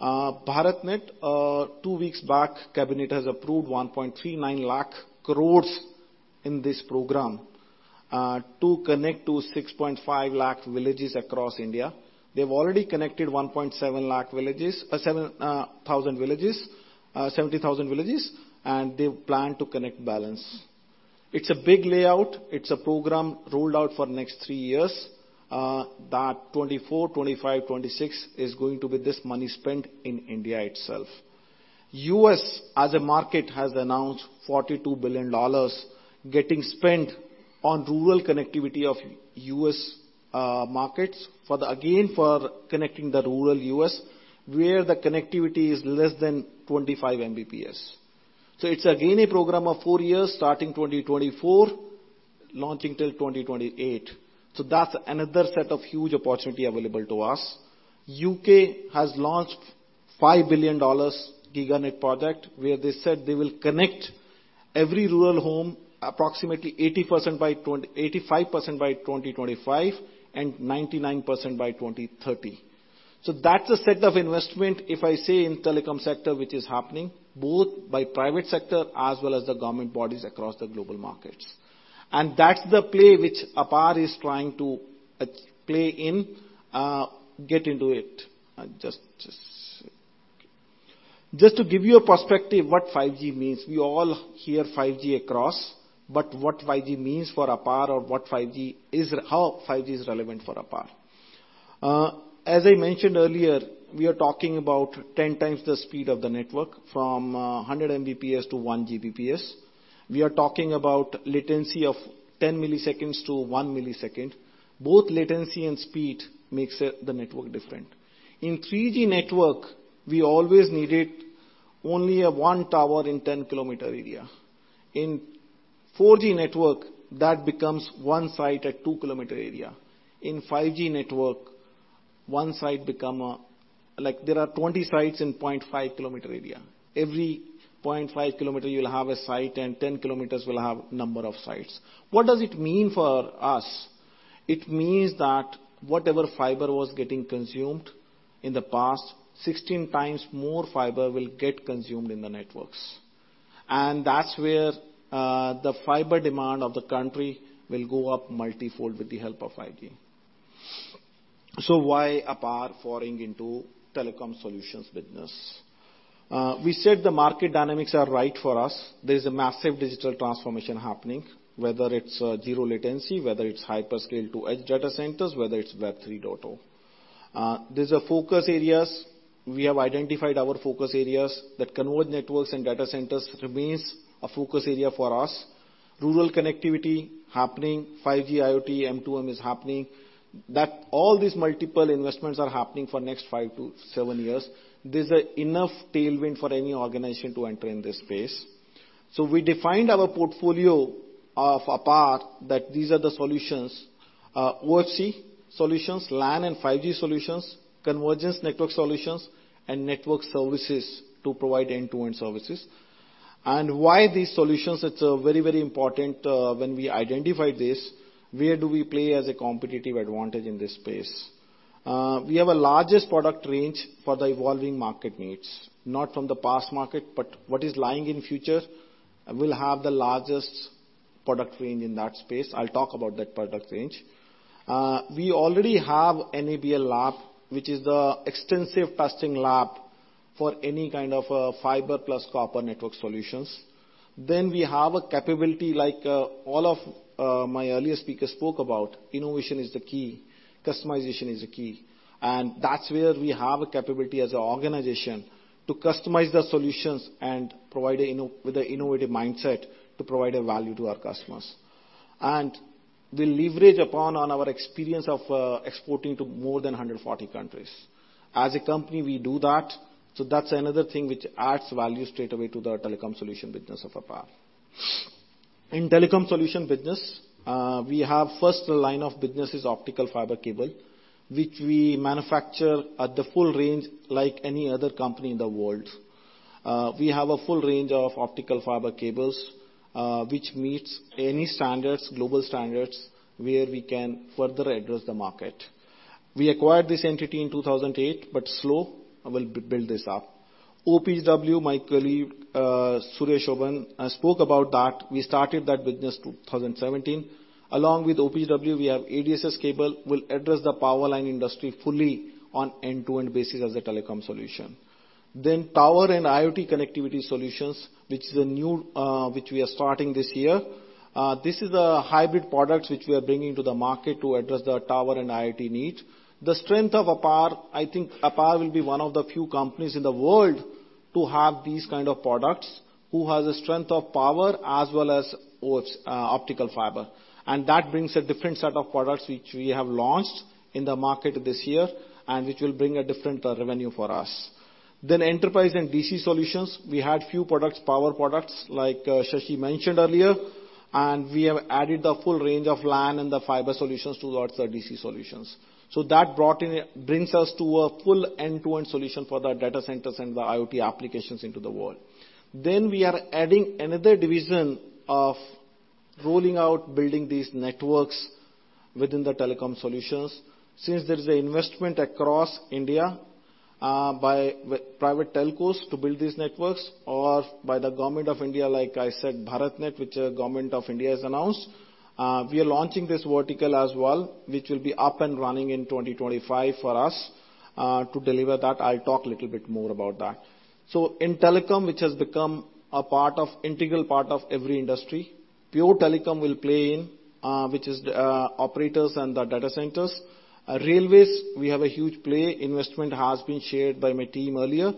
BharatNet, two weeks back, cabinet has approved 139,000 crore in this program to connect to 6.5 lakh villages across India. They've already connected 1.7 lakh villages, 70,000 villages, and they plan to connect balance. It's a big layout. It's a program rolled out for next three years. That 2024, 2025, 2026 is going to be this money spent in India itself. U.S., as a market, has announced $42 billion getting spent on rural connectivity of U.S. markets, again, for connecting the rural U.S., where the connectivity is less than 25 Mbps. It's again, a program of four years, starting 2024, launching till 2028. That's another set of huge opportunity available to us. U.K. has launched $5 billion Giganet project, where they said they will connect every rural home, approximately 80% by 2025, and 99% by 2030. That's a set of investment, if I say, in telecom sector, which is happening both by private sector as well as the government bodies across the global markets. That's the play which APAR is trying to. play in, get into it. Just to give you a perspective what 5G means. We all hear 5G across, but what 5G means for APAR or what 5G is, how 5G is relevant for APAR. As I mentioned earlier, we are talking about 10 times the speed of the network, from 100 Mbps to 1 Gbps. We are talking about latency of 10 milliseconds to 1 millisecond. Both latency and speed makes the network different. In 3G network, we always needed only one tower in 10-kilometer area. In 4G network, that becomes one site at 2-kilometer area. In 5G network, one site become, there are 20 sites in 0.5 kilometer area. Every 0.5 kilometer, you will have a site, and 10 kilometers will have number of sites. What does it mean for us? It means that whatever fiber was getting consumed in the past, 16 times more fiber will get consumed in the networks. That's where, the fiber demand of the country will go up multi-fold with the help of 5G. Why APAR foraying into telecom solutions business? We said the market dynamics are right for us. There is a massive digital transformation happening, whether it's, zero latency, whether it's hyperscale to edge data centers, whether it's Web 3.0. There's a focus areas. We have identified our focus areas, that converge networks and data centers remains a focus area for us. Rural connectivity happening, 5G, IoT, M2M is happening, that all these multiple investments are happening for next five to seven years. There's a enough tailwind for any organization to enter in this space. We defined our portfolio of APAR, that these are the solutions. OFC solutions, LAN and 5G solutions, convergence network solutions, and network services to provide end-to-end services. Why these solutions? It's very, very important when we identify this, where do we play as a competitive advantage in this space? We have a largest product range for the evolving market needs, not from the past market, but what is lying in future, we'll have the largest product range in that space. I'll talk about that product range. We already have NABL lab, which is the extensive testing lab for any kind of fiber plus copper network solutions. We have a capability, like, all of my earlier speakers spoke about. Innovation is the key, customization is the key. That's where we have a capability as an organization to customize the solutions and provide an innovative mindset to provide a value to our customers. We leverage upon on our experience of exporting to more than 140 countries. As a company, we do that. That's another thing which adds value straightaway to the telecom solution business of APAR. In telecom solution business, we have first line of business is optical fiber cable, which we manufacture at the full range like any other company in the world. We have a full range of optical fiber cables, which meets any standards, global standards, where we can further address the market. Slow, we'll build this up. OPGW, my colleague, Surya Shoban, spoke about that. We started that business in 2017. Along with OPGW, we have ADSS cable. We'll address the power line industry fully on end-to-end basis as a telecom solution. Tower and IoT connectivity solutions, which is a new, which we are starting this year. This is a hybrid products which we are bringing to the market to address the tower and IoT needs. The strength of APAR, I think APAR will be one of the few companies in the world to have these kind of products, who has a strength of power as well as, OFC, optical fiber. That brings a different set of products which we have launched in the market this year, and which will bring a different revenue for us. Enterprise and DC solutions, we had few products, power products, like Shashi mentioned earlier, and we have added the full range of LAN and the fiber solutions towards the DC solutions. That brings us to a full end-to-end solution for the data centers and the IoT applications into the world. We are adding another division of rolling out building these networks within the telecom solutions. Since there is an investment across India, by private telcos to build these networks or by the government of India, like I said, BharatNet, which the government of India has announced, we are launching this vertical as well, which will be up and running in 2025 for us, to deliver that. I'll talk a little bit more about that. In telecom, which has become a part of, integral part of every industry, pure telecom will play in, which is, operators and the data centers. Railways, we have a huge play. Investment has been shared by my team earlier.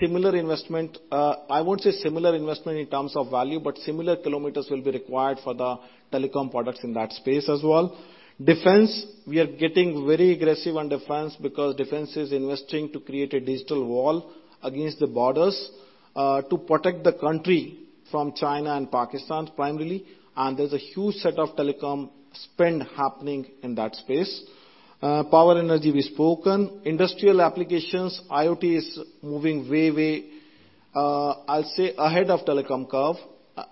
Similar investment, I won't say similar investment in terms of value, but similar kilometers will be required for the telecom products in that space as well. Defense, we are getting very aggressive on defense, because defense is investing to create a digital wall against the borders, to protect the country from China and Pakistan, primarily. There's a huge set of telecom spend happening in that space. Power energy, we've spoken. Industrial applications, IoT is moving way, way, I'll say, ahead of telecom curve.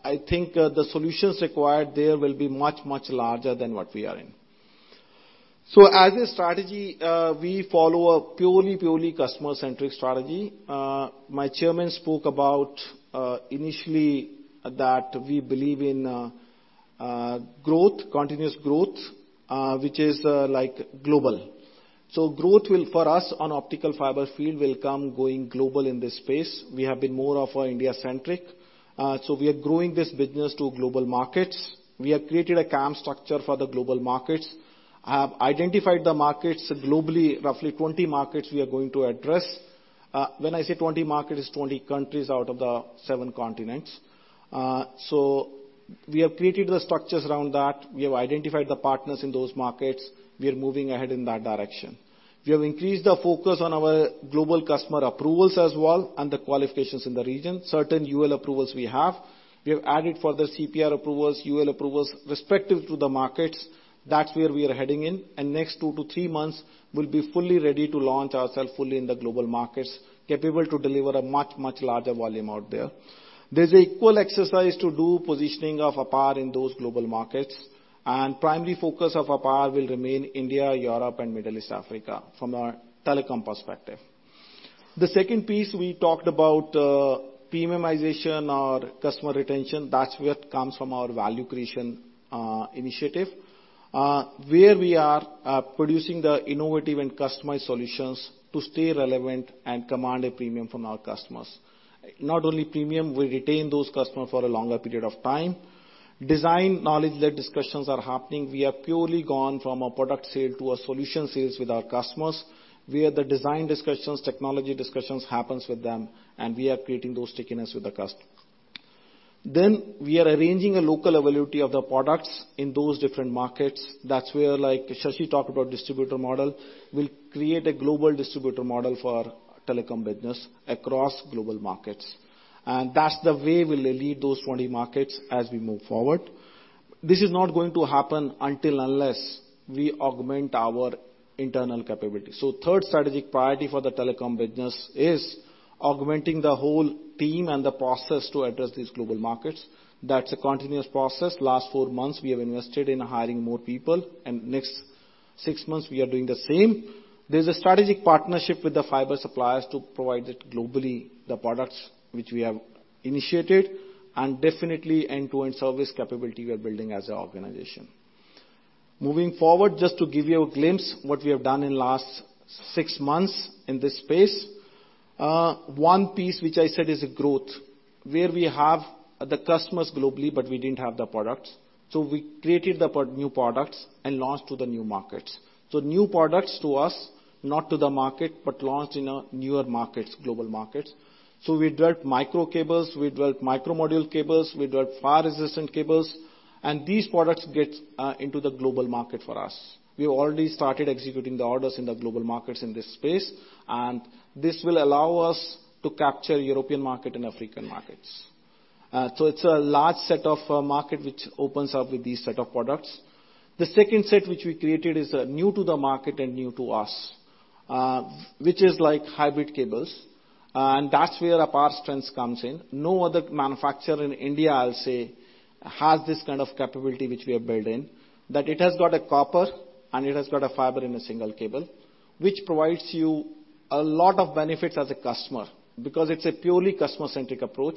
I think, the solutions required there will be much, much larger than what we are in. As a strategy, we follow a purely, purely customer-centric strategy. My Chairman spoke about, initially, that we believe in growth, continuous growth, which is like global. Growth will, for us, on optical fiber field will come going global in this space. We have been more of India-centric. We are growing this business to global markets. We have created a KAM structure for the global markets, have identified the markets globally, roughly 20 markets we are going to address. When I say 20 markets, it's 20 countries out of the seven continents. We have created the structures around that. We have identified the partners in those markets. We are moving ahead in that direction. We have increased the focus on our global customer approvals as well, and the qualifications in the region. Certain UL approvals we have. We have added for the CPR approvals, UL approvals, respective to the markets. That's where we are heading in. Next two-three months, we'll be fully ready to launch ourself fully in the global markets, capable to deliver a much, much larger volume out there. There's an equal exercise to do positioning of APAR in those global markets. Primary focus of APAR will remain India, Europe, and Middle East, Africa, from a telecom perspective. The second piece we talked about, premiumization or customer retention, that's what comes from our value creation initiative, where we are producing the innovative and customized solutions to stay relevant and command a premium from our customers. Not only premium, we retain those customers for a longer period of time. Design knowledge, led discussions are happening. We have purely gone from a product sale to a solution sales with our customers, where the design discussions, technology discussions, happens with them, and we are creating those stickiness with the customer. We are arranging a local availability of the products in those different markets. That's where, like, Shashi talked about distributor model. We'll create a global distributor model for telecom business across global markets, and that's the way we'll lead those 20 markets as we move forward. This is not going to happen until, unless, we augment our internal capability. Third strategic priority for the telecom business is augmenting the whole team and the process to address these global markets. That's a continuous process. Last four months, we have invested in hiring more people, and next six months, we are doing the same. There's a strategic partnership with the fiber suppliers to provide it globally, the products which we have initiated, and definitely end-to-end service capability we are building as an organization. Moving forward, just to give you a glimpse, what we have done in last 6 months in this space. One piece, which I said, is a growth, where we have the customers globally, but we didn't have the products, so we created the new products and launched to the new markets. New products to us, not to the market, but launched in a newer markets, global markets. We developed micro cables, we developed micro module cables, we developed fire-resistant cables, and these products get into the global market for us. We already started executing the orders in the global markets in this space. This will allow us to capture European market and African markets. It's a large set of market which opens up with these set of products. The second set, which we created, is new to the market and new to us, which is like hybrid cables. That's where APAR strengths comes in. No other manufacturer in India, I'll say, has this kind of capability which we have built in. That it has got a copper, and it has got a fiber in a single cable, which provides you a lot of benefits as a customer, because it's a purely customer-centric approach.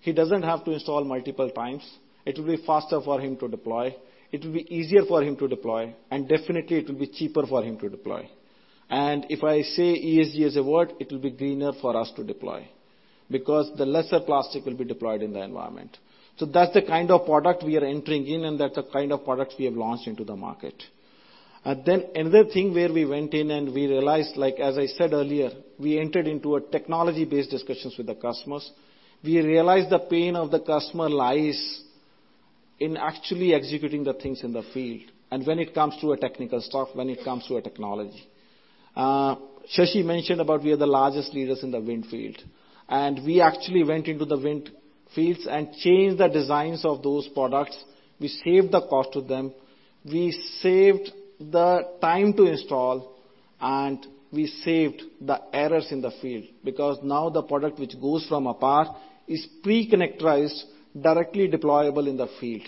He doesn't have to install multiple times. It will be faster for him to deploy, it will be easier for him to deploy, and definitely, it will be cheaper for him to deploy. If I say ESG as a word, it will be greener for us to deploy, because the lesser plastic will be deployed in the environment. That's the kind of product we are entering in, and that's the kind of products we have launched into the market. Another thing where we went in and we realized, like as I said earlier, we entered into a technology-based discussions with the customers. We realized the pain of the customer lies in actually executing the things in the field, and when it comes to a technical stuff, when it comes to a technology. Shashi mentioned about we are the largest leaders in the wind field, and we actually went into the wind fields and changed the designs of those products. We saved the cost to them, we saved the time to install, and we saved the errors in the field, because now the product which goes from APAR is pre-connectorized, directly deployable in the field.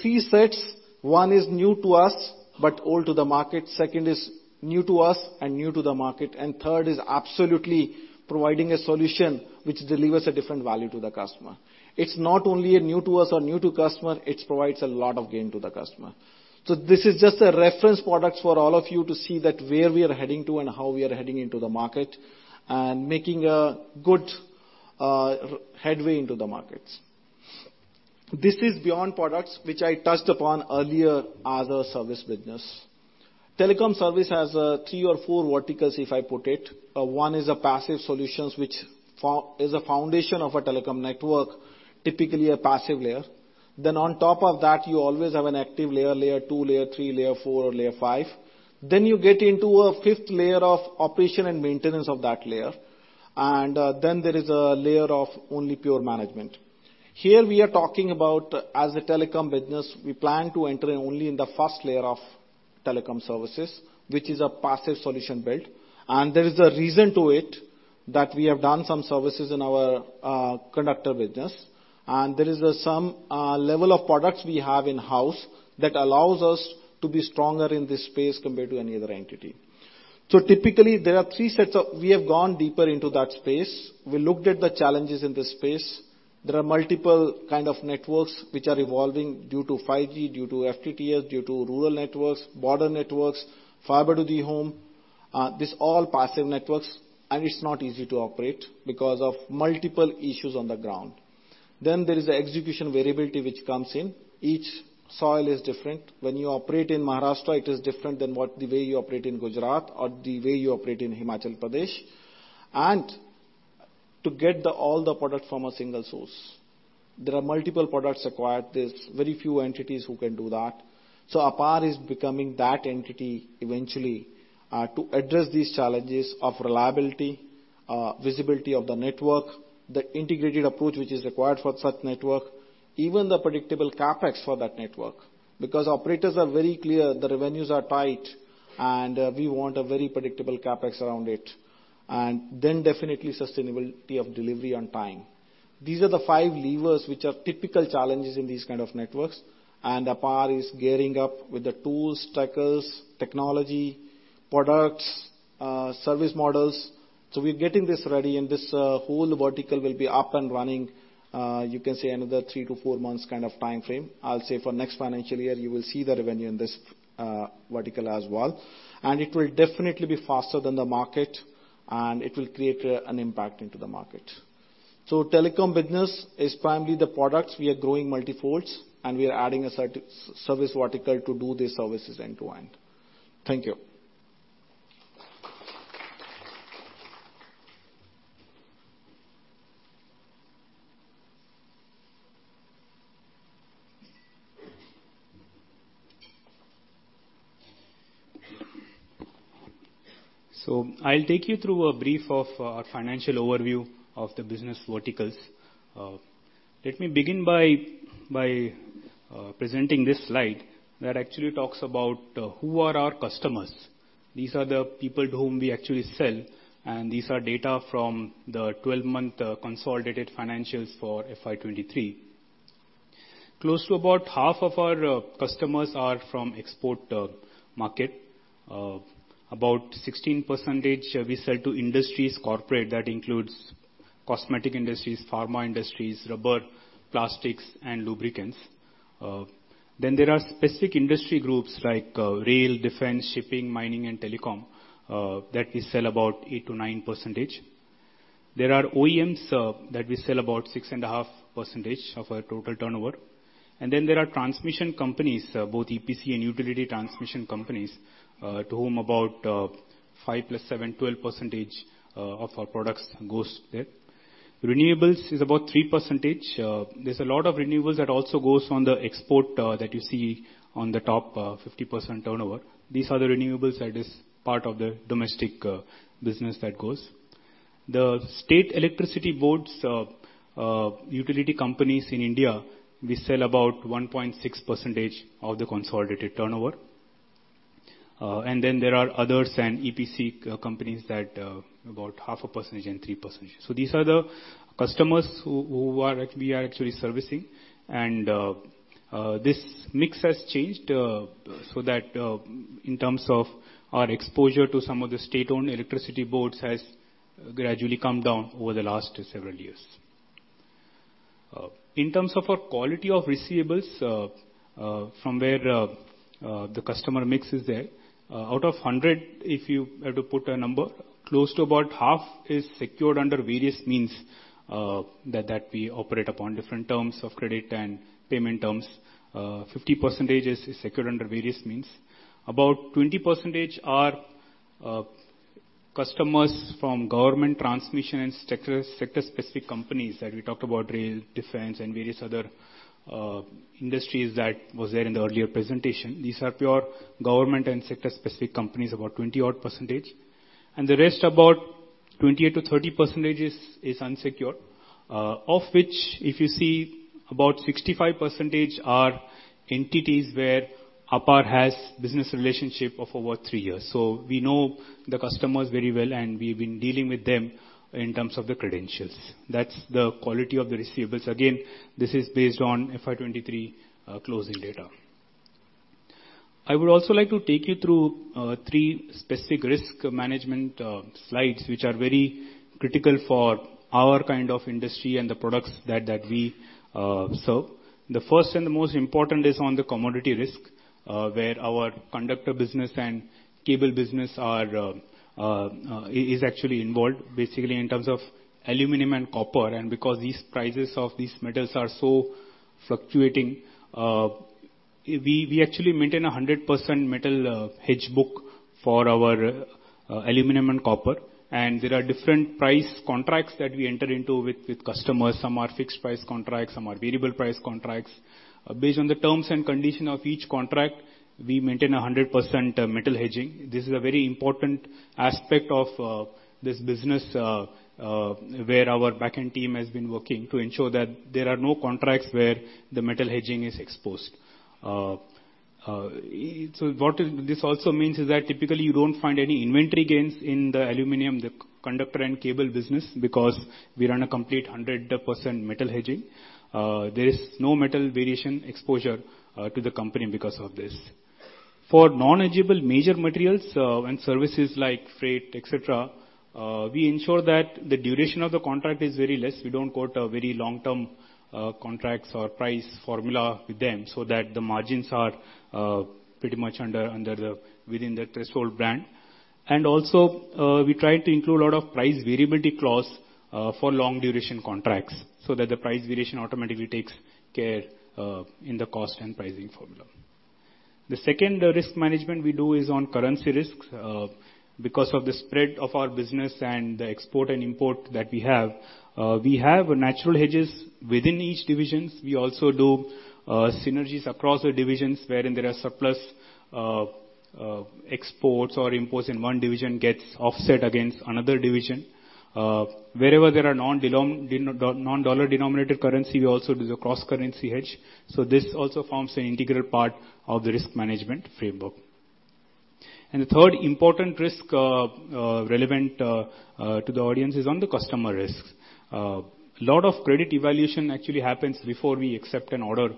Three sets, one is new to us, but old to the market. Second is new to us and new to the market. Third is absolutely providing a solution which delivers a different value to the customer. It's not only new to us or new to customer, it provides a lot of gain to the customer. This is just a reference products for all of you to see that where we are heading to and how we are heading into the market, and making a good headway into the markets. This is beyond products which I touched upon earlier, are the service business. Telecom service has, three or four verticals, if I put it. One is a passive solutions, which is a foundation of a telecom network, typically a passive layer. On top of that, you always have an active layer, layer 2, layer 3, layer 4, layer 5. You get into a fifth layer of operation and maintenance of that layer. There is a layer of only pure management. Here we are talking about, as a telecom business, we plan to enter only in the first layer of telecom services, which is a passive solution build. There is a reason to it, that we have done some services in our, conductor business, and there is some, level of products we have in-house that allows us to be stronger in this space compared to any other entity. Typically, there are three sets of- we have gone deeper into that space. We looked at the challenges in this space. There are multiple kind of networks which are evolving due to 5G, due to FTTx, due to rural networks, border networks, fiber to the home, these all passive networks, and it's not easy to operate because of multiple issues on the ground. There is the execution variability, which comes in. Each soil is different. When you operate in Maharashtra, it is different than what the way you operate in Gujarat or the way you operate in Himachal Pradesh. To get the, all the product from a single source, there are multiple products acquired. There's very few entities who can do that. APAR is becoming that entity eventually, to address these challenges of reliability, visibility of the network, the integrated approach, which is required for such network, even the predictable CapEx for that network, because operators are very clear, the revenues are tight, and we want a very predictable CapEx around it, and then definitely sustainability of delivery on time. These are the five levers, which are typical challenges in these kind of networks, and APAR is gearing up with the tools, trackers, technology, products, service models. We're getting this ready, and this whole vertical will be up and running, you can say, another three to four months kind of time frame. I'll say for next financial year, you will see the revenue in this vertical as well, and it will definitely be faster than the market, and it will create an impact into the market. Telecom business is primarily the products. We are growing multi-folds, and we are adding a service vertical to do these services end-to-end. Thank you.
I'll take you through a brief of our financial overview of the business verticals. Let me begin by, by presenting this slide that actually talks about who are our customers. These are the people to whom we actually sell, and these are data from the 12-month consolidated financials for FY 2023. Close to about half of our customers are from export market. About 16%, we sell to industries corporate. That includes cosmetic industries, pharma industries, rubber, plastics, and lubricants. Then there are specific industry groups like rail, defense, shipping, mining, and telecom that we sell about 8%-9%. There are OEMs that we sell about 6.5% of our total turnover. Then there are transmission companies, both EPC and utility transmission companies, to whom about 5% + 7%, 12% of our products goes there. Renewables is about 3%. There's a lot of renewables that also goes on the export that you see on the top, 50% turnover. These are the renewables that is part of the domestic business that goes. The state electricity boards, utility companies in India, we sell about 1.6% of the consolidated turnover. Then there are others and EPC companies that about 0.5% and 3%. These are the customers who are actually servicing, and this mix has changed so that in terms of our exposure to some of the state-owned electricity boards has gradually come down over the last several years. In terms of our quality of receivables, from where the customer mix is there, out of 100, if you have to put a number, close to about half is secured under various means that we operate upon different terms of credit and payment terms. 50% is secured under various means. About 20% are customers from government transmission and sector-specific companies that we talked about, rail, defense, and various other industries that was there in the earlier presentation. These are pure government and sector-specific companies, about 20%-odd. The rest, about 28%-30% is, is unsecured, of which, if you see, about 65% are entities where Apar has business relationship of over three years. We know the customers very well, and we've been dealing with them in terms of the credentials. That's the quality of the receivables. This is based on FY 2023 closing data. I would also like to take you through three specific risk management slides, which are very critical for our kind of industry and the products that, that we serve. The first and the most important is on the commodity risk, where our conductor business and cable business are- is actually involved, basically in terms of aluminum and copper. Because these prices of these metals are so fluctuating, we, we actually maintain a 100% metal hedge book for our aluminum and copper. There are different price contracts that we enter into with customers. Some are fixed price contracts, some are variable price contracts. Based on the terms and condition of each contract, we maintain a 100% metal hedging. This is a very important aspect of this business, where our back-end team has been working to ensure that there are no contracts where the metal hedging is exposed. What this also means is that typically you don't find any inventory gains in the aluminum, the conductor and cable business, because we run a complete 100% metal hedging. There is no metal variation exposure to the company because of this. For non-eligible major materials and services like freight, et cetera, we ensure that the duration of the contract is very less. We don't quote a very long-term contracts or price formula with them, so that the margins are pretty much under, under the, within the threshold brand. Also, we try to include a lot of price variability clause for long duration contracts, so that the price variation automatically takes care in the cost and pricing formula. The second risk management we do is on currency risks. Because of the spread of our business and the export and import that we have, we have natural hedges within each divisions. We also do synergies across the divisions, wherein there are surplus exports or imports in one division gets offset against another division. Wherever there are non-dollar denominated currency, we also do the cross-currency hedge, so this also forms an integral part of the risk management framework. The third important risk relevant to the audience is on the customer risks. A lot of credit evaluation actually happens before we accept an order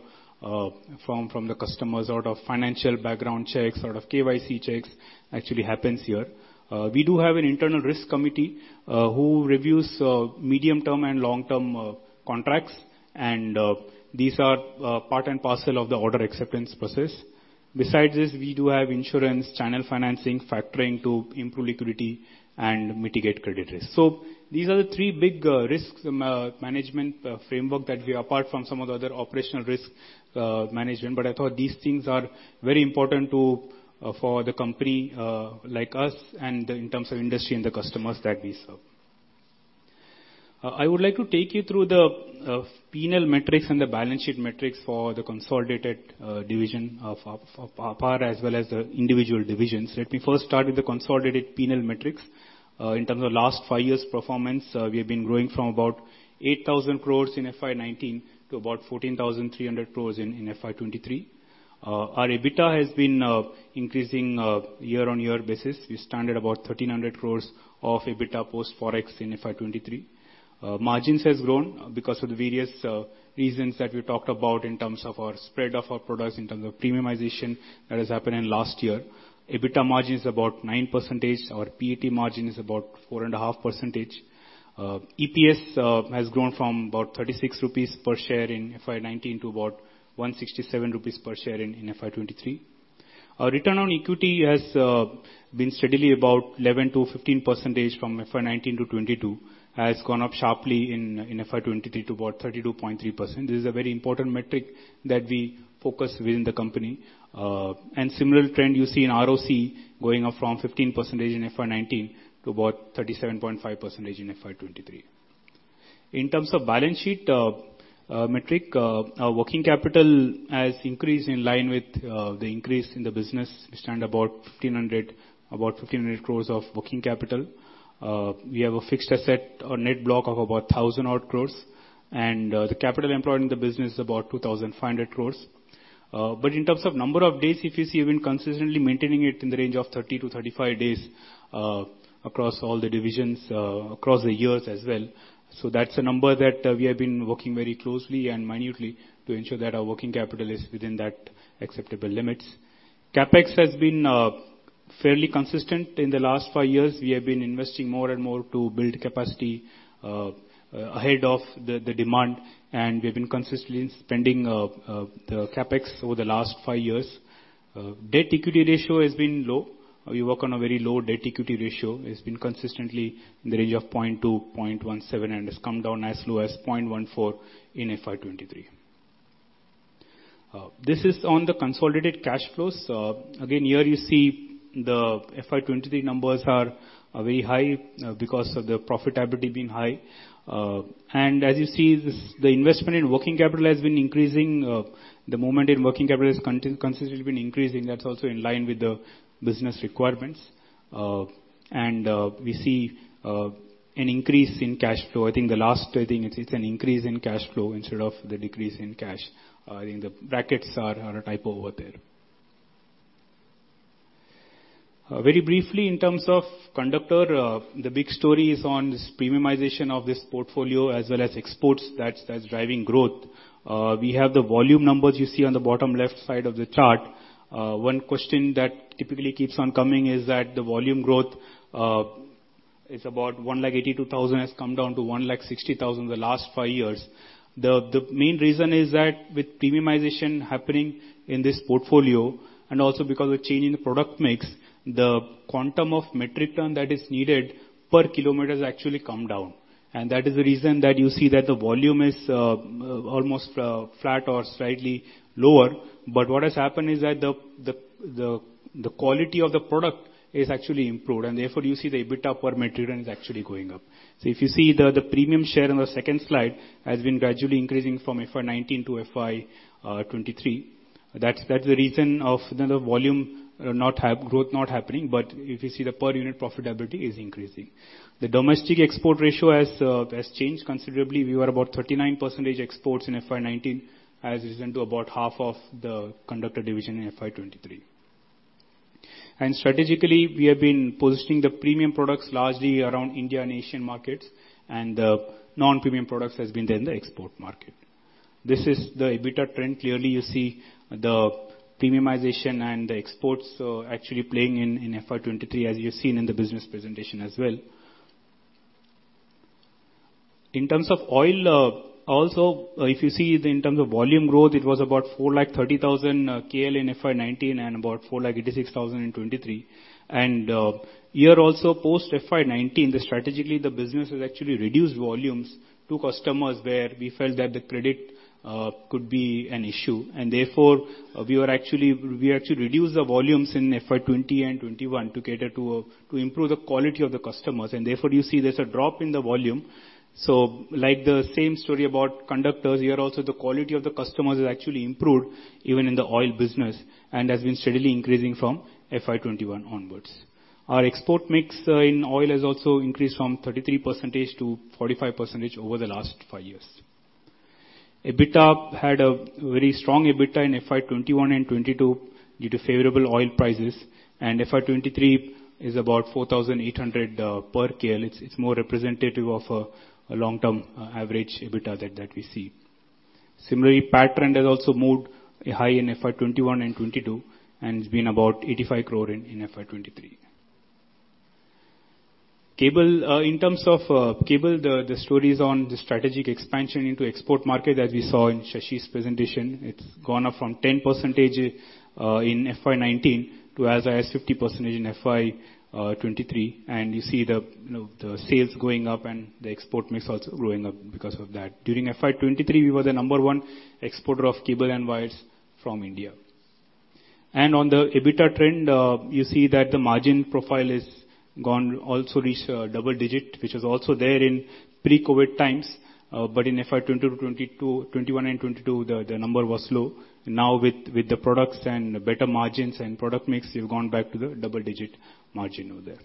from, from the customers. A lot of financial background checks, a lot of KYC checks actually happens here. We do have an internal risk committee who reviews medium-term and long-term contracts, these are part and parcel of the order acceptance process. Besides this, we do have insurance, channel financing, factoring to improve liquidity and mitigate credit risk. These are the three big risk management framework that we APAR from some of the other operational risk management, but I thought these things are very important to for the company like us and in terms of industry and the customers that we serve. I would like to take you through the P&L metrics and the balance sheet metrics for the consolidated division of APAR, as well as the individual divisions. Let me first start with the consolidated P&L metrics. In terms of last five years' performance, we have been growing from about 8,000 crore in FY 2019 to about 14,300 crore in FY 2023. Our EBITDA has been increasing year-on-year basis. We stand at about 1,300 crore of EBITDA post Forex in FY 2023. Margins has grown because of the various reasons that we talked about in terms of our spread of our products, in terms of premiumization that has happened in last year. EBITDA margin is about 9%. Our PAT margin is about 4.5%. EPS has grown from about 36 rupees per share in FY 2019 to about 167 rupees per share in FY 2023. Our return on equity has been steadily about 11%-15% from FY 2019-2022, has gone up sharply in FY 2023 to about 32.3%. This is a very important metric that we focus within the company. Similar trend you see in ROC going up from 15% in FY 2019 to about 37.5% in FY 2023. In terms of balance sheet metric, our working capital has increased in line with the increase in the business. We stand about 1,500 crores of working capital. We have a fixed asset or net block of about 1,000 crores odd, and the capital employed in the business is about 2,500 crores. In terms of number of days, if you see, we've been consistently maintaining it in the range of 30-35 days across all the divisions across the years as well. That's a number that we have been working very closely and minutely to ensure that our working capital is within that acceptable limits. CapEx has been fairly consistent in the last five years. We have been investing more and more to build capacity ahead of the demand, and we've been consistently spending the CapEx over the last five years. Debt equity ratio has been low. We work on a very low debt equity ratio. It's been consistently in the range of 0.2x, 0.17x, and has come down as low as 0.14x in FY 2023. This is on the consolidated cash flows. Again, here you see the FY 2023 numbers are very high because of the profitability being high. As you see, this, the investment in working capital has been increasing. The momentum in working capital has consistently been increasing. That's also in line with the business requirements. We see an increase in cash flow. I think the last, I think it's an increase in cash flow instead of the decrease in cash. I think the brackets are, are a typo over there. Very briefly, in terms of conductor, the big story is on this premiumization of this portfolio as well as exports that's, that's driving growth. We have the volume numbers you see on the bottom left side of the chart. One question that typically keeps on coming is that the volume growth is about 182,000, has come down to 160,000 the last five years. The, the main reason is that with premiumization happening in this portfolio, and also because of change in the product mix, the quantum of metric ton that is needed per kilometer has actually come down. That is the reason that you see that the volume is almost flat or slightly lower. What has happened is that the quality of the product is actually improved, and therefore, you see the EBITDA per metric ton is actually going up. If you see the premium share on the second slide has been gradually increasing from FY 2019 to FY 2023. That's, that's the reason of the volume not have growth not happening, but if you see the per unit profitability is increasing. The domestic export ratio has changed considerably. We were about 39% exports in FY 2019, as recent to about half of the Conductor Division in FY 2023. Strategically, we have been positioning the premium products largely around India and Asian markets, and the non-premium products has been there in the export market. This is the EBITDA trend. Clearly, you see the premiumization and the exports, actually playing in, in FY 2023, as you've seen in the business presentation as well. In terms of oil, also, if you see in terms of volume growth, it was about 430,000 KL in FY 2019, and about 486,000 in 2023. Year also post FY 2019, the strategically the business has actually reduced volumes to customers where we felt that the credit, could be an issue. Therefore, we were actually- we had to reduce the volumes in FY 2020 and 2021 to get it to, to improve the quality of the customers, and therefore, you see there's a drop in the volume. Like the same story about conductors, here also the quality of the customers has actually improved even in the oil business, and has been steadily increasing from FY 2021 onwards. Our export mix in oil has also increased from 33% to 45% over the last five years. EBITDA had a very strong EBITDA in FY 2021 and 2022 due to favorable oil prices, and FY 2023 is about 4,800 per KL. It's, it's more representative of a long-term average EBITDA that, that we see. Similarly, PAT trend has also moved a high in FY 2021 and 2022, it's been about 85 crore in FY 2023. Cable, in terms of cable, the story is on the strategic expansion into export market, as we saw in Shashi's presentation. It's gone up from 10% in FY 2019 to as high as 50% in FY 2023. You see the, you know, the sales going up and the export mix also going up because of that. During FY 2023, we were the number one exporter of cable and wires from India. On the EBITDA trend, you see that the margin profile is gone, also reached double-digit, which was also there in pre-COVID times. But in FY 2020 to 2022, 2021 and 2022, the number was low. With, with the products and better margins and product mix, we've gone back to the double-digit margin over there.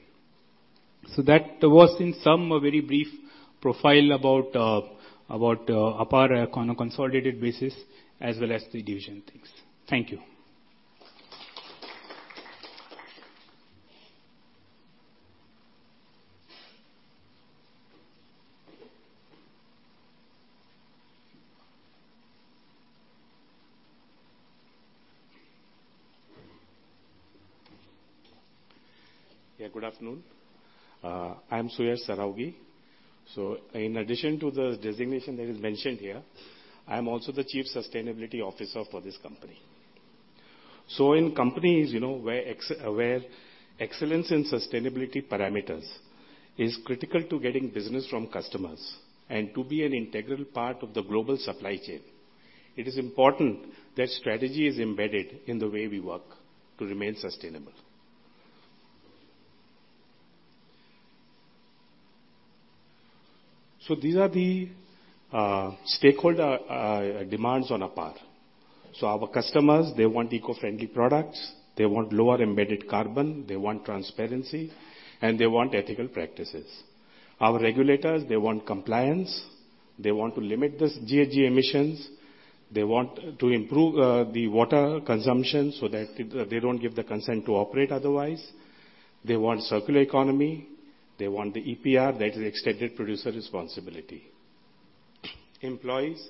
That was in some, a very brief profile about, about APAR on a consolidated basis, as well as the division things. Thank you.
Yeah, good afternoon. I'm Suyash Saraogi. In addition to the designation that is mentioned here, I'm also the Chief Sustainability Officer for this company. In companies, you know, where excellence in sustainability parameters is critical to getting business from customers and to be an integral part of the global supply chain, it is important that strategy is embedded in the way we work to remain sustainable. These are the stakeholder demands on APAR. Our customers, they want eco-friendly products, they want lower embedded carbon, they want transparency, and they want ethical practices. Our regulators, they want compliance, they want to limit this GHG emissions, they want to improve the water consumption so that they, they don't give the consent to operate otherwise. They want circular economy, they want the EPR, that is Extended Producer Responsibility. Employees,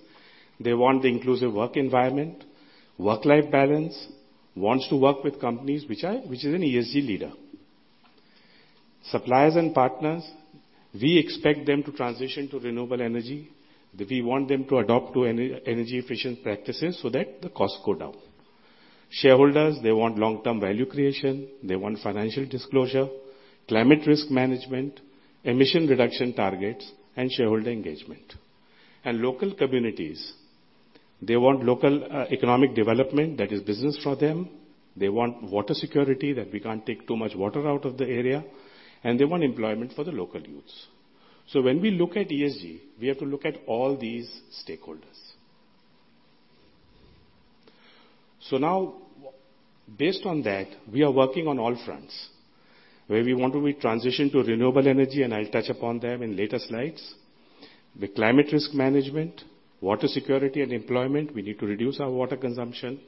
they want the inclusive work environment, work-life balance, wants to work with companies which is an ESG leader. Suppliers and partners, we expect them to transition to renewable energy. We want them to adopt to energy efficient practices so that the costs go down. Shareholders, they want long-term value creation, they want financial disclosure, climate risk management, emission reduction targets, and shareholder engagement. Local communities, they want local economic development, that is business for them. They want water security, that we can't take too much water out of the area, and they want employment for the local youths. When we look at ESG, we have to look at all these stakeholders. Now, based on that, we are working on all fronts, where we want to be transitioned to renewable energy, and I'll touch upon them in later slides. The climate risk management, water security, and employment, we need to reduce our water consumption.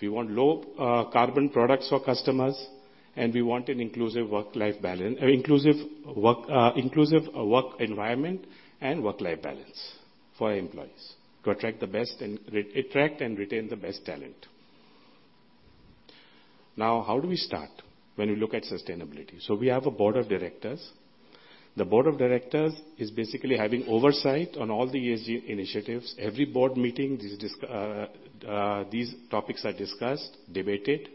We want low carbon products for customers, we want an inclusive work environment and work-life balance for our employees to attract and retain the best talent. How do we start when we look at sustainability? We have a board of directors. The board of directors is basically having oversight on all the ESG initiatives. Every board meeting, these topics are discussed, debated.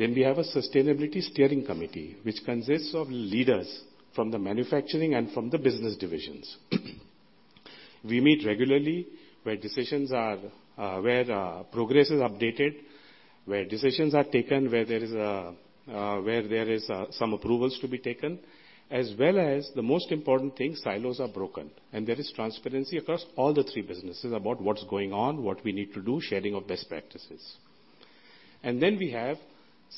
We have a sustainability steering committee, which consists of leaders from the manufacturing and from the business divisions. We meet regularly, where decisions are, where progress is updated, where decisions are taken, where there is, where there is, some approvals to be taken, as well as the most important thing, silos are broken, and there is transparency across all the three businesses about what's going on, what we need to do, sharing of best practices. Then we have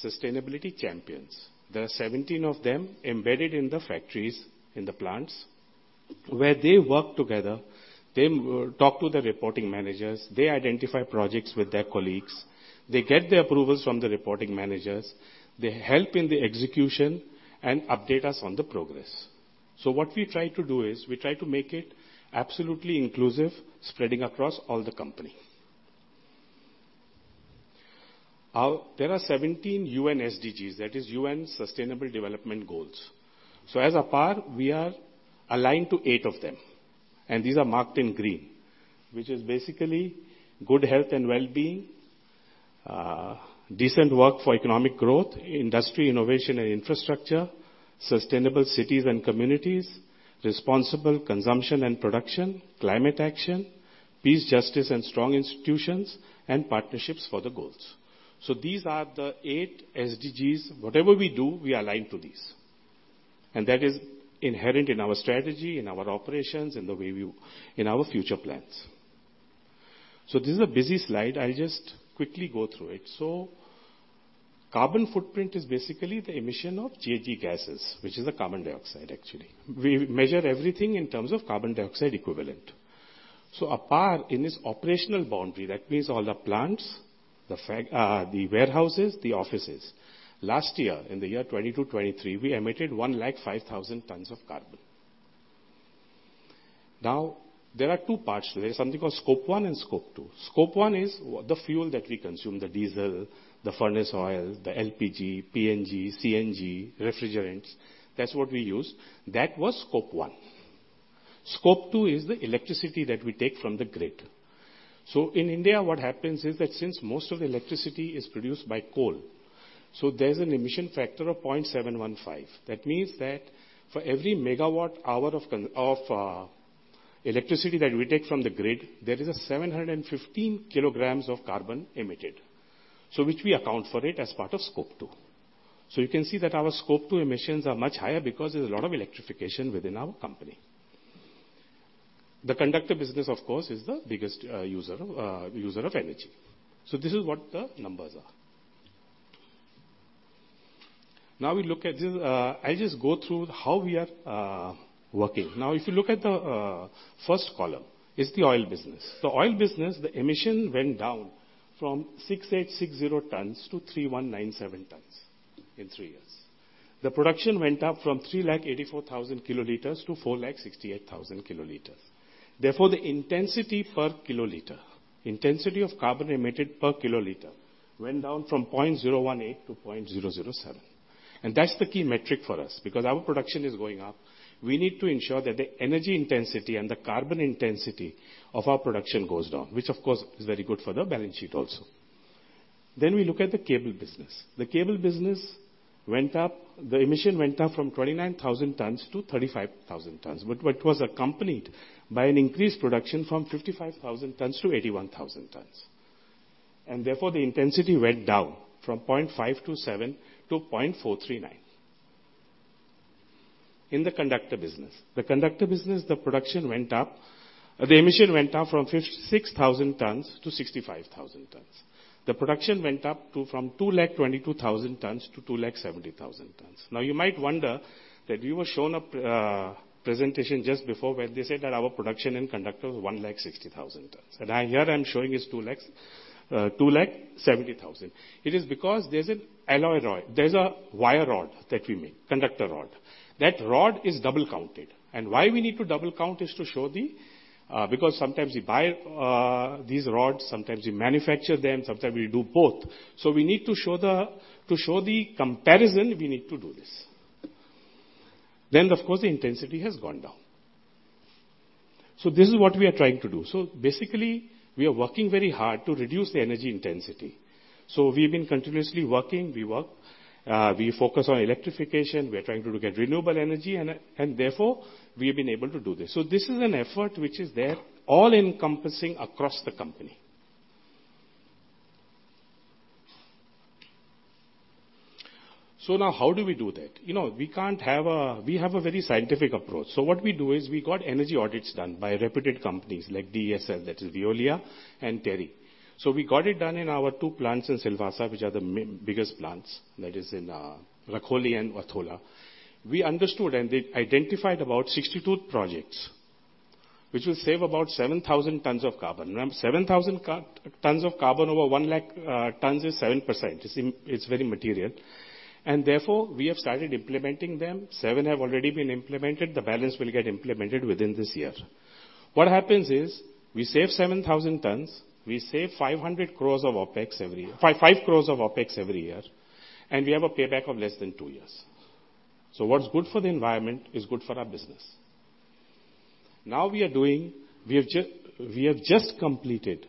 sustainability champions. There are 17 of them embedded in the factories, in the plants. Where they work together, they talk to the reporting managers, they identify projects with their colleagues, they get the approvals from the reporting managers, they help in the execution and update us on the progress. What we try to do is, we try to make it absolutely inclusive, spreading across all the company. There are 17 UN SDGs, that is UN Sustainable Development Goals. As APAR, we are aligned to eight of them, and these are marked in green, which is basically good health and well-being, decent work for economic growth, industry, innovation and infrastructure, sustainable cities and communities, responsible consumption and production, climate action, peace, justice, and strong institutions, and partnerships for the goals. These are the eight SDGs. Whatever we do, we align to these, and that is inherent in our strategy, in our operations, and the way in our future plans. This is a busy slide. I'll just quickly go through it. Carbon footprint is basically the emission of GHG gases, which is carbon dioxide, actually. We measure everything in terms of carbon dioxide equivalent. APAR, in its operational boundary, that means all the plants, the warehouses, the offices. Last year, in the year 2022, 2023, we emitted 105,000 tons of carbon. Now, there are two parts. There is something called Scope 1 and Scope 2. Scope 1 is the fuel that we consume, the diesel, the furnace oil, the LPG, PNG, CNG, refrigerants. That's what we use. That was Scope 1. Scope 2 is the electricity that we take from the grid. In India, what happens is that since most of the electricity is produced by coal, there's an emission factor of 0.715. That means that for every megawatt hour of electricity that we take from the grid, there is a 715 kilograms of carbon emitted, which we account for it as part of Scope 2. You can see that our Scope 2 emissions are much higher because there's a lot of electrification within our company. The conductor business, of course, is the biggest user, user of energy. This is what the numbers are. We look at the-- I'll just go through how we are working. If you look at the first column, it's the oil business. The oil business, the emission went down from 6,860 tons to 3,197 tons in three years. The production went up from 384,000 kiloliters to 468,000 kiloliters. The intensity per kiloliter, intensity of carbon emitted per kiloliter, went down from 0.018 to 0.007. That's the key metric for us, because our production is going up. We need to ensure that the energy intensity and the carbon intensity of our production goes down, which, of course, is very good for the balance sheet also. We look at the cable business. The cable business went up, the emission went up from 29,000 tons to 35,000 tons, but what was accompanied by an increased production from 55,000 tons to 81,000 tons. Therefore, the intensity went down from 0.527 to 0.439. In the conductor business. The conductor business, the production went up, the emission went up from 56,000 tons to 65,000 tons. The production went up to, from 222,000 tons to 270,000 tons. You might wonder that you were shown a presentation just before, where they said that our production in conductor was 160,000 tons, and I, here I'm showing is 270,000. It is because there's an alloy rod. There's a wire rod that we make, conductor rod. That rod is double counted. Why we need to double count is to show the, because sometimes we buy these rods, sometimes we manufacture them, sometimes we do both. We need to show the, to show the comparison, we need to do this. Of course, the intensity has gone down. This is what we are trying to do. Basically, we are working very hard to reduce the energy intensity. We've been continuously working. We work, we focus on electrification, we are trying to look at renewable energy, and, and therefore, we have been able to do this. This is an effort which is there, all-encompassing across the company. Now, how do we do that? You know, we have a very scientific approach. What we do is, we got energy audits done by reputed companies like DESL, that is Veolia and TERI. We got it done in our two plants in Silvassa, which are the biggest plants, that is in Rakholi and Athola. We understood, and they identified about 62 projects, which will save about 7,000 tons of carbon. Remember, 7,000 tons of carbon over 100,000 tons is 7%. It's, it's very material. And therefore, we have started implementing them. 7% have already been implemented. The balance will get implemented within this year. What happens is, we save 7,000 tons, we save 5 crores of OpEx every year, and we have a payback of less than two years. What's good for the environment is good for our business. We are doing, we have just, we have just completed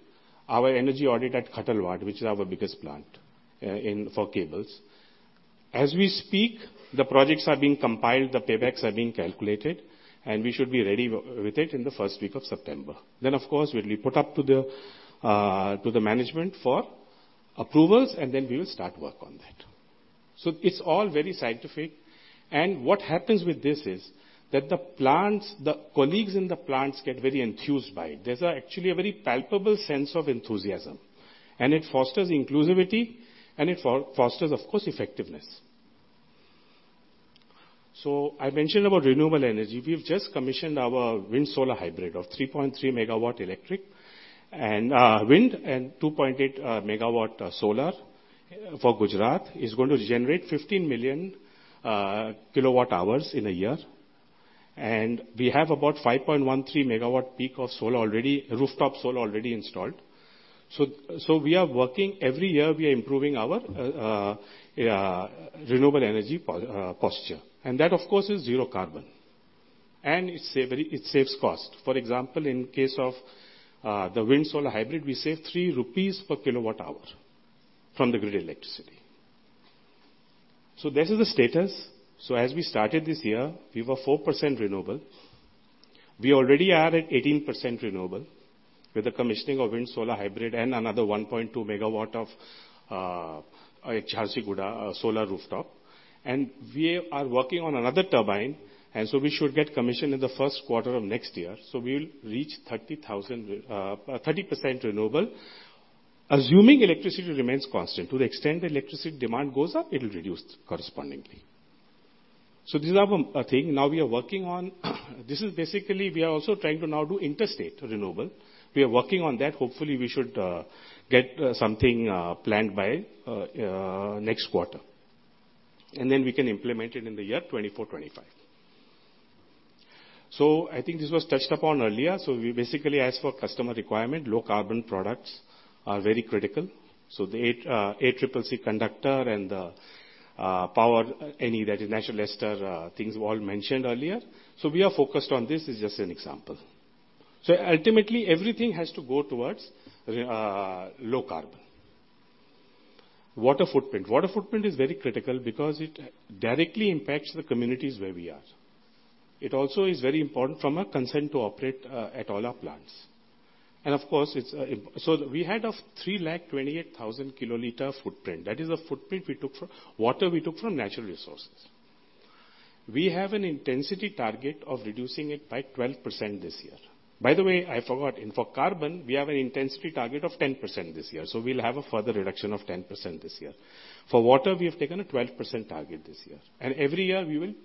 our energy audit at Khattalwada, which is our biggest plant, in, for cables. As we speak, the projects are being compiled, the paybacks are being calculated, and we should be ready with it in the first week of September. Of course, we'll be put up to the, to the management for approvals, and then we will start work on that. It's all very scientific, and what happens with this is, that the plants, the colleagues in the plants get very enthused by it. There's actually a very palpable sense of enthusiasm, and it fosters inclusivity, and it fosters, of course, effectiveness. I mentioned about renewable energy. We've just commissioned our wind solar hybrid of 3.3 MW electric, and wind and 2.8 MW solar for Gujarat. It's going to generate 15 million kWh in a year, and we have about 5.13 MW peak of solar already rooftop solar already installed. We are working. Every year, we are improving our renewable energy posture, and that, of course, is zero carbon, and it saves cost. For example, in case of the wind solar hybrid, we save 3 rupees per kWh from the grid electricity. This is the status. As we started this year, we were 4% renewable. We already are at 18% renewable, with the commissioning of wind solar hybrid and another 1.2 MW of Jharsuguda solar rooftop. We are working on another turbine, so we should get commission in the first quarter of next year, so we'll reach 30% renewable. Assuming electricity remains constant. To the extent that electricity demand goes up, it will reduce correspondingly. This is our thing. Now we are working on this, basically. We are also trying to now do interstate renewable. We are working on that. Hopefully, we should get something planned by next quarter, and then we can implement it in the year 2024, 2025. I think this was touched upon earlier. We basically, as for customer requirement, low carbon products are very critical. The HT ACCC conductor and the POWEROIL NE Premium things were all mentioned earlier. We are focused on this is just an example. Ultimately, everything has to go towards low carbon. Water footprint. Water footprint is very critical because it directly impacts the communities where we are. It also is very important from a consent to operate at all our plants. Of course, it's-- We had a 328,000 kiloliter footprint. That is a footprint we took from water we took from natural resources. We have an intensity target of reducing it by 12% this year. By the way, I forgot, for carbon, we have an intensity target of 10% this year, so we'll have a further reduction of 10% this year. For water, we have taken a 12% target this year, and every year, we will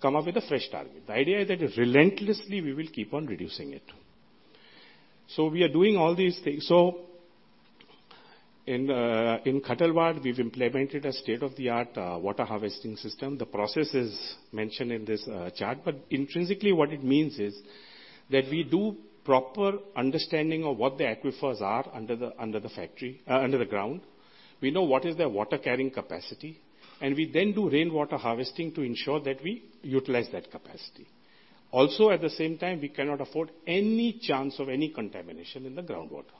come up with a fresh target. The idea is that relentlessly, we will keep on reducing it. We are doing all these things. In Khattalwada, we've implemented a state-of-the-art water harvesting system. The process is mentioned in this chart, but intrinsically, what it means is that we do proper understanding of what the aquifers are under the, under the factory, under the ground. We know what is their water carrying capacity, and we then do rainwater harvesting to ensure that we utilize that capacity. At the same time, we cannot afford any chance of any contamination in the groundwater.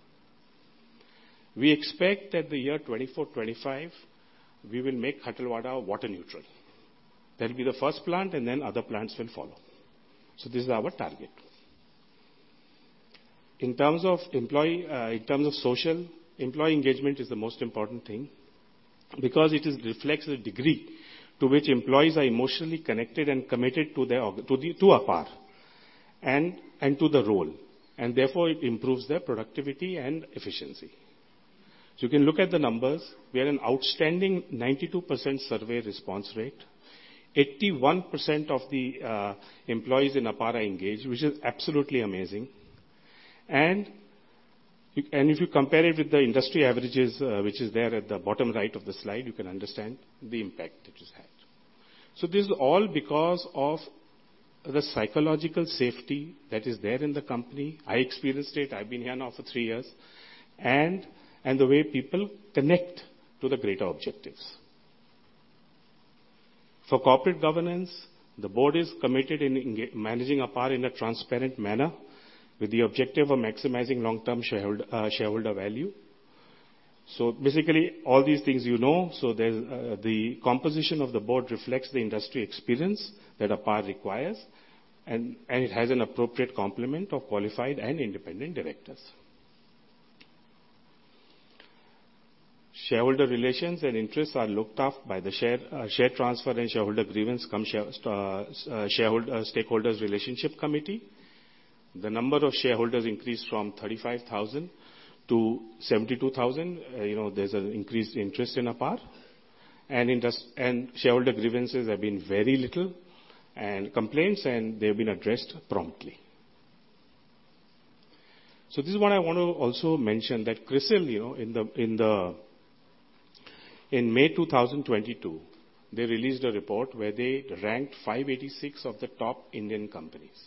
We expect that the year 2024, 2025, we will make Khattalwada water neutral. That'll be the first plant, and then other plants will follow. This is our target. In terms of employee, in terms of social, employee engagement is the most important thing because it is reflects the degree to which employees are emotionally connected and committed to their APAR and, and to the role, and therefore, it improves their productivity and efficiency. You can look at the numbers. We are an outstanding 92% survey response rate. 81% of the employees in APAR are engaged, which is absolutely amazing. If you compare it with the industry averages, which is there at the bottom right of the slide, you can understand the impact it has had. This is all because of the psychological safety that is there in the company. I experienced it. I've been here now for three years, and the way people connect to the greater objectives. For corporate governance, the board is committed in managing APAR in a transparent manner, with the objective of maximizing long-term shareholder value. Basically, all these things you know. The composition of the board reflects the industry experience that APAR requires, and it has an appropriate complement of qualified and independent directors. Shareholder relations and interests are looked after by the share transfer and shareholder grievance cum shareholder, stakeholders relationship committee. The number of shareholders increased from 35,000 to 72,000. You know, there's an increased interest in APAR, and shareholder grievances have been very little, and complaints, and they've been addressed promptly. This is what I want to also mention, that CRISIL, you know, in May 2022, they released a report where they ranked 586 of the top Indian companies.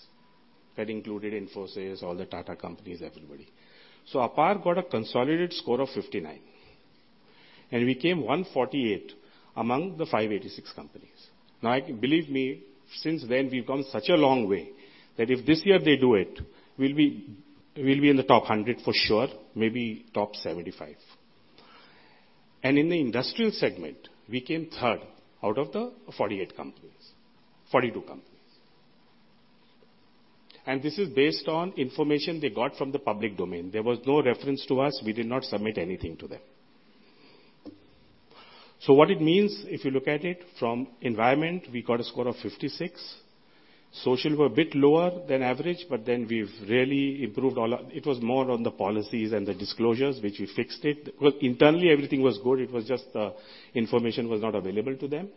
That included Infosys, all the Tata companies, everybody. APAR got a consolidated score of 59, and we came 148 among the 586 companies. Believe me, since then, we've come such a long way that if this year they do it, we'll be, we'll be in the top 100 for sure, maybe top 75. In the industrial segment, we came third out of the 48 companies, 42 companies. This is based on information they got from the public domain. There was no reference to us. We did not submit anything to them. What it means, if you look at it from environment, we got a score of 56. Social were a bit lower than average, but then we've really improved all our. It was more on the policies and the disclosures, which we fixed it. Well, internally, everything was good. It was just the information was not available to them.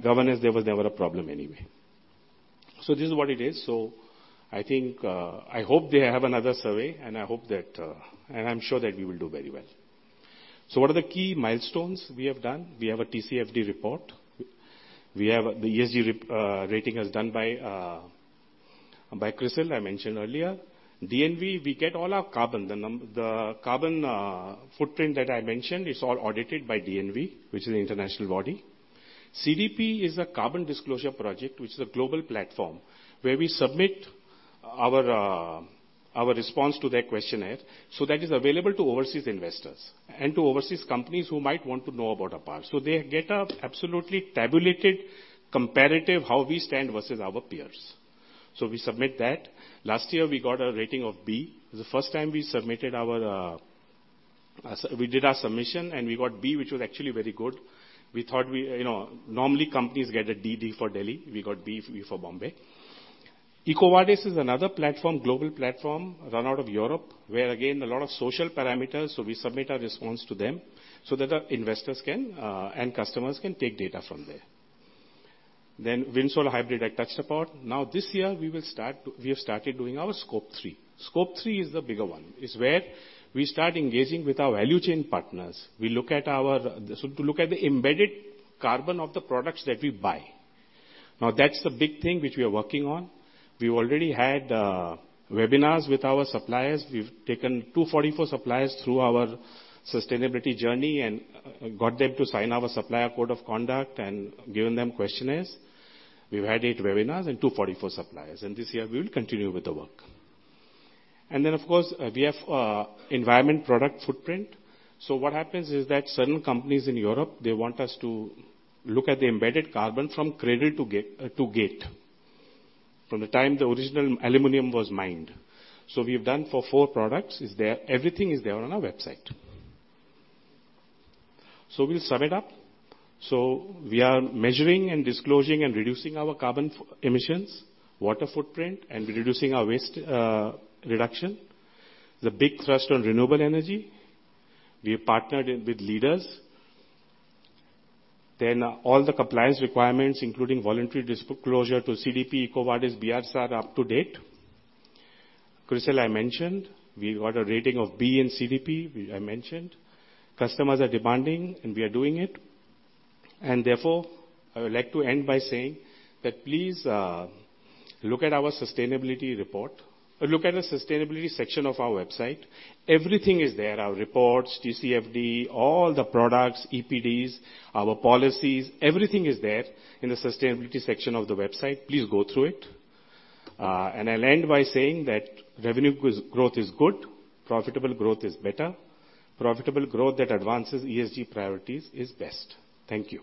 Governance, there was never a problem anyway. This is what it is. I think, I hope they have another survey, and I hope that, and I'm sure that we will do very well. What are the key milestones we have done? We have a TCFD report. We have the ESG rating as done by CRISIL, I mentioned earlier. DNV, we get all our carbon. The carbon footprint that I mentioned is all audited by DNV, which is an international body. CDP is a Carbon Disclosure Project, which is a global platform, where we submit our response to their questionnaire. That is available to overseas investors and to overseas companies who might want to know about our parts. They get an absolutely tabulated comparative, how we stand versus our peers. We submit that. Last year, we got a rating of B. The first time we submitted our, we did our submission, and we got B, which was actually very good. We thought we, you know. Normally, companies get a DD for Delhi. We got BB for Bombay. EcoVadis is another platform, global platform, run out of Europe, where, again, a lot of social parameters. We submit our response to them, so that our investors can and customers can take data from there. Wind solar hybrid, I touched upon. Now, this year, we have started doing our Scope 3. Scope 3 is the bigger one. It's where we start engaging with our value chain partners. We look at the embedded carbon of the products that we buy. Now, that's the big thing which we are working on. We already had webinars with our suppliers. We've taken 244 suppliers through our sustainability journey and got them to sign our supplier code of conduct and given them questionnaires. We've had 8 webinars and 244 suppliers. This year we will continue with the work. Then, of course, we have environment product footprint. What happens is that certain companies in Europe, they want us to look at the embedded carbon from cradle to gate, to gate, from the time the original aluminum was mined. We've done for four products, is there. Everything is there on our website. We'll sum it up. We are measuring and disclosing and reducing our carbon emissions, water footprint, and reducing our waste reduction. The big thrust on renewable energy, we have partnered with leaders. All the compliance requirements, including voluntary disclosure to CDP, EcoVadis, BRSR are up to date. CRISIL, I mentioned. We got a rating of B in CDP, we, I mentioned. Customers are demanding, and we are doing it. Therefore, I would like to end by saying that please look at our sustainability report, or look at the sustainability section of our website. Everything is there, our reports, TCFD, all the products, EPDs, our policies, everything is there in the sustainability section of the website. Please go through it. I'll end by saying that revenue growth is good, profitable growth is better. Profitable growth that advances ESG priorities is best. Thank you.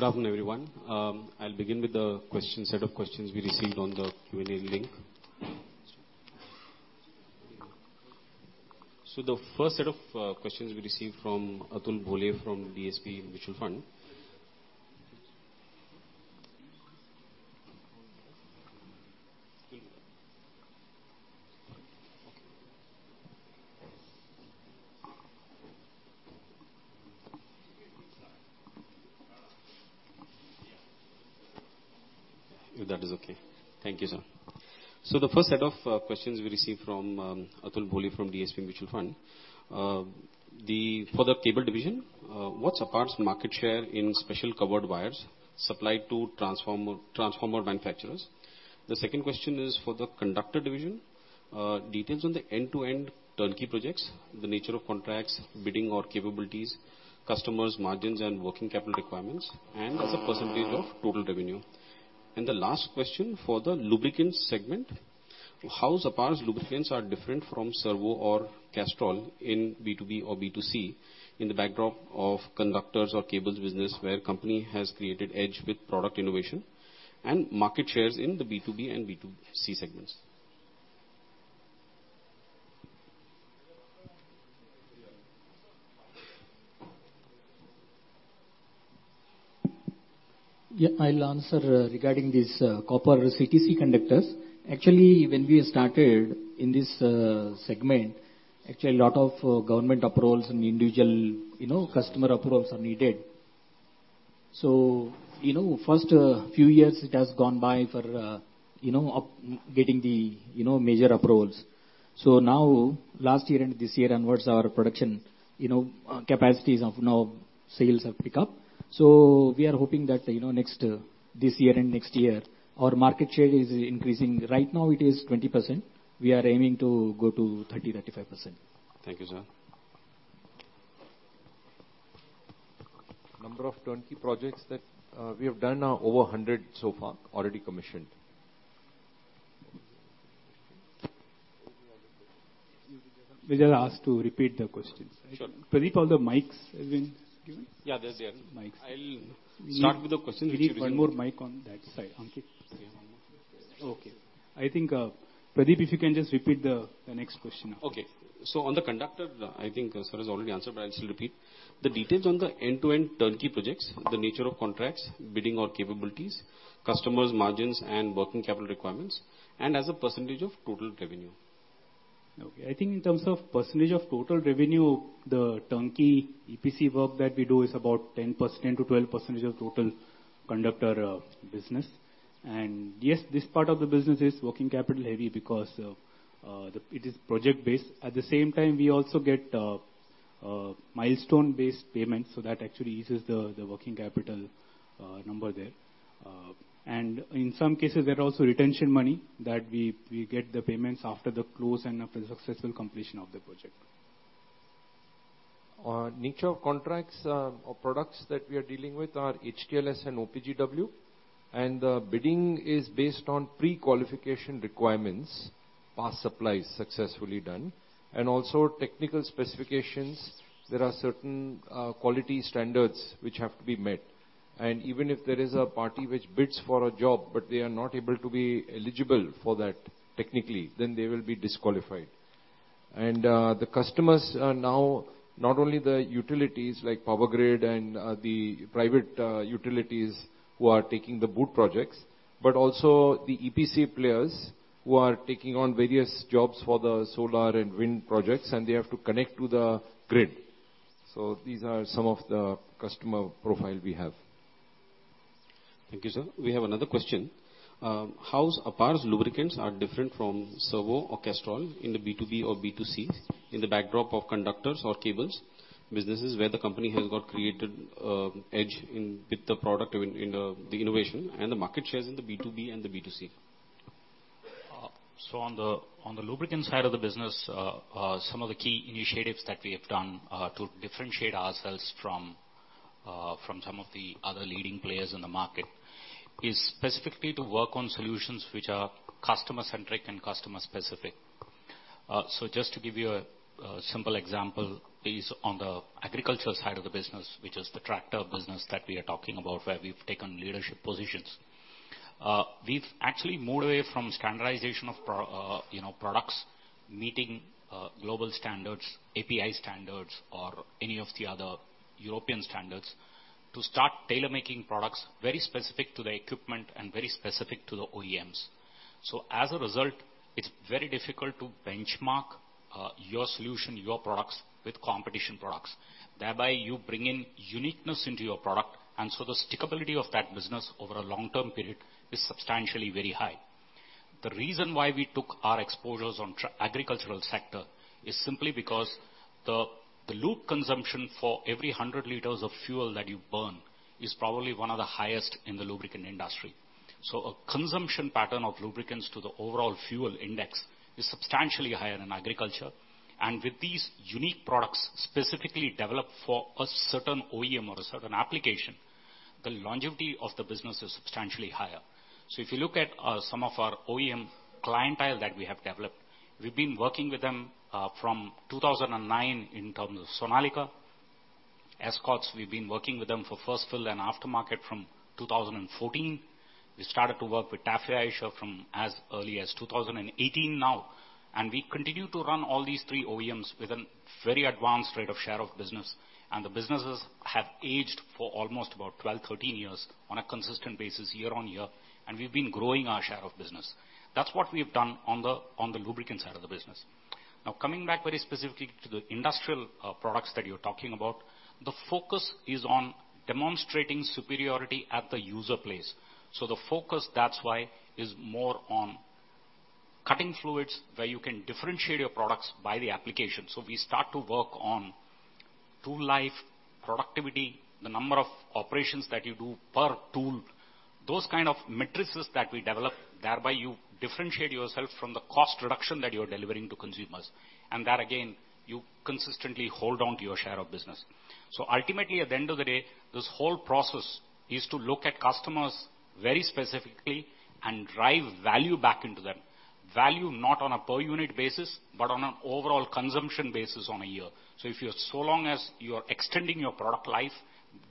Good after- Good afternoon, everyone. I'll begin with the questions, set of questions we received on the Q&A link. The first set of questions we received from Atul Bhole from DSP Mutual Fund. If that is okay. Thank you, sir. The first set of questions we received from Atul Bhole from DSP Mutual Fund. The, for the Cable Division, what's APAR market share in special covered wires supplied to transformer, transformer manufacturers? The second question is for the Conductor Division, details on the end-to-end turnkey projects, the nature of contracts, bidding, or capabilities, customers, margins, and working capital requirements, ad as a percentage of total revenue. The last question for the lubricants segment, how APAR's lubricants are different from Servo or Castrol in B2B or B2C, in the backdrop of conductors or cables business, where company has created edge with product innovation and market shares in the B2B and B2C segments?
Yeah, I'll answer, regarding this, copper CTC conductors. Actually, when we started in this segment, actually, a lot of government approvals and individual, you know, customer approvals are needed. You know, first, few years it has gone by for, you know, getting the, you know, major approvals. Now, last year and this year, and what's our production, you know, capacities of now sales have pick up. We are hoping that, you know, next, this year and next year, our market share is increasing. Right now, it is 20%. We are aiming to go to 30%-35%.
Thank you, sir.
Number of turnkey projects that we have done are over 100 so far, already commissioned.
We just ask to repeat the questions. Sure. Pradeep, all the mics has been given?
Yeah, there's there. I'll start with the question which you-
We need one more mic on that side, Ankit. Okay. I think, Pradeep, if you can just repeat the next question.
Okay. On the conductor, I think sir has already answered, but I'll still repeat. The details on the end-to-end turnkey projects, the nature of contracts, bidding or capabilities, customers margins, and working capital requirements, and as a percentage of total revenue.
Okay. I think in terms of percentage of total revenue, the turnkey EPC work that we do is about 10%-12% of total conductor business. Yes, this part of the business is working capital heavy because it is project-based. At the same time, we also get a milestone-based payment, so that actually eases the working capital number there. In some cases, there are also retention money that we get the payments after the close and after the successful completion of the project.
Nature of contracts or products that we are dealing with are HTLS and OPGW. The bidding is based on pre-qualification requirements, past supplies successfully done, and also technical specifications. There are certain quality standards which have to be met. Even if there is a party which bids for a job, but they are not able to be eligible for that technically, then they will be disqualified. The customers are now not only the utilities like Power Grid and the private utilities who are taking the BOOT projects, but also the EPC players who are taking on various jobs for the solar and wind projects, and they have to connect to the grid. These are some of the customer profile we have.
Thank you, sir. We have another question. How's APAR's lubricants are different from Servo or Castrol in the B2B or B2C, in the backdrop of conductors or cables, businesses where the company has got created, edge in with the product, in the innovation and the market shares in the B2B and the B2C?
On the, on the lubricant side of the business, some of the key initiatives that we have done to differentiate ourselves from some of the other leading players in the market, is specifically to work on solutions which are customer-centric and customer-specific. Just to give you a, a simple example, is on the agriculture side of the business, which is the tractor business that we are talking about, where we've taken leadership positions. We've actually moved away from standardization of, you know, products, meeting global standards, API standards, or any of the other European standards, to start tailor-making products very specific to the equipment and very specific to the OEMs. As a result, it's very difficult to benchmark your solution, your products, with competition products. Thereby, you bring in uniqueness into your product, and the stickability of that business over a long-term period is substantially very high. The reason why we took our exposures on agricultural sector, is simply because the lube consumption for every 100 liters of fuel that you burn, is probably one of the highest in the lubricant industry. A consumption pattern of lubricants to the overall fuel index is substantially higher in agriculture. With these unique products, specifically developed for a certain OEM or a certain application, the longevity of the business is substantially higher. If you look at some of our OEM clientele that we have developed, we've been working with them from 2009 in terms of Sonalika. Escorts, we've been working with them for first fill and aftermarket from 2014. We started to work with TAFE, Eicher from as early as 2018 now, and we continue to run all these three OEMs with a very advanced rate of share of business, and the businesses have aged for almost about 12, 13 years on a consistent basis, year-on-year, and we've been growing our share of business. That's what we've done on the, on the lubricant side of the business. Coming back very specifically to the industrial products that you're talking about, the focus is on demonstrating superiority at the user place. The focus, that's why, is more on cutting fluids, where you can differentiate your products by the application. We start to work on tool life, productivity, the number of operations that you do per tool, those kind of matrices that we develop, thereby, you differentiate yourself from the cost reduction that you are delivering to consumers, and that, again, you consistently hold on to your share of business. Ultimately, at the end of the day, this whole process is to look at customers very specifically and drive value back into them. Value not on a per unit basis, but on an overall consumption basis on a year. If you're so long as you are extending your product life,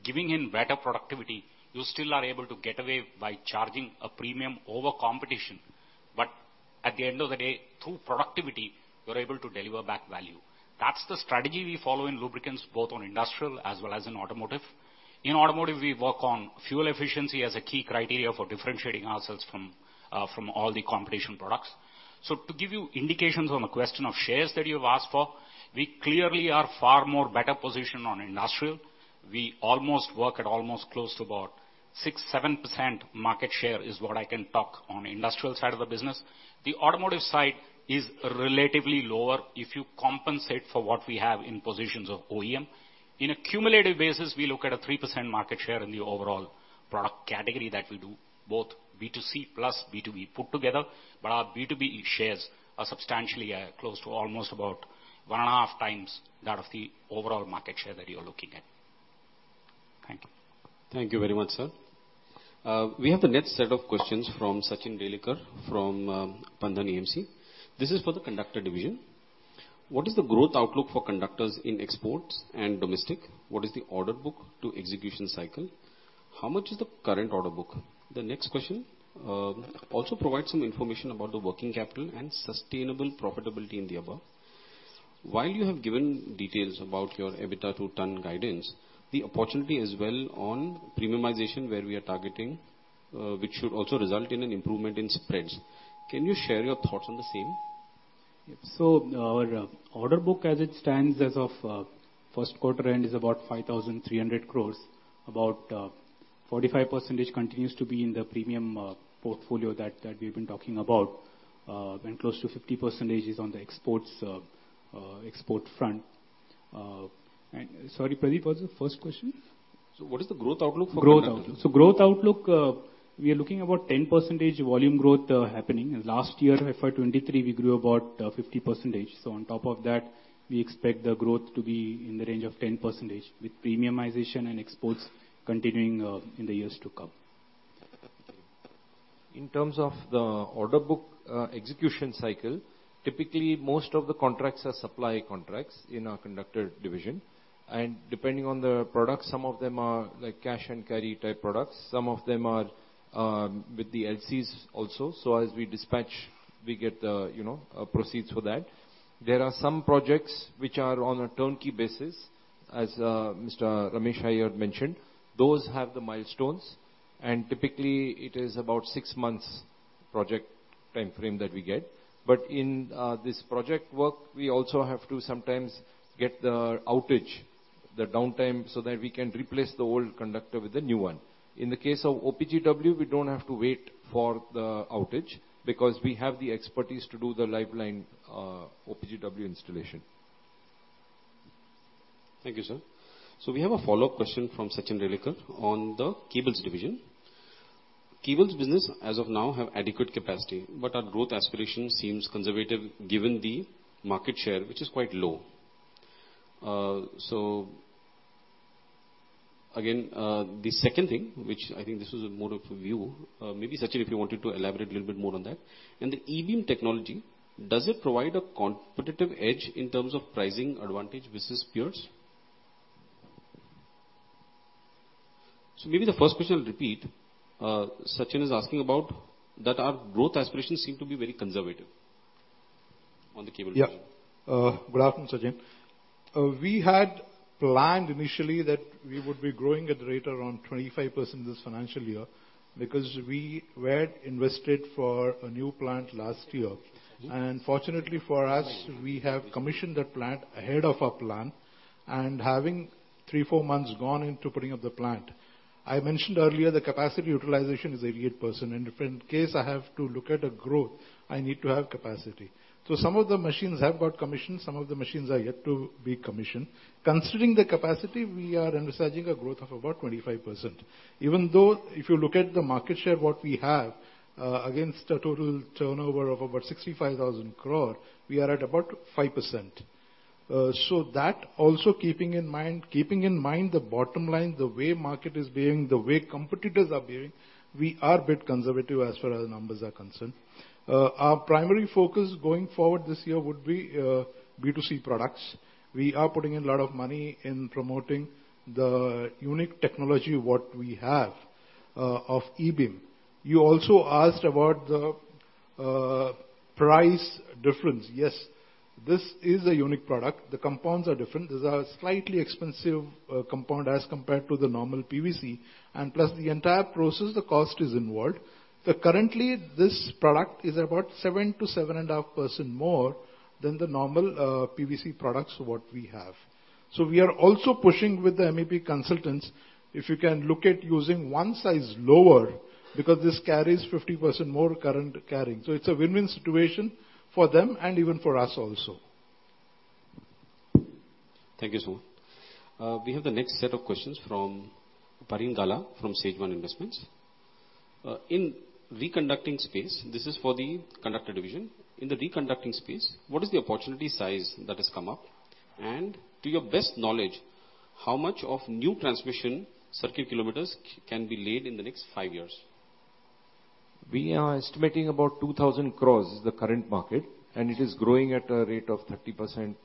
giving in better productivity, you still are able to get away by charging a premium over competition. At the end of the day, through productivity, you're able to deliver back value. That's the strategy we follow in lubricants, both on industrial as well as in automotive. In automotive, we work on fuel efficiency as a key criteria for differentiating ourselves from, from all the competition products. To give you indications on the question of shares that you've asked for, we clearly are far more better positioned on industrial. We almost work at almost close to about 6%-7% market share is what I can talk on industrial side of the business. The automotive side is relatively lower if you compensate for what we have in positions of OEM. In a cumulative basis, we look at a 3% market share in the overall product category that we do, both B2C plus B2B put together, but our B2B shares are substantially, close to almost about 1.5x that of the overall market share that you're looking at.
Thank you. Thank you very much, sir. We have the next set of questions from Sachin Relekar from Bandhan AMC. This is for the Conductor Division. What is the growth outlook for conductors in exports and domestic? What is the order book to execution cycle? How much is the current order book? The next question, also provide some information about the working capital and sustainable profitability in the above. While you have given details about your EBITDA to ton guidance, the opportunity as well on premiumization, where we are targeting, which should also result in an improvement in spreads. Can you share your thoughts on the same?
Our order book, as it stands as of first quarter end, is about 5,300 crore. About 45% continues to be in the premium portfolio that, that we've been talking about. And close to 50% is on the exports export front. Sorry, Pradeep, what's the first question?
What is the growth outlook for conductors?
Growth outlook. Growth outlook, we are looking about 10% volume growth happening. Last year, for 2023, we grew about 50%. On top of that, we expect the growth to be in the range of 10%, with premiumization and exports continuing in the years to come.
In terms of the order book, execution cycle, typically, most of the contracts are supply contracts in our Conductor Division, and depending on the product, some of them are like cash and carry type products, some of them are with the LCs also. As we dispatch, we get the, you know, proceeds for that. There are some projects which are on a turnkey basis, as Mr. Ramesh Iyer mentioned. Those have the milestones, and typically it is about six months project time frame that we get. In this project work, we also have to sometimes get the outage, the downtime, so that we can replace the old conductor with the new one. In the case of OPGW, we don't have to wait for the outage, because we have the expertise to do the lifeline, OPGW installation.
Thank you, sir. So we have a follow-up question from Sachin Relekar on the cables division. Cables business, as of now, have adequate capacity, but our growth aspiration seems conservative given the market share, which is quite low. So again, the second thing, which I think this is more of a view, maybe, Sachin, if you wanted to elaborate a little bit more on that. And the E-Beam technology, does it provide a competitive edge in terms of pricing advantage versus peers? So maybe the first question, I'll repeat. Sachin is asking about, that our growth aspirations seem to be very conservative on the Cable Division.
Yeah. Good afternoon, Sachin. We had planned initially that we would be growing at a rate around 25% this financial year, because we had invested for a new plant last year. Fortunately for us, we have commissioned that plant ahead of our plan, and having three, four months gone into putting up the plant. I mentioned earlier, the capacity utilization is 88%, and if in case I have to look at a growth, I need to have capacity. Some of the machines have got commissioned, some of the machines are yet to be commissioned. Considering the capacity, we are envisaging a growth of about 25%. Even though, if you look at the market share, what we have, against the total turnover of about 65,000 crore, we are at about 5%. That also keeping in mind, keeping in mind the bottom line, the way market is behaving, the way competitors are behaving, we are a bit conservative as far as numbers are concerned. Our primary focus going forward this year would be B2C products. We are putting in a lot of money in promoting the unique technology, what we have, of E-Beam. You also asked about the price difference. Yes, this is a unique product. The compounds are different. These are slightly expensive compound as compared to the normal PVC, and plus the entire process, the cost is involved. Currently, this product is about 7% to 7.5% more than the normal PVC products what we have. We are also pushing with the MEP consultants, if you can look at using one size lower, because this carries 50% more current carrying. It's a win-win situation for them and even for us also.
Thank you so much. We have the next set of questions from Parin Gala, from SageOne Investments. In reconducting space, this is for the Conductor Division. In the reconducting space, what is the opportunity size that has come up? To your best knowledge, how much of new transmission circuit kilometers can be laid in the next five years?
We are estimating about 2,000 crore is the current market. It is growing at a rate of 30%+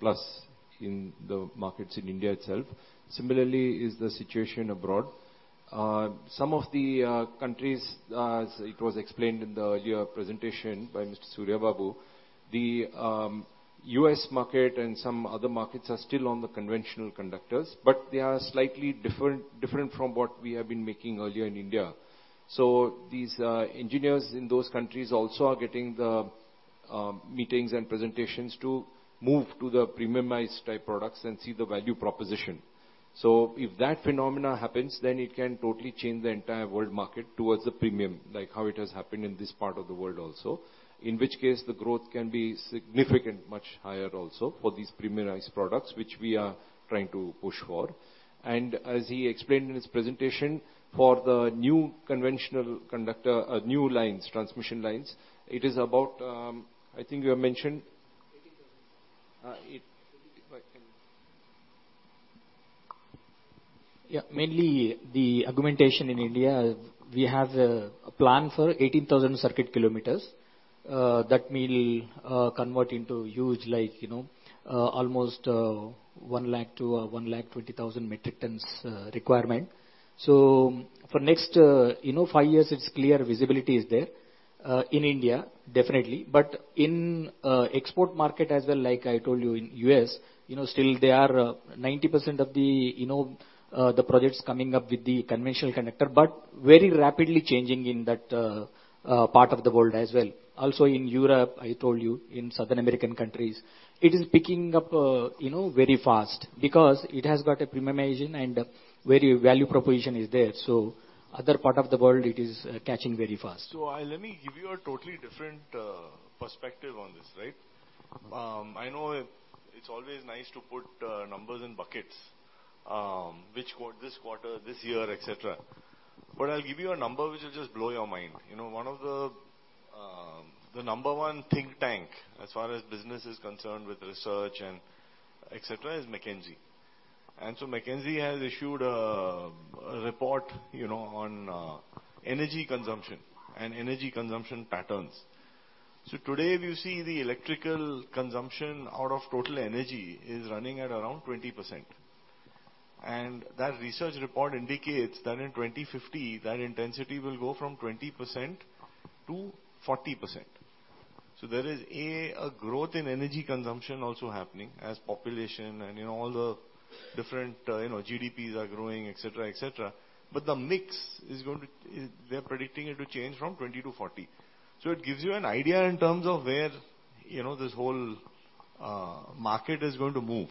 in the markets in India itself. Similarly, is the situation abroad. Some of the countries, as it was explained in the earlier presentation by Mr. Surya Babu, the U.S. market and some other markets are still on the conventional conductors, but they are slightly different, different from what we have been making earlier in India. These engineers in those countries also are getting the meetings and presentations to move to the premiumized type products and see the value proposition. If that phenomena happens, then it can totally change the entire world market towards the premium, like how it has happened in this part of the world also. In which case, the growth can be significant, much higher also for these premiumized products, which we are trying to push for. As he explained in his presentation, for the new conventional conductor, new lines, transmission lines, it is about, I think you have mentioned-
It, yeah, mainly the augmentation in India, we have a plan for 18,000 circuit kilometers. That will convert into huge, like, you know, almost 100,000 to 120,000 metric tons requirement. For next, you know, five years, it's clear visibility is there in India, definitely. In export market as well, like I told you, in U.S., you know, still they are 90% of the, you know, the projects coming up with the conventional conductor, but very rapidly changing in that part of the world as well. In Europe, I told you, in Southern American countries, it is picking up, you know, very fast because it has got a premiumization and very value proposition is there. Other part of the world, it is catching very fast.
I let me give you a totally different perspective on this, right? I know it's always nice to put numbers in buckets, which quarter, this quarter, this year, et cetera. I'll give you a number which will just blow your mind. You know, one of the, the number one think tank, as far as business is concerned with research and et cetera, is McKinsey. McKinsey has issued a report, you know, on energy consumption and energy consumption patterns. Today, if you see the electrical consumption out of total energy is running at around 20%. That research report indicates that in 2050, that intensity will go from 20% to 40%. There is, A, a growth in energy consumption also happening as population and, you know, all the different, you know, GDPs are growing, et cetera, et cetera. The mix is going to, they're predicting it to change from 20% to 40%. It gives you an idea in terms of where, you know, this whole market is going to move.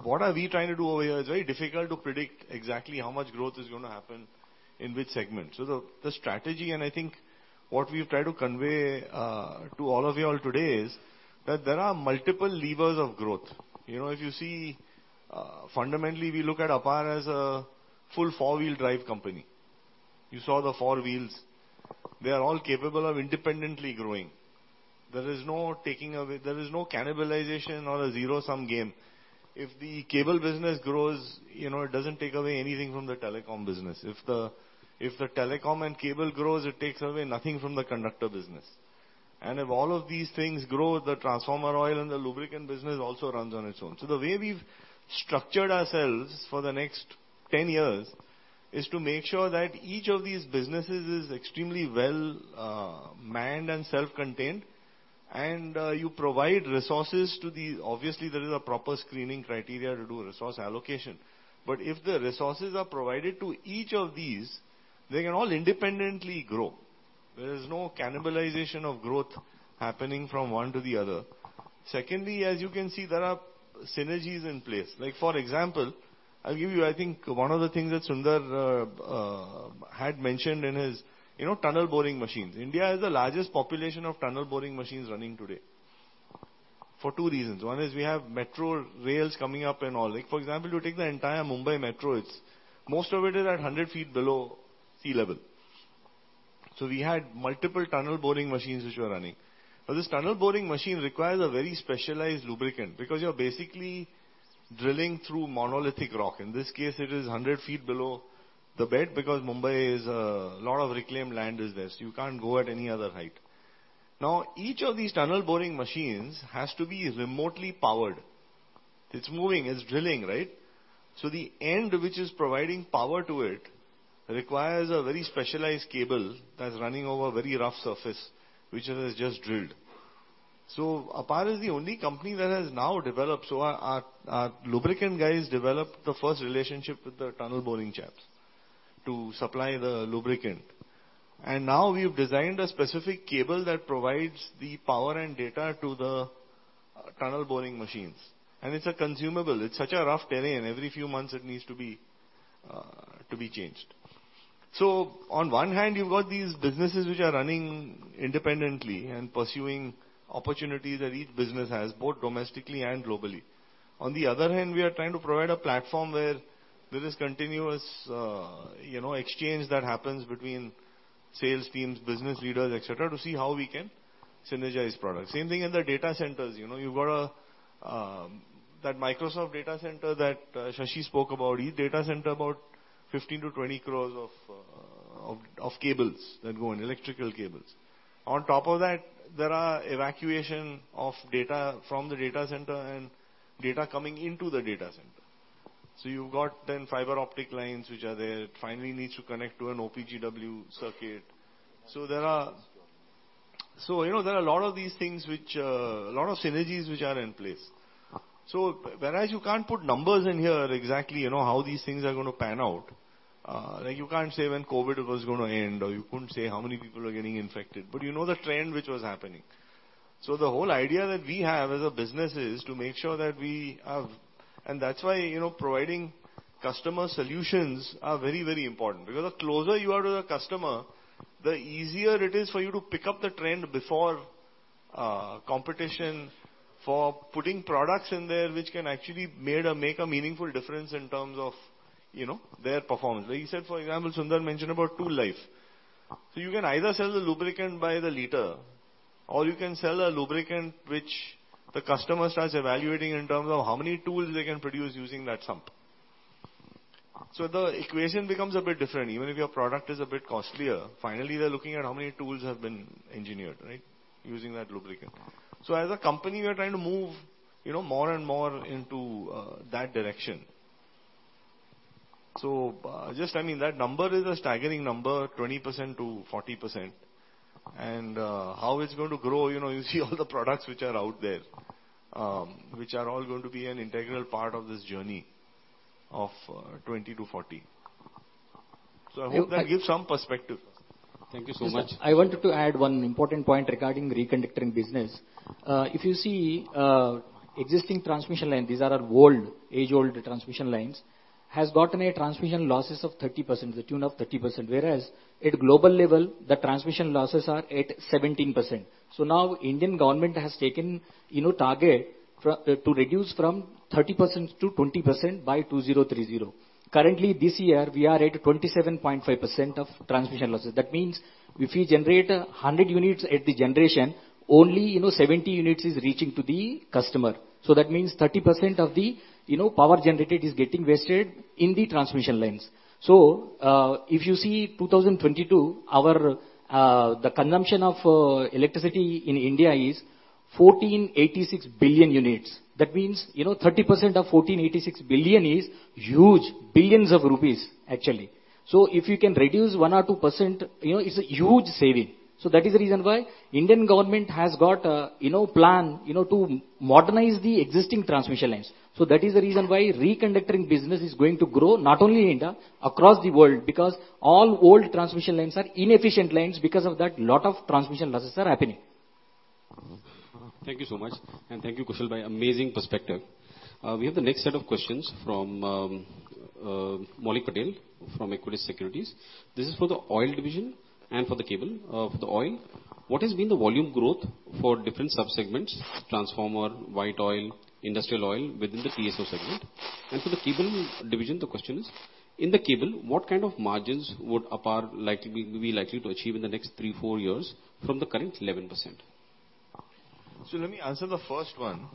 What are we trying to do over here? It's very difficult to predict exactly how much growth is going to happen in which segment. The, the strategy, and I think what we've tried to convey to all of you all today, is that there are multiple levers of growth. You know, if you see, fundamentally, we look at APAR as a full four-wheel drive company. You saw the four wheels. They are all capable of independently growing. There is no taking away, there is no cannibalization or a zero-sum game. If the cable business grows, you know, it doesn't take away anything from the telecom business. If the telecom and cable grows, it takes away nothing from the conductor business. If all of these things grow, the transformer oil and the lubricant business also runs on its own. The way we've structured ourselves for the next 10 years, is to make sure that each of these businesses is extremely well manned and self-contained, and you provide resources to the-- Obviously, there is a proper screening criteria to do resource allocation. If the resources are provided to each of these, they can all independently grow. There is no cannibalization of growth happening from one to the other. Secondly, as you can see, there are synergies in place. Like, for example, I'll give you, I think one of the things that Sundar had mentioned in his, you know, tunnel boring machines. India has the largest population of tunnel boring machines running today for two reasons. One is we have metro rails coming up and all. Like, for example, you take the entire Mumbai Metro, it's most of it is at 100 feet below sea level. We had multiple tunnel boring machines which were running. Now, this tunnel boring machine requires a very specialized lubricant because you're basically drilling through monolithic rock. In this case, it is 100 feet below the bed because Mumbai is a lot of reclaimed land is there, so you can't go at any other height. Now, each of these tunnel boring machines has to be remotely powered. It's moving, it's drilling, right? The end, which is providing power to it, requires a very specialized cable that's running over a very rough surface, which it has just drilled. APAR is the only company that has now developed. Our lubricant guys developed the first relationship with the tunnel boring champs to supply the lubricant. Now we've designed a specific cable that provides the power and data to the tunnel boring machines. It's a consumable. It's such a rough terrain. Every few months, it needs to be changed. On one hand, you've got these businesses which are running independently and pursuing opportunities that each business has, both domestically and globally. On the other hand, we are trying to provide a platform where there is continuous, you know, exchange that happens between sales teams, business leaders, et cetera, to see how we can synergize products. Same thing in the data centers. You know, you've got a, that Microsoft data center that Shashi spoke about, each data center, about 15 crore-20 crore of cables that go in, electrical cables. On top of that, there are evacuation of data from the data center and data coming into the data center. You've got then fiber optic lines, which are there, finally needs to connect to an OPGW circuit. You know, there are a lot of these things which, a lot of synergies which are in place. Whereas you can't put numbers in here exactly, you know, how these things are going to pan out, like, you can't say when COVID was going to end, or you couldn't say how many people are getting infected, but you know the trend which was happening. The whole idea that we have as a business is to make sure that we have-- That's why, you know, providing customer solutions are very, very important, because the closer you are to the customer, the easier it is for you to pick up the trend before, competition, for putting products in there, which can actually make a meaningful difference in terms of-- you know, their performance. Like he said, for example, Sundar mentioned about tool life. You can either sell the lubricant by the liter, or you can sell a lubricant which the customer starts evaluating in terms of how many tools they can produce using that sump. The equation becomes a bit different, even if your product is a bit costlier. Finally, they're looking at how many tools have been engineered, right? Using that lubricant. As a company, we are trying to move, you know, more and more into that direction. Just I mean, that number is a staggering number, 20%-40%. How it's going to grow, you know, you see all the products which are out there, which are all going to be an integral part of this journey of 20%-40%. I hope that gives some perspective.
Thank you so much.
I wanted to add one important point regarding reconductoring business. If you see existing transmission line, these are our old, age-old transmission lines, has gotten a transmission losses of 30%, to the tune of 30%, whereas at global level, the transmission losses are at 17%. Now, Indian government has taken, you know, target to reduce from 30% to 20% by 2030. Currently, this year, we are at 27.5% of transmission losses. That means if we generate a 100 units at the generation, only, you know, 70 units is reaching to the customer. That means 30% of the, you know, power generated is getting wasted in the transmission lines. If you see 2022, our the consumption of electricity in India is 1,486 billion units. That means, you know, 30% of 1,486 billion is huge, billions of INR, actually. If you can reduce 1% or 2%, you know, it's a huge saving. That is the reason why Indian government has got a, you know, plan, you know, to modernize the existing transmission lines. That is the reason why reconductoring business is going to grow, not only in India, across the world, because all old transmission lines are inefficient lines. Because of that, a lot of transmission losses are happening.
Thank you so much. Thank you, Kushal, by amazing perspective. We have the next set of questions from Maulik Patel from Equirus Securities. This is for the Oil Division and for the Cable. For the Oil, what has been the volume growth for different subsegments, transformer, white oil, industrial oil, within the PSO segment? For the Cable Division, the question is: In the cable, what kind of margins would APAR likely be likely to achieve in the next three-four years from the current 11%?
Let me answer the first one.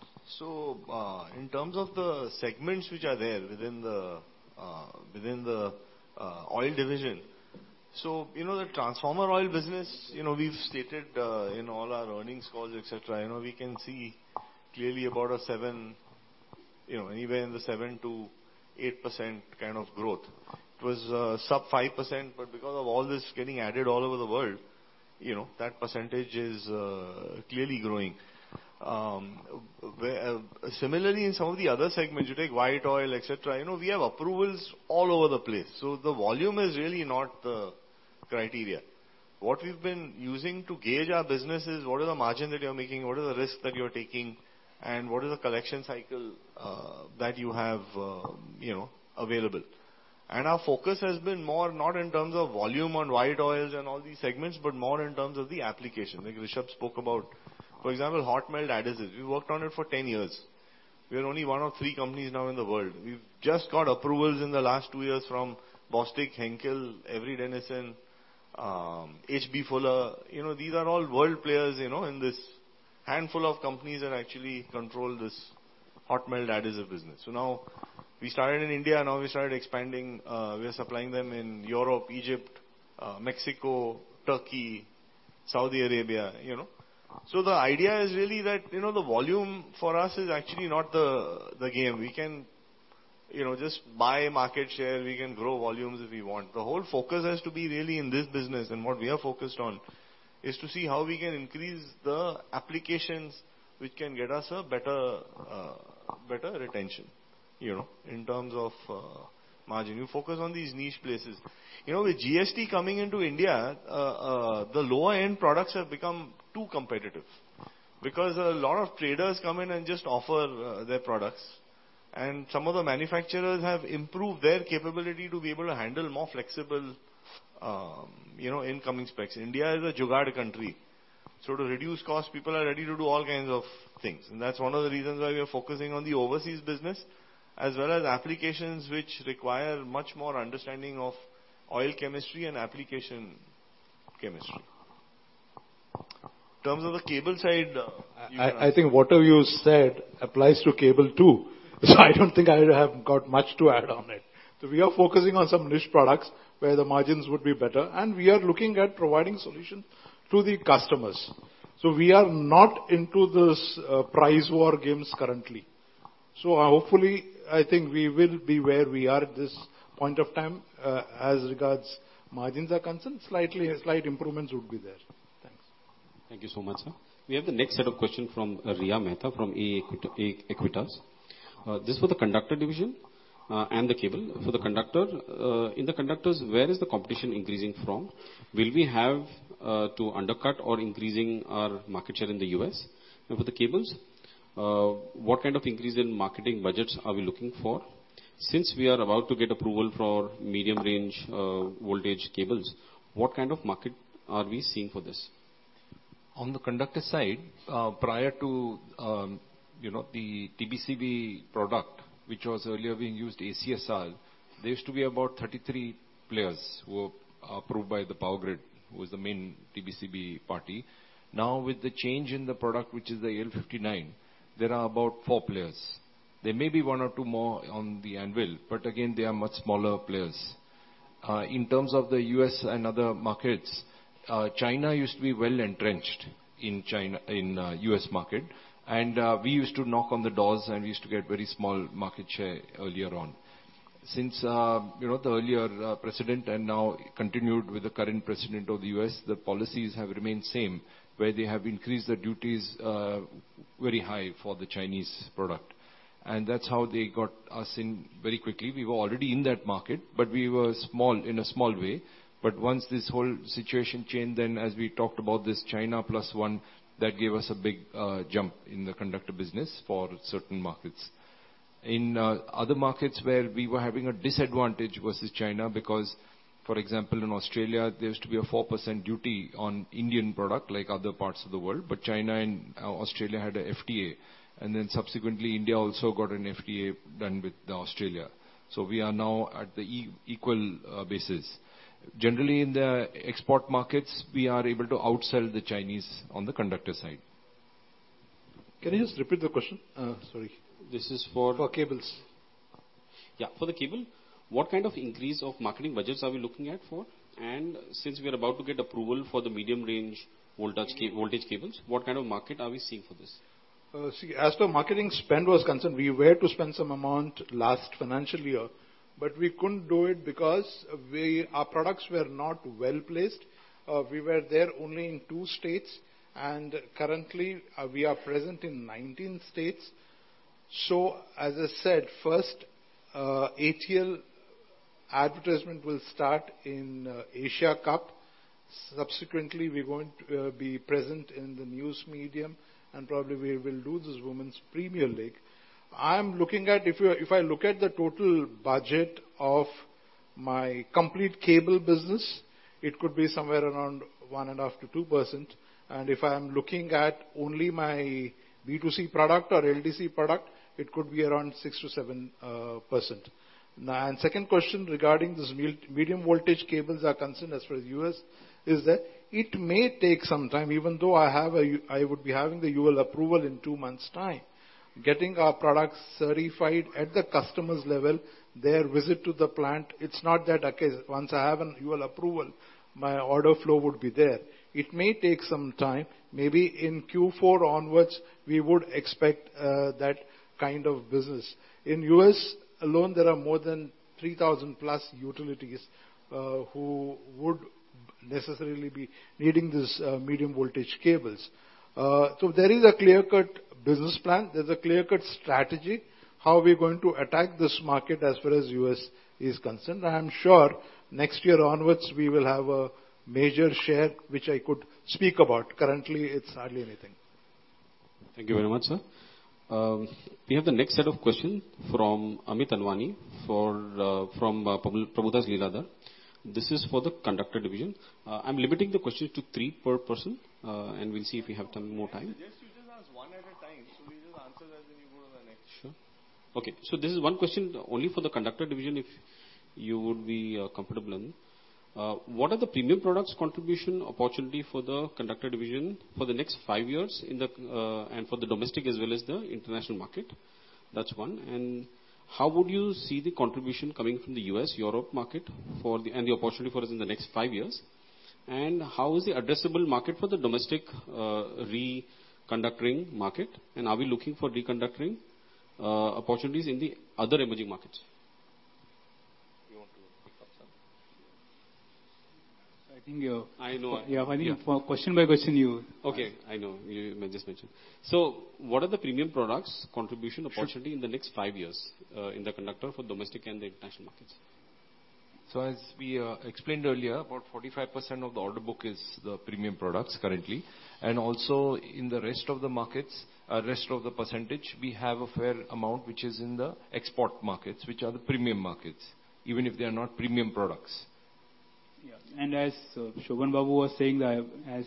In terms of the segments which are there within the Oil Division, so, you know, the transformer oil business, you know, we've stated in all our earnings calls, et cetera, you know, we can see clearly about a 7%, you know, anywhere in the 7%-8% kind of growth. It was sub 5%, but because of all this getting added all over the world, you know, that percentage is clearly growing. Similarly, in some of the other segments, you take white oil, et cetera, you know, we have approvals all over the place, so the volume is really not the criteria. What we've been using to gauge our business is, what is the margin that you're making? What is the risk that you're taking? What is the collection cycle that you have, you know, available? Our focus has been more not in terms of volume on white oils and all these segments, but more in terms of the application. Like Rishabh spoke about, for example, hot melt adhesives. We worked on it for 10 years. We are only one of three companies now in the world. We've just got approvals in the last two years from Bostik, Henkel, Avery Dennison, H. B. Fuller. You know, these are all world players, you know, and this handful of companies that actually control this hot melt adhesives business. Now we started in India, now we started expanding. We are supplying them in Europe, Egypt, Mexico, Turkey, Saudi Arabia, you know? The idea is really that, you know, the volume for us is actually not the, the game. We can, you know, just buy market share, we can grow volumes if we want. The whole focus has to be really in this business, what we are focused on is to see how we can increase the applications, which can get us a better, better retention, you know, in terms of margin. We focus on these niche places. You know, with GST coming into India, the lower-end products have become too competitive because a lot of traders come in and just offer their products, and some of the manufacturers have improved their capability to be able to handle more flexible, you know, incoming specs. India is a jugaad country, to reduce costs, people are ready to do all kinds of things. That's one of the reasons why we are focusing on the overseas business, as well as applications which require much more understanding of oil chemistry and application chemistry. In terms of the cable side, I think whatever you said applies to cable, too.
So I don't think I have got much to add on it. We are focusing on some niche products where the margins would be better, and we are looking at providing solutions to the customers. We are not into this price war games currently. Hopefully, I think we will be where we are at this point of time. As regards margins are concerned, slightly, slight improvements would be there. Thanks.
Thank you so much, sir. We have the next set of questions from Riya Mehta, from Aequitas. This is for the Conductor Division and the Cable. For the conductor, in the conductors, where is the competition increasing from? Will we have to undercut or increasing our market share in the U.S.? For the cables, what kind of increase in marketing budgets are we looking for? Since we are about to get approval for medium-range voltage cables, what kind of market are we seeing for this?
On the conductor side, prior to, you know, the TBCB product, which was earlier being used ACSR, there used to be about 33 players who were approved by the Power Grid, who was the main TBCB party. Now, with the change in the product, which is the AL59, there are about four players. There may be one or two more on the anvil, but again, they are much smaller players. In terms of the U.S. and other markets, China used to be well-entrenched in the U.S. market, and we used to knock on the doors, and we used to get very small market share earlier on. Since, you know, the earlier president and now continued with the current president of the U.S., the policies have remained same, where they have increased the duties very high for the Chinese product. That's how they got us in very quickly. We were already in that market, but we were small, in a small way. Once this whole situation changed, then as we talked about this China Plus One, that gave us a big jump in the conductor business for certain markets. In other markets where we were having a disadvantage versus China, because, for example, in Australia, there used to be a 4% duty on Indian product like other parts of the world, but China and Australia had a FTA, and then subsequently, India also got an FTA done with Australia. We are now at the equal basis. Generally, in the export markets, we are able to outsell the Chinese on the conductor side.
Can you just repeat the question? Sorry. For cables.
Yeah, for the cable, what kind of increase of marketing budgets are we looking at for? Since we are about to get approval for the medium range voltage cables, what kind of market are we seeing for this?
See, as the marketing spend was concerned, we were to spend some amount last financial year, but we couldn't do it because our products were not well-placed. We were there only in two states, currently, we are present in 19 states. As I said, first, ATL advertisement will start in Asia Cup. Subsequently, we're going to be present in the news medium, and probably we will do this Women's Premier League. If you, if I look at the total budget of my complete cable business, it could be somewhere around 1.5%-2%, if I am looking at only my B2C product or LDC product, it could be around 6%-7%. Second question regarding this medium voltage cables are concerned as far as U.S., is that it may take some time, even though I would be having the UL approval in two months time. Getting our products certified at the customer's level, their visit to the plant, it's not that, okay, once I have an UL approval, my order flow would be there. It may take some time. Maybe in Q4 onwards, we would expect that kind of business. In U.S. alone, there are more than 3,000+ utilities who would necessarily be needing these medium voltage cables. There is a clear-cut business plan, there's a clear-cut strategy, how we're going to attack this market as far as U.S. is concerned. I am sure next year onwards, we will have a major share, which I could speak about. Currently, it's hardly anything.
Thank you very much, sir. We have the next set of questions from Amit Anwani, for from Prabhudas Lilladher. This is for the Conductor Division. I'm limiting the questions to three per person, and we'll see if we have some more time.
I suggest you just ask one at a time. We just answer that. We go to the next.
Sure. Okay, this is one question only for the Conductor Division, if you would be comfortable in. What are the premium products contribution opportunity for the Conductor Division for the next five years in the domestic as well as the international market? That's one. How would you see the contribution coming from the U.S., Europe market and the opportunity for us in the next five years? How is the addressable market for the domestic re-conductoring market, and are we looking for re-conductoring opportunities in the other emerging markets?
Yeah, I think question by question.
Okay, I know. You just mentioned.
What are the premium products contribution opportunity in the next 5 years, in the conductor for domestic and the international markets?
As we explained earlier, about 45% of the order book is the premium products currently, and also in the rest of the markets, rest of the percentage, we have a fair amount, which is in the export markets, which are the premium markets, even if they are not premium products.
Yes, as Surya Babu was saying, that as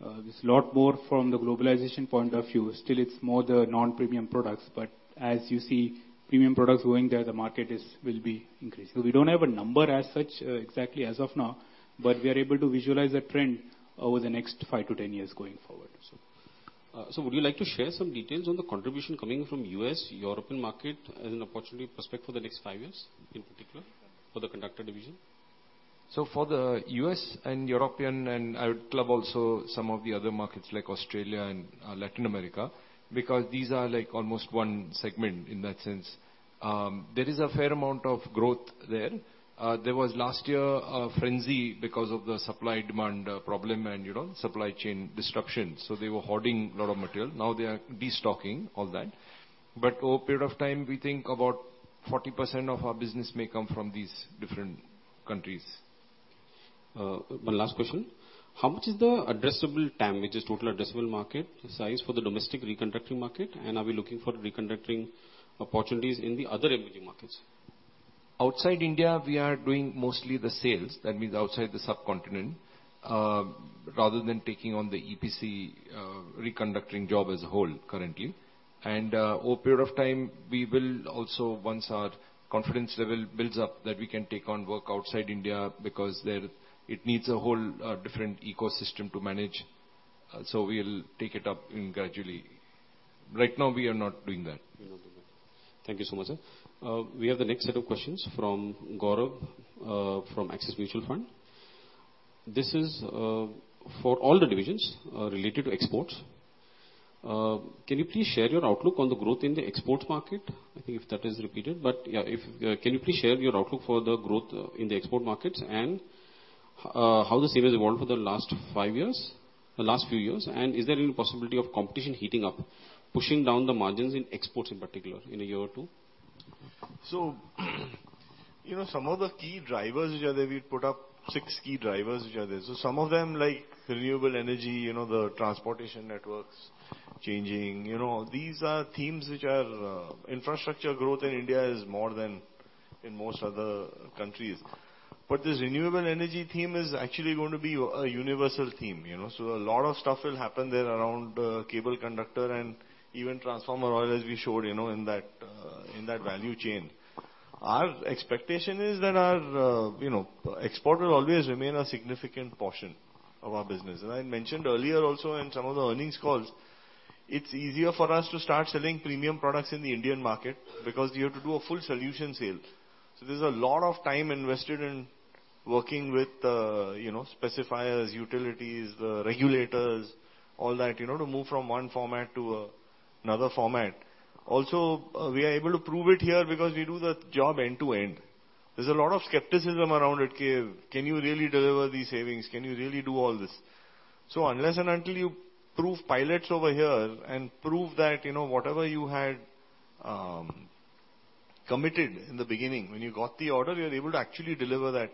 there's a lot more from the globalization point of view, still it's more the non-premium products, but as you see premium products going there, the market is, will be increasing. We don't have a number as such exactly as of now, but we are able to visualize the trend over the next 5-10 years going forward.
Would you like to share some details on the contribution coming from U.S., European market as an opportunity prospect for the next five years, in particular, for the Conductor Division?
For the U.S. and European, and I would club also some of the other markets like Australia and Latin America, because these are like almost one segment in that sense, there is a fair amount of growth there. There was last year a frenzy because of the supply-demand problem and, you know, supply chain disruption, so they were hoarding a lot of material. Now they are de-stocking all that. Over a period of time, we think about 40% of our business may come from these different countries.
One last question: How much is the addressable TAM, which is total addressable market, the size for the domestic reconductoring market, and are we looking for reconductoring opportunities in the other emerging markets?
Outside India, we are doing mostly the sales, that means outside the subcontinent, rather than taking on the EPC re-conducting job as a whole, currently. Over a period of time, we will also, once our confidence level builds up, that we can take on work outside India, because there it needs a whole different ecosystem to manage, so we'll take it up in gradually. Right now, we are not doing that.
Thank you so much, sir. We have the next set of questions from Gaurav from Axis Mutual Fund. This is for all the divisions related to exports. Can you please share your outlook on the growth in the export market? I think if that is repeated, but, Can you please share your outlook for the growth in the export markets, and how the sales evolved for the last five years, the last few years? Is there any possibility of competition heating up, pushing down the margins in exports, in particular, in a year or two?
You know, some of the key drivers, which are there, we put up six key drivers, which are there. Some of them, like renewable energy, you know, the transportation networks changing, you know, these are themes which are-- Infrastructure growth in India is more than in most other countries. This renewable energy theme is actually going to be a universal theme, you know? A lot of stuff will happen there around cable conductor and even transformer oil, as we showed, you know, in that, in that value chain. Our expectation is that our, you know, export will always remain a significant portion of our business. I mentioned earlier also in some of the earnings calls, it's easier for us to start selling premium products in the Indian market, because you have to do a full solution sale. There's a lot of time invested in working with, you know, specifiers, utilities, the regulators, all that, you know, to move from one format to another format. Also, we are able to prove it here because we do the job end to end. There's a lot of skepticism around it, "Can, can you really deliver these savings? Can you really do all this?" Unless and until you prove pilots over here and prove that, you know, whatever you had committed in the beginning, when you got the order, you're able to actually deliver that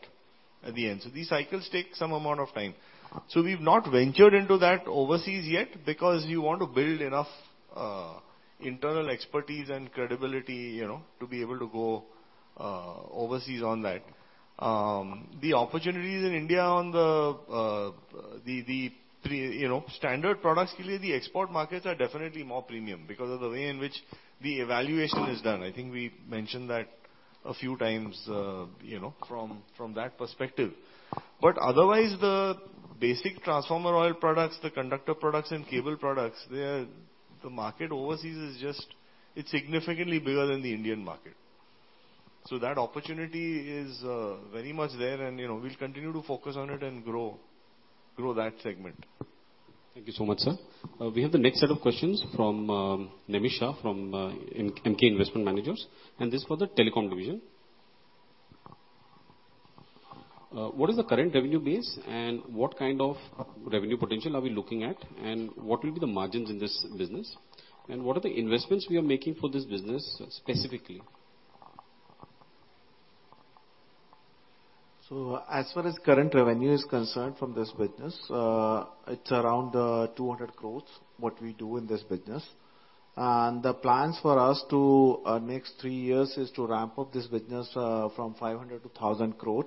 at the end. These cycles take some amount of time. We've not ventured into that overseas yet, because you want to build enough internal expertise and credibility, you know, to be able to go overseas on that. The opportunities in India on the, you know, standard products, the export markets are definitely more premium because of the way in which the evaluation is done. I think we mentioned that a few times, you know, from, from that perspective. Otherwise, the basic transformer oil products, the conductor products, and cable products, the market overseas is just, it's significantly bigger than the Indian market. That opportunity is very much there, and, you know, we'll continue to focus on it and grow, grow that segment.
Thank you so much, sir. We have the next set of questions from Namisha, from Emkay Investment Managers, and this is for the Telecom Division. What is the current revenue base, and what kind of revenue potential are we looking at, and what will be the margins in this business, and what are the investments we are making for this business, specifically?
As far as current revenue is concerned from this business, it's around 200 crore, what we do in this business. The plans for us to next three years, is to ramp up this business from 500 crore-1,000 crore.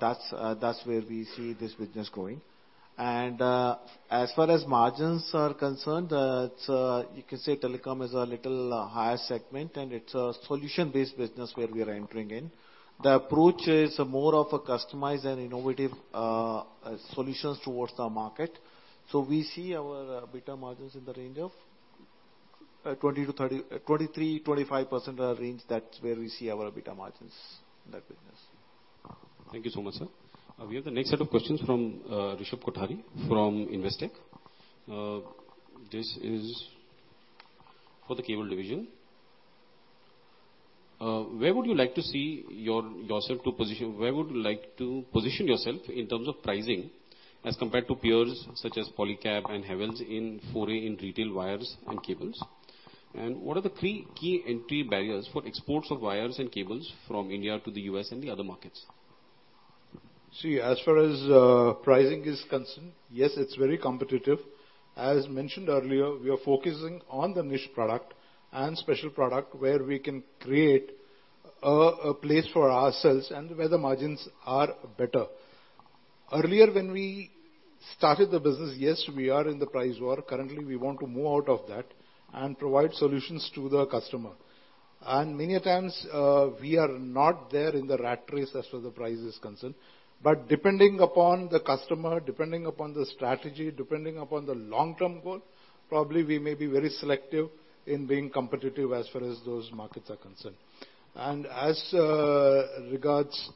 That's, that's where we see this business going. As far as margins are concerned, it's, you can say telecom is a little higher segment, and it's a solution-based business where we are entering in. The approach is more of a customized and innovative solutions towards the market. We see our EBITDA margins in the range of 20%-30%, 23%-25% range. That's where we see our EBITDA margins in that business.
Thank you so much, sir. We have the next set of questions from Rishabh Kothari from Investec. This is for the Cable Division. Where would you like to position yourself in terms of pricing, as compared to peers such as Polycab and Havells in foray in retail wires and cables? What are the three key entry barriers for exports of wires and cables from India to the U.S. and the other markets?
See, as far as pricing is concerned, yes, it's very competitive. As mentioned earlier, we are focusing on the niche product and special product, where we can create a place for ourselves and where the margins are better. Earlier, when we started the business, yes, we are in the price war. Currently, we want to move out of that and provide solutions to the customer. Many a times, we are not there in the rat race as far as the price is concerned, but depending upon the customer, depending upon the strategy, depending upon the long-term goal, probably we may be very selective in being competitive as far as those markets are concerned. As regards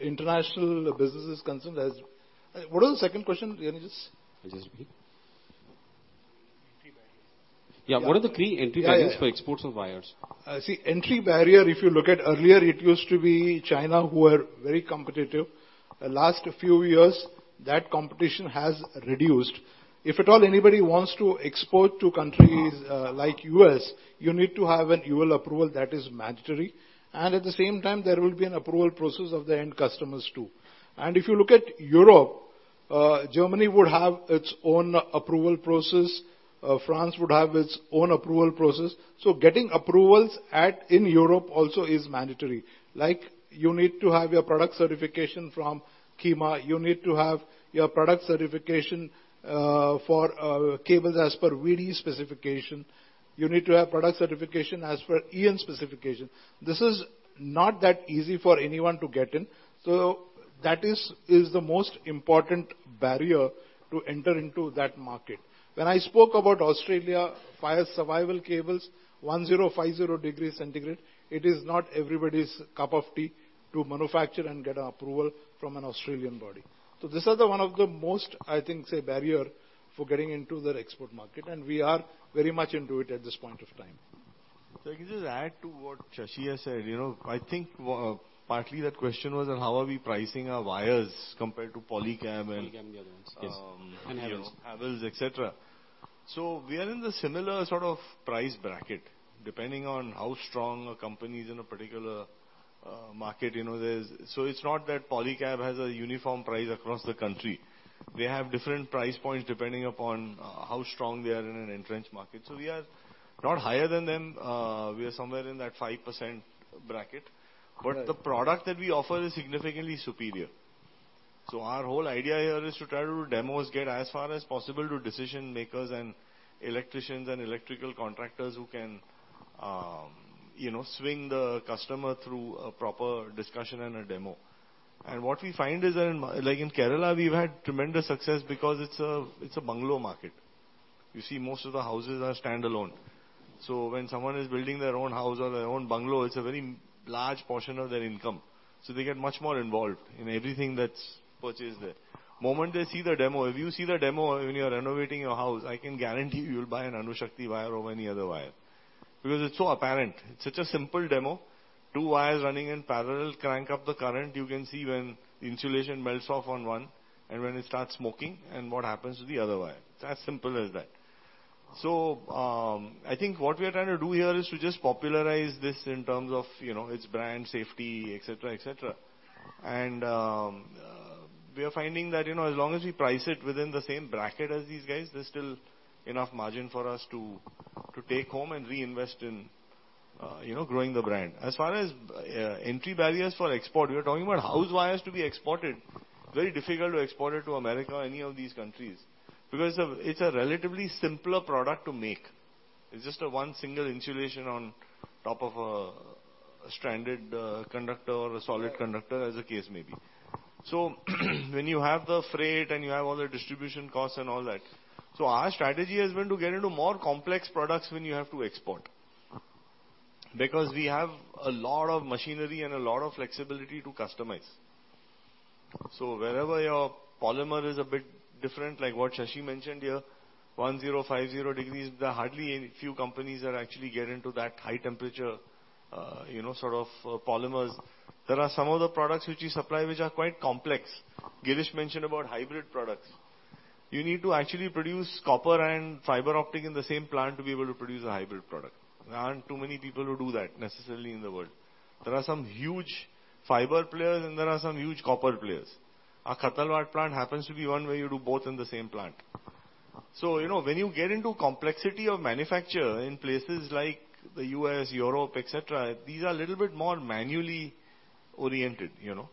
international business is concerned, as-- What was the second question again?
Yeah, what are the three entry barriers for exports of wires?
See, entry barrier, if you look at earlier, it used to be China, who were very competitive. The last few years, that competition has reduced. If at all anybody wants to export to countries, like U.S., you need to have an U.L. approval that is mandatory, and at the same time, there will be an approval process of the end customers, too. If you look at Europe-- Germany would have its own approval process, France would have its own approval process. Getting approvals at, in Europe also is mandatory. Like, you need to have your product certification from KEMA, you need to have your product certification for cables as per VDE specification, you need to have product certification as per EN specification. This is not that easy for anyone to get in, so that is, is the most important barrier to enter into that market. When I spoke about Australia, fire survival cables, 1,050 degrees Centigrade, it is not everybody's cup of tea to manufacture and get approval from an Australian body. These are the one of the most, I think, say, barrier for getting into the export market, and we are very much into it at this point of time.
I can just add to what Shashi has said. You know, I think, partly that question was on how are we pricing our wires compared to Polycab.
Polycab, the other ones. Havells.
Havells, et cetera. We are in the similar sort of price bracket, depending on how strong a company is in a particular market, you know, it's not that Polycab has a uniform price across the country. They have different price points depending upon how strong they are in an entrenched market. We are not higher than them, we are somewhere in that 5% bracket.
Right.
The product that we offer is significantly superior. Our whole idea here is to try to do demos, get as far as possible to decision makers and electricians and electrical contractors who can, you know, swing the customer through a proper discussion and a demo. What we find is that, like, in Kerala, we've had tremendous success because it's a, it's a bungalow market. You see, most of the houses are standalone. When someone is building their own house or their own bungalow, it's a very large portion of their income, so they get much more involved in everything that's purchased there. The moment they see the demo, if you see the demo when you are renovating your house, I can guarantee you, you'll buy an APAR Anushakti wire over any other wire, because it's so apparent. It's such a simple demo. Two wires running in parallel, crank up the current, you can see when the insulation melts off on one, and when it starts smoking, and what happens to the other wire. It's as simple as that. I think what we are trying to do here is to just popularize this in terms of, you know, its brand, safety, et cetera, et cetera. We are finding that, you know, as long as we price it within the same bracket as these guys, there's still enough margin for us to, to take home and reinvest in, you know, growing the brand. As far as entry barriers for export, we are talking about house wires to be exported. Very difficult to export it to America or any of these countries, because of it's a relatively simpler product to make. It's just a 1 single insulation on top of a stranded conductor or a solid conductor, as the case may be. When you have the freight and you have all the distribution costs and all that. Our strategy has been to get into more complex products when you have to export, because we have a lot of machinery and a lot of flexibility to customize. Wherever your polymer is a bit different, like what Shashi mentioned here, 1050 degrees, there are hardly any few companies that actually get into that high temperature, you know, sort of polymers. There are some of the products which we supply which are quite complex. Girish mentioned about hybrid products. You need to actually produce copper and fiber optic in the same plant to be able to produce a hybrid product. There aren't too many people who do that necessarily in the world. There are some huge fiber players, and there are some huge copper players. Our Khattalwada plant happens to be one where you do both in the same plant. You know, when you get into complexity of manufacture in places like the U.S., Europe, et cetera, these are a little bit more manually oriented, you know?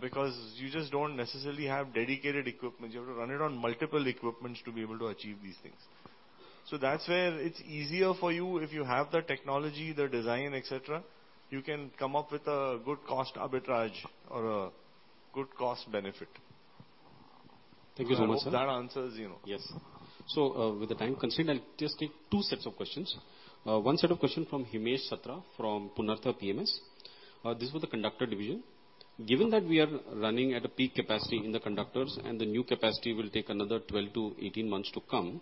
Because you just don't necessarily have dedicated equipment. You have to run it on multiple equipments to be able to achieve these things. That's where it's easier for you if you have the technology, the design, et cetera, you can come up with a good cost arbitrage or a good cost benefit.
Thank you so much, sir.
I hope that answers, you know.
Yes. With the time constraint, I'll just take two sets of questions. One set of questions from Himesh Satra, from Purnartha PMS. This is for the Conductor Division. Given that we are running at a peak capacity in the conductors, and the new capacity will take another 12-18 months to come,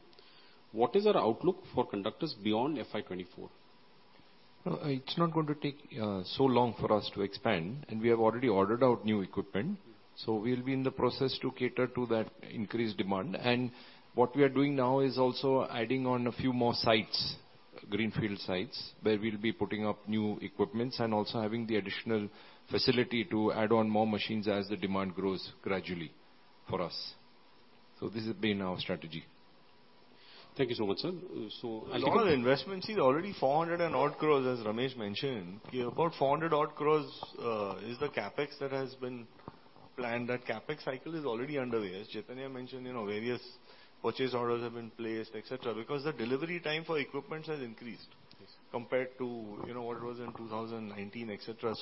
what is our outlook for conductors beyond FY 2024?
It's not going to take so long for us to expand, and we have already ordered out new equipment, so we'll be in the process to cater to that increased demand. What we are doing now is also adding on a few more sites, greenfield sites, where we'll be putting up new equipments and also having the additional facility to add on more machines as the demand grows gradually for us. This has been our strategy.
Thank you so much, sir.
A lot of investment, see, already 400 crore-odd, as Ramesh mentioned. About 400 crore-odd is the CapEx that has been planned. That CapEx cycle is already underway. As Chaitanya mentioned, you know, various purchase orders have been placed, et cetera, because the delivery time for equipments has increased. Compared to, you know, what it was in 2019, et cetera.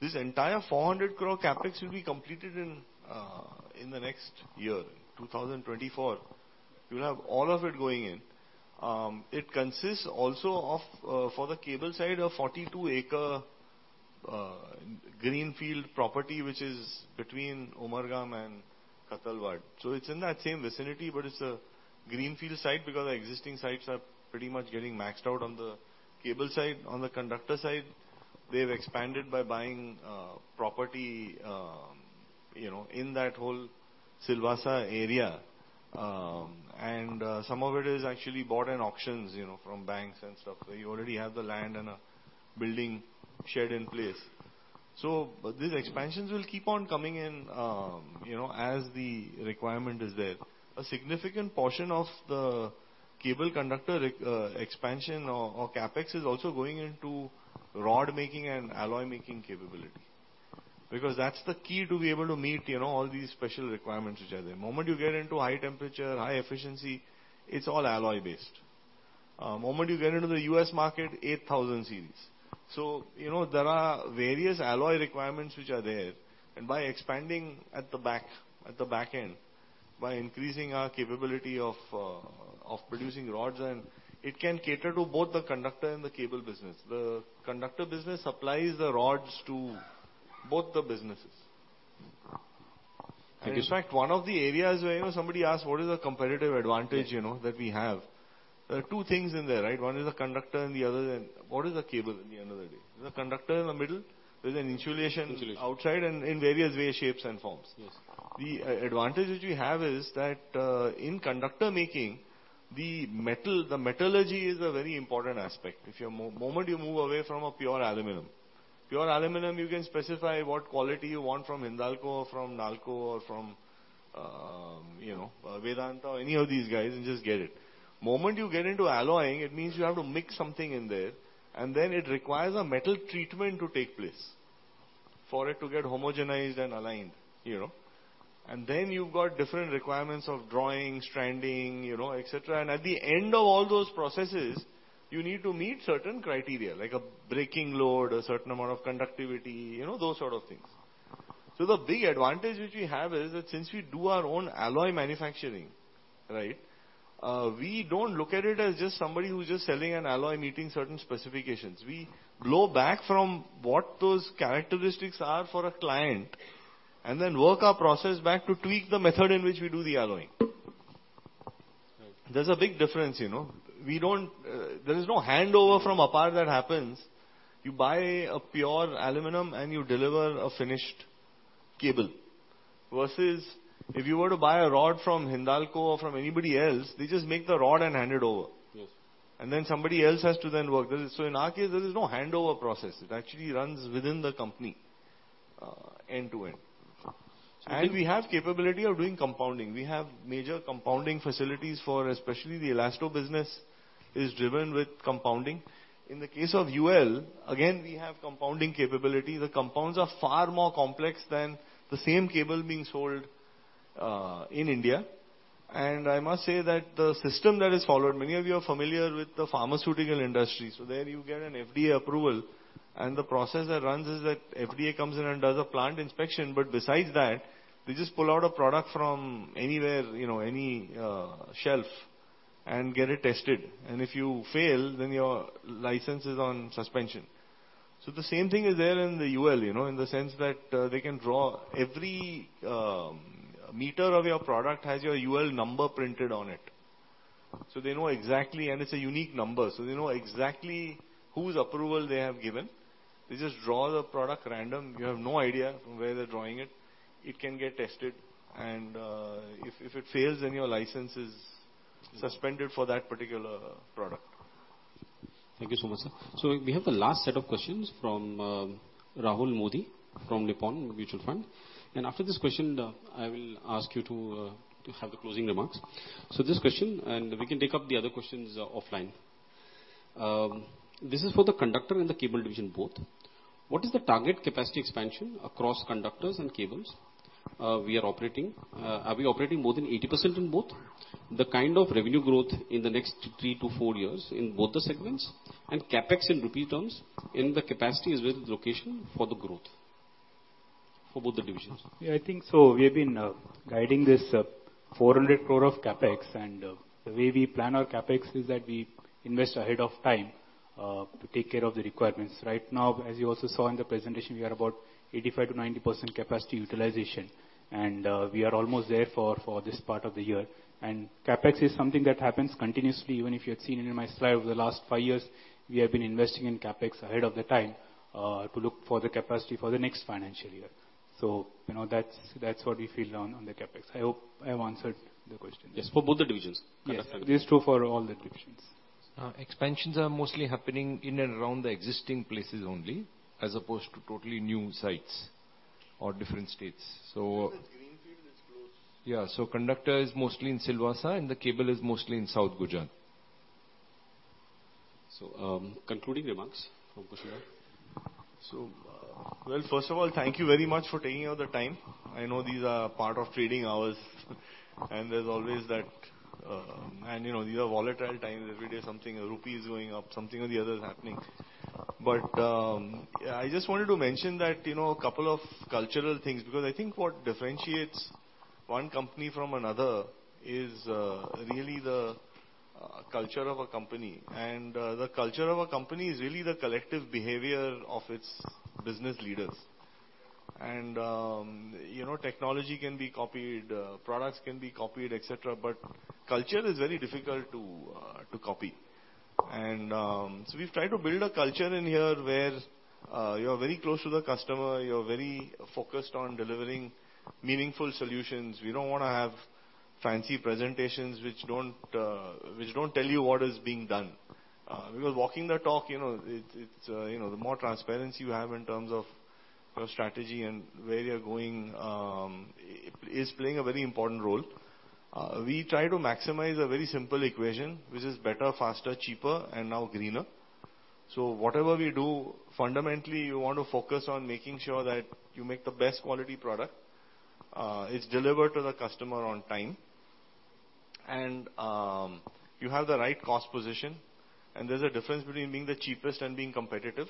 This entire 400 crore CapEx will be completed in the next year, 2024. You'll have all of it going in. It consists also of, for the cable side, a 42 acre greenfield property, which is between Umbergaon and Khattalwada. It's in that same vicinity, but it's a greenfield site because our existing sites are pretty much getting maxed out on the cable side. On the conductor side, they've expanded by buying property, you know, in that whole Silvassa area. Some of it is actually bought in auctions, you know, from banks and stuff, where you already have the land and a building shed in place. These expansions will keep on coming in, you know, as the requirement is there. A significant portion of the cable conductor ex, expansion or CapEx is also going into rod making and alloy making capability, because that's the key to be able to meet, you know, all these special requirements which are there. The moment you get into high temperature, high efficiency, it's all alloy-based. Moment you get into the U.S. market, 8000 series. You know, there are various alloy requirements which are there, and by expanding at the back, at the back end, by increasing our capability of producing rods, and it can cater to both the conductor and the cable business. The conductor business supplies the rods to both the businesses.
Thank you.
In fact, one of the areas where, you know, somebody asked, what is the competitive advantage, you know, that we have? There are two things in there, right? One is the conductor and the other. What is the cable at the end of the day? There's a conductor in the middle, there's an insulation outside and in various way, shapes, and forms. The advantage which we have is that, in conductor making, the metal, the metallurgy is a very important aspect. If you're moment you move away from a pure aluminum. Pure aluminum, you can specify what quality you want from Hindalco, or from NALCO, or from Vedanta, or any of these guys, and just get it. Moment you get into alloying, it means you have to mix something in there, and then it requires a metal treatment to take place for it to get homogenized and aligned, you know? Then you've got different requirements of drawing, stranding, you know, et cetera. At the end of all those processes, you need to meet certain criteria, like a breaking load, a certain amount of conductivity, you know, those sort of things. The big advantage which we have is that since we do our own alloy manufacturing, right, we don't look at it as just somebody who's just selling an alloy, meeting certain specifications. We blow back from what those characteristics are for a client, and then work our process back to tweak the method in which we do the alloying. There's a big difference, you know? We don't. There is no handover from APAR that happens. You buy a pure aluminum, and you deliver a finished cable, versus if you were to buy a rod from Hindalco or from anybody else, they just make the rod and hand it over. Somebody else has to then work with it. In our case, there is no handover process. It actually runs within the company, end to end. We have capability of doing compounding. We have major compounding facilities for especially the Elasto business, is driven with compounding. In the case of UL, again, we have compounding capability. The compounds are far more complex than the same cable being sold in India. I must say that the system that is followed, many of you are familiar with the pharmaceutical industry. There you get an FDA approval, and the process that runs is that FDA comes in and does a plant inspection, but besides that, they just pull out a product from anywhere, you know, any shelf and get it tested. And if you fail, then your license is on suspension. The same thing is there in the UL, you know, in the sense that they can draw every meter of your product has your UL number printed on it. They know exactly, and it's a unique number, so they know exactly whose approval they have given. They just draw the product random. You have no idea where they're drawing it. It can get tested, and if it fails, then your license is suspended for that particular product.
Thank you so much, sir. We have the last set of questions from Rahul Modi from Nippon Mutual Fund. After this question, I will ask you to have the closing remarks. This question, we can take up the other questions offline. This is for the Conductor and the Cable Division both. What is the target capacity expansion across conductors and cables? Are we operating more than 80% in both? The kind of revenue growth in the next three-four years in both the segments, and CapEx in rupee terms, in the capacity as well as location for the growth, for both the divisions?
Yeah, I think so. We have been guiding this 400 crore of CapEx. The way we plan our CapEx is that we invest ahead of time to take care of the requirements. Right now, as you also saw in the presentation, we are about 85%-90% capacity utilization, and we are almost there for, for this part of the year. CapEx is something that happens continuously. Even if you had seen it in my slide, over the last five years, we have been investing in CapEx ahead of the time to look for the capacity for the next financial year. You know, that's, that's what we feel on, on the CapEx. I hope I have answered the question.
Yes, for both the divisions.
Yes, this is true for all the divisions.
Expansions are mostly happening in and around the existing places only, as opposed to totally new sites or different states.
The greenfield is close.
Yeah, conductor is mostly in Silvassa, and the cable is mostly in South Gujarat.
Concluding remarks from Kushal?
Well, first of all, thank you very much for taking out the time. I know these are part of trading hours, there's always that. You know, these are volatile times. Every day, something, a rupee is going up, something or the other is happening. I just wanted to mention that, you know, a couple of cultural things, because I think what differentiates one company from another is really the culture of a company. The culture of a company is really the collective behavior of its business leaders. You know, technology can be copied, products can be copied, et cetera, but culture is very difficult to copy. So we've tried to build a culture in here where you are very close to the customer, you're very focused on delivering meaningful solutions. We don't want to have fancy presentations which don't, which don't tell you what is being done. Because walking the talk, you know, it's, you know, the more transparency you have in terms of your strategy and where you're going, is playing a very important role. We try to maximize a very simple equation, which is better, faster, cheaper, and now greener. Whatever we do, fundamentally, you want to focus on making sure that you make the best quality product, it's delivered to the customer on time, and, you have the right cost position, and there's a difference between being the cheapest and being competitive.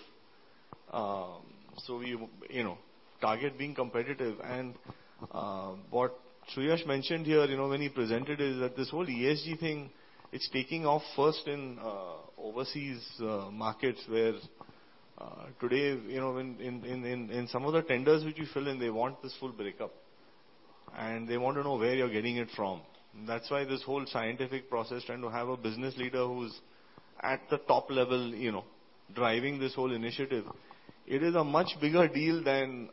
We, you know, target being competitive. What Suyash mentioned here, you know, when he presented, is that this whole ESG thing, it's taking off first in overseas markets, where today, you know, in some of the tenders which you fill in, they want this full breakup, and they want to know where you're getting it from. That's why this whole scientific process, trying to have a business leader who's at the top level, you know, driving this whole initiative, it is a much bigger deal than,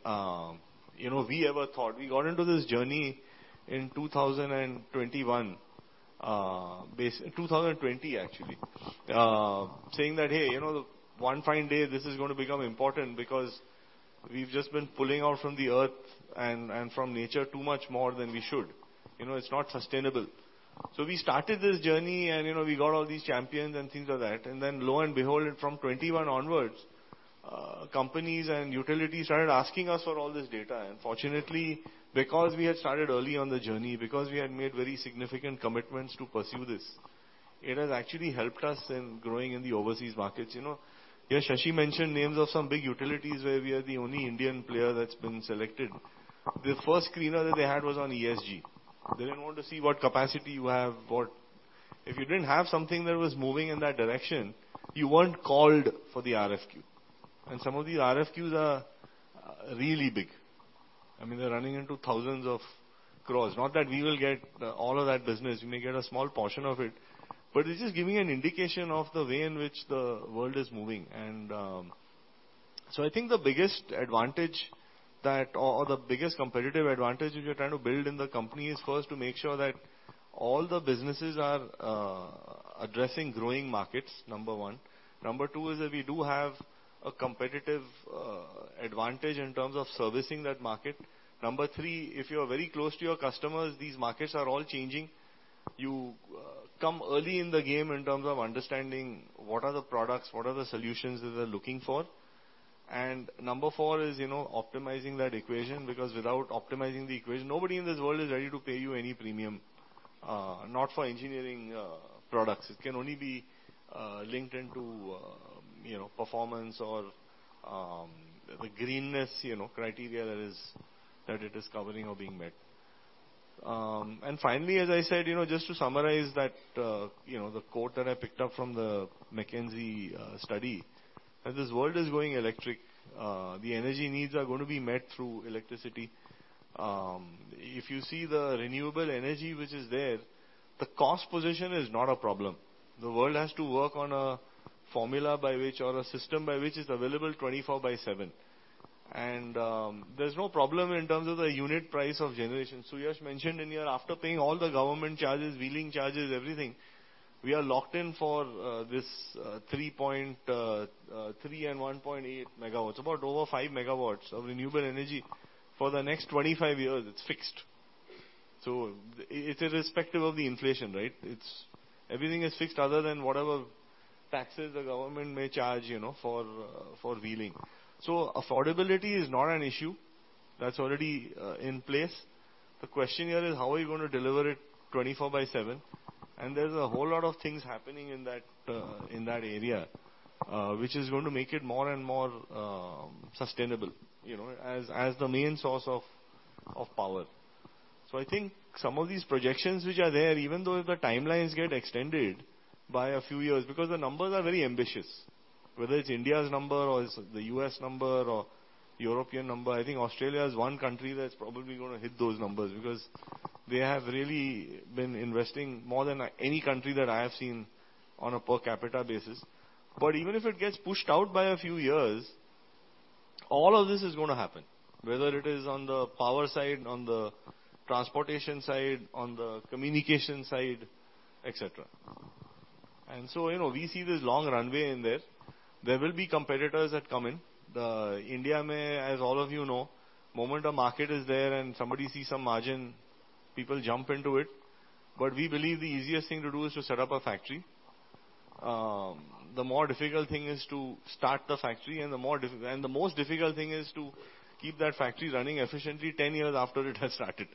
you know, we ever thought. We got into this journey in 2021, base-- 2020, actually, saying that, "Hey, you know, one fine day, this is going to become important because we've just been pulling out from the Earth and, and from nature too much more than we should. You know, it's not sustainable." We started this journey and, you know, we got all these champions and things like that. Then, lo and behold, from 21 onwards, companies and utilities started asking us for all this data. Fortunately, because we had started early on the journey, because we had made very significant commitments to pursue this, it has actually helped us in growing in the overseas markets. You know, here, Shashi mentioned names of some big utilities where we are the only Indian player that's been selected. The first screener that they had was on ESG. They didn't want to see what capacity you have, what-- If you didn't have something that was moving in that direction, you weren't called for the RFQ. Some of these RFQs are really big. I mean, they're running into thousands of crores. Not that we will get all of that business, we may get a small portion of it, but this is giving an indication of the way in which the world is moving. I think the biggest advantage that, or, or the biggest competitive advantage which we're trying to build in the company is first to make sure that all the businesses are addressing growing markets, number one. Number two is that we do have a competitive advantage in terms of servicing that market. Number three, if you are very close to your customers, these markets are all changing. You come early in the game in terms of understanding what are the products, what are the solutions that they're looking for. Number four is, you know, optimizing that equation, because without optimizing the equation, nobody in this world is ready to pay you any premium, not for engineering products. It can only be linked into, you know, performance or the greenness, you know, criteria that it is covering or being met. Finally, as I said, you know, just to summarize that, you know, the quote that I picked up from the McKinsey study, as this world is going electric, the energy needs are going to be met through electricity. If you see the renewable energy which is there, the cost position is not a problem. The world has to work on a formula by which or a system by which it's available 24/7. There's no problem in terms of the unit price of generation. Suyash mentioned in here, after paying all the government charges, wheeling charges, everything, we are locked in for this 3.3 MW and 1.8 MW, about over 5 MW of renewable energy for the next 25 years. It's fixed. It's irrespective of the inflation, right? It's-- Everything is fixed other than whatever taxes the government may charge, you know, for wheeling. Affordability is not an issue. That's already in place. The question here is: how are you going to deliver it 24/7? There's a whole lot of things happening in that area, which is going to make it more and more sustainable, you know, as, as the main source of, of power. I think some of these projections which are there, even though the timelines get extended by a few years, because the numbers are very ambitious, whether it's India's number or it's the U.S. number or European number. I think Australia is one country that's probably going to hit those numbers, because they have really been investing more than any country that I have seen on a per capita basis. Even if it gets pushed out by a few years, all of this is going to happen, whether it is on the power side, on the transportation side, on the communication side, et cetera. You know, we see this long runway in there. There will be competitors that come in. The India, may, as all of you know, moment a market is there and somebody sees some margin, people jump into it. We believe the easiest thing to do is to set up a factory. The more difficult thing is to start the factory, and the most difficult thing is to keep that factory running efficiently 10 years after it has started.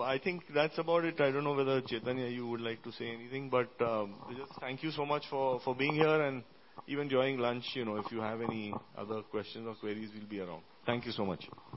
I think that's about it. I don't know whether, Chaitanya, you would like to say anything, but, just thank you so much for, for being here, and even during lunch, you know, if you have any other questions or queries, we'll be around. Thank you so much.